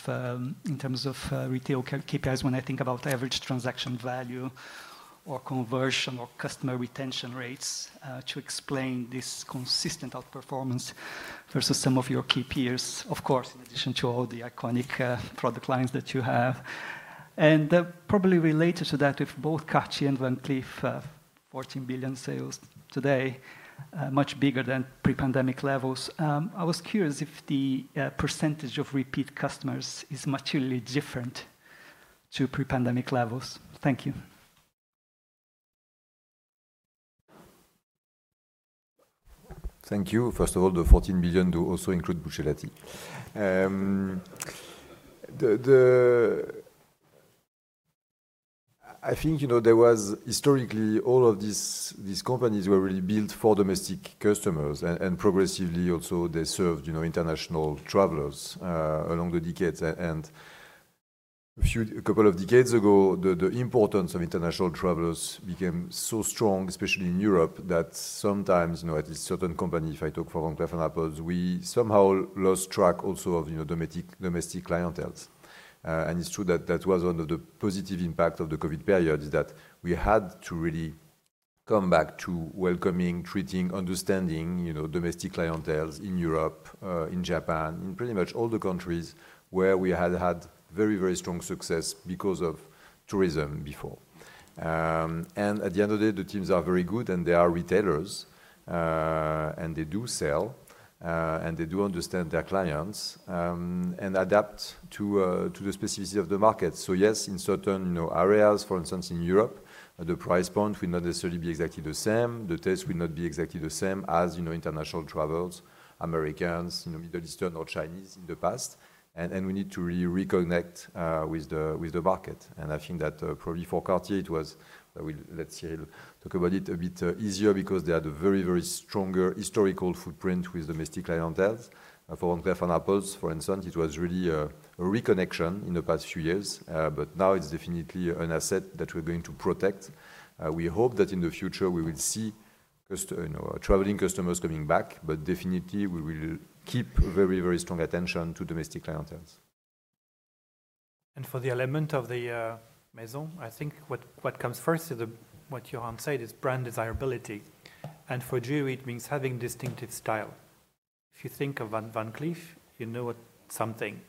in terms of retail KPIs, when I think about average transaction value or conversion or customer retention rates, to explain this consistent outperformance versus some of your key peers? Of course, in addition to all the iconic product lines that you have. Probably related to that, with both Cartier and Van Cleef, 14 billion sales today, much bigger than pre-pandemic levels, I was curious if the percentage of repeat customers is materially different to pre-pandemic levels. Thank you. Thank you. First of all, the 14 billion do also include Buccellati. I think, you know, there was historically, all of these, these companies were really built for domestic customers and, and progressively also, they served, you know, international travelers, along the decades. And a few, a couple of decades ago, the importance of international travelers became so strong, especially in Europe, that sometimes, you know, at a certain company, if I talk for Van Cleef & Arpels, we somehow lost track also of, you know, domestic, domestic clienteles. And it's true that that was one of the positive impact of the COVID period, is that we had to really come back to welcoming, treating, understanding, you know, domestic clienteles in Europe, in Japan, in pretty much all the countries where we had had very, very strong success because of tourism before. And at the end of the day, the teams are very good, and they are retailers, and they do sell, and they do understand their clients, and adapt to the specificity of the market. So yes, in certain, you know, areas, for instance, in Europe, the price point will not necessarily be exactly the same, the taste will not be exactly the same as, you know, international travelers, Americans, you know, Middle Eastern or Chinese in the past, and, and we need to really reconnect with the, with the market. And I think that, probably for Cartier, it was, let's say, talk about it a bit, easier because they had a very, very stronger historical footprint with domestic clienteles. For Van Cleef & Arpels, for instance, it was really a reconnection in the past few years, but now it's definitely an asset that we're going to protect. We hope that in the future we will see, you know, our traveling customers coming back, but definitely, we will keep very, very strong attention to domestic clientele. For the element of the Maisons, I think what comes first is what Johann said, is brand desirability. For jewelry, it means having distinctive style. If you think of Van Cleef, you know it, something.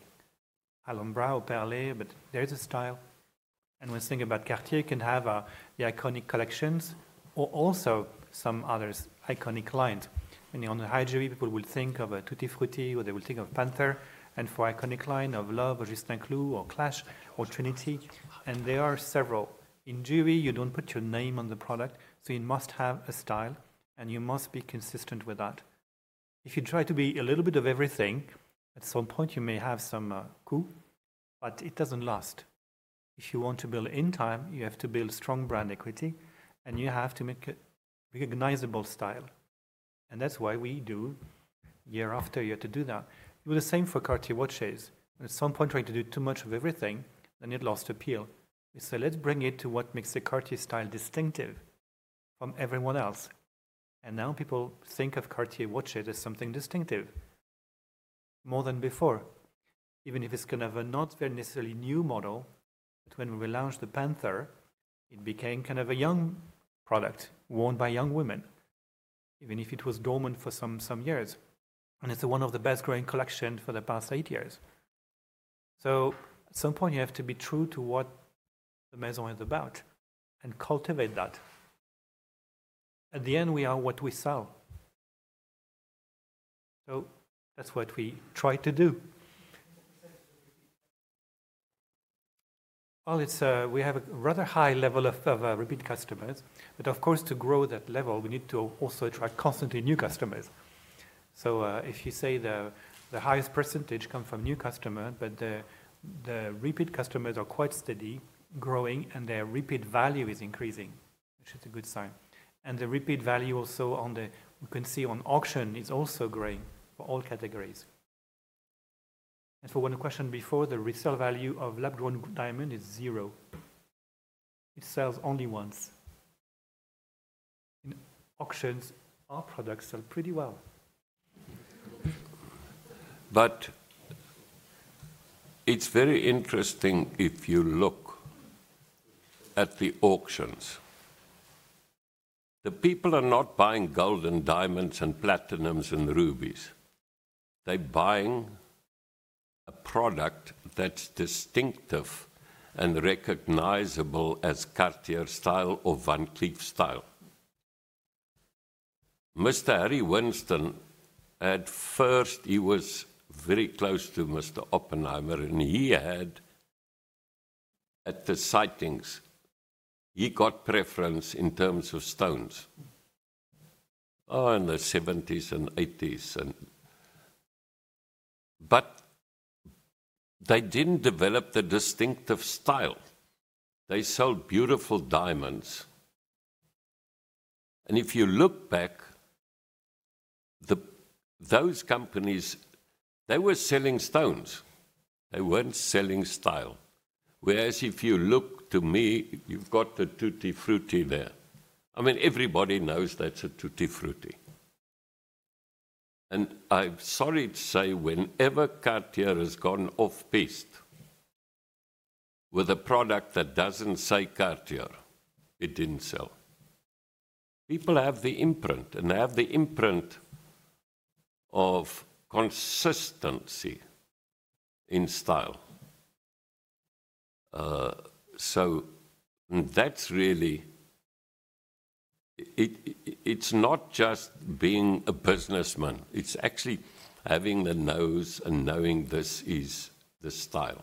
Alhambra or Perlée, but there is a style. When you think about Cartier, you can have the iconic collections or also some others, iconic client. On the high jewelry, people will think of a Tutti Frutti, or they will think of Panthère, and for iconic line, of Love or Juste un Clou or Clash or Trinity, and there are several. In jewelry, you don't put your name on the product, so you must have a style, and you must be consistent with that. If you try to be a little bit of everything, at some point, you may have some coup, but it doesn't last. If you want to build in time, you have to build strong brand equity, and you have to make a recognizable style, and that's why we do year after year to do that. It was the same for Cartier watches. At some point, trying to do too much of everything, and it lost appeal. We say, "Let's bring it to what makes the Cartier style distinctive from everyone else." And now people think of Cartier watch as something distinctive, more than before. Even if it's, kind of, a not very necessarily new model, but when we launched the Panthère, it became kind of a young product worn by young women, even if it was dormant for some years. And it's one of the best-growing collection for the past eight years. So at some point, you have to be true to what the Maisons is about and cultivate that. At the end, we are what we sell. So that's what we try to do. Well, it's, we have a rather high level of repeat customers, but of course, to grow that level, we need to also attract constantly new customers. So, if you say the highest percentage come from new customer, but the repeat customers are quite steady, growing, and their repeat value is increasing, which is a good sign. And the repeat value also on the-- you can see on auction, is also growing for all categories. And for one question before, the resale value of lab-grown diamond is zero. It sells only once. In auctions, our products sell pretty well. It's very interesting if you look at the auctions. The people are not buying gold and diamonds and platinums and rubies. They're buying a product that's distinctive and recognizable as Cartier style or Van Cleef style. Mr. Harry Winston, at first, he was very close to Mr. Oppenheimer, and he had, at the sightings, he got preference in terms of stones in the 1970s and 1980s. But they didn't develop the distinctive style. They sold beautiful diamonds, and if you look back, those companies, they were selling stones. They weren't selling style. Whereas if you look to me, you've got the Tutti Frutti there. I mean, everybody knows that's a Tutti Frutti. And I'm sorry to say, whenever Cartier has gone off-piste with a product that doesn't say Cartier, it didn't sell. People have the imprint, and they have the imprint of consistency in style. So, and that's really... It, it, it's not just being a businessman. It's actually having the nose and knowing this is the style.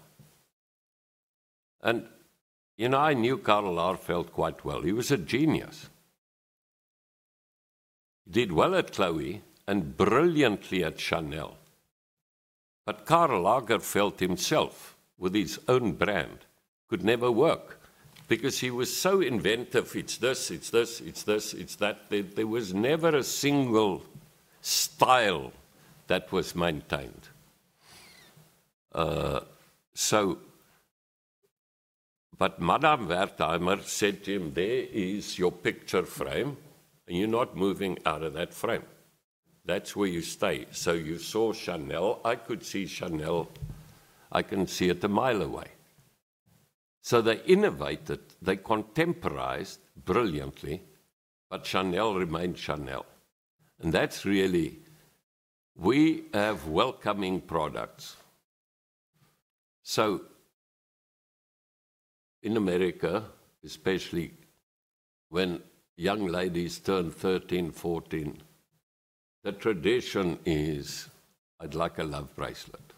And, you know, I knew Karl Lagerfeld quite well. He was a genius. Did well at Chloé and brilliantly at Chanel. But Karl Lagerfeld himself, with his own brand, could never work because he was so inventive. It's this, it's this, it's this, it's that. There, there was never a single style that was maintained. So, but Madame Wertheimer said to him, "There is your picture frame, and you're not moving out of that frame. That's where you stay." So you saw Chanel. I could see Chanel. I can see it a mile away. So they innovated, they contemporized brilliantly, but Chanel remained Chanel, and that's really... We have welcoming products. So in America, especially when young ladies turn 13, 14, the tradition is, "I'd like a Love bracelet."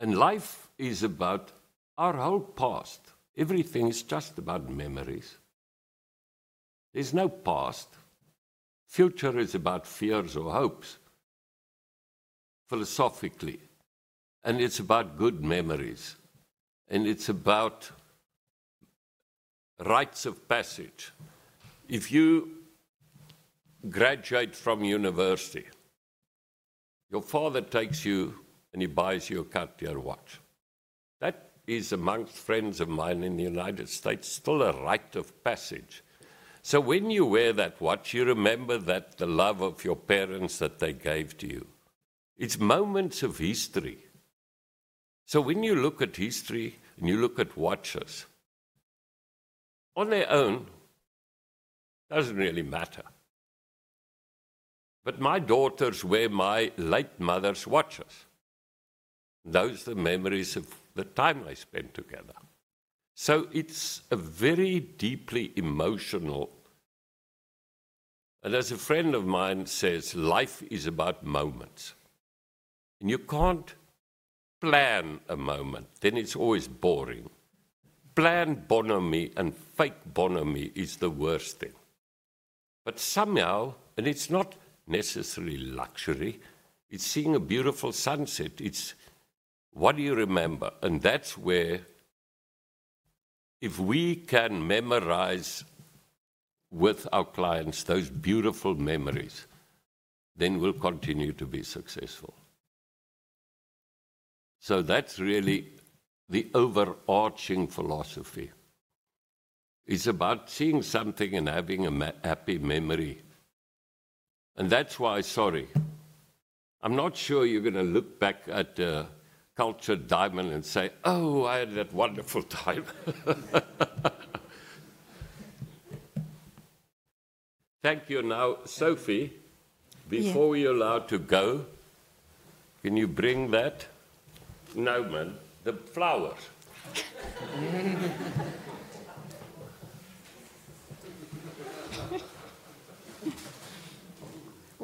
And life is about our whole past. Everything is just about memories. There's no past. Future is about fears or hopes, philosophically, and it's about good memories, and it's about rites of passage. If you graduate from university. Your father takes you, and he buys you a Cartier watch. That is, amongst friends of mine in the United States, still a rite of passage. So when you wear that watch, you remember that the love of your parents that they gave to you. It's moments of history. So when you look at history, and you look at watches, on their own, doesn't really matter. But my daughters wear my late mother's watches, and those are the memories of the time they spent together. So it's a very deeply emotional. As a friend of mine says, "Life is about moments." You can't plan a moment, then it's always boring. Planned bonhomie and fake bonhomie is the worst thing. But somehow, and it's not necessarily luxury, it's seeing a beautiful sunset. It's what do you remember? That's where if we can memorize with our clients those beautiful memories, then we'll continue to be successful. So that's really the overarching philosophy. It's about seeing something and having a happy memory. That's why, sorry, I'm not sure you're gonna look back at a cultured diamond and say, "Oh, I had that wonderful time." Thank you. Now, Sophie- Yeah. Before we allow you to go, can you bring that? No, man, the flowers.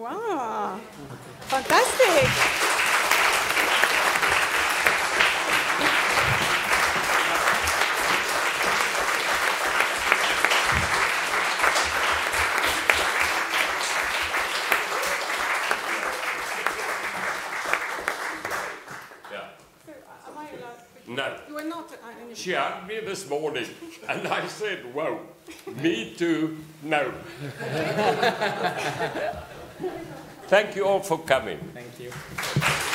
Wow! Fantastic. Yeah. Am I allowed- No. You are not- She asked me this morning, and I said, "Whoa, me too? No." Thank you all for coming. Thank you.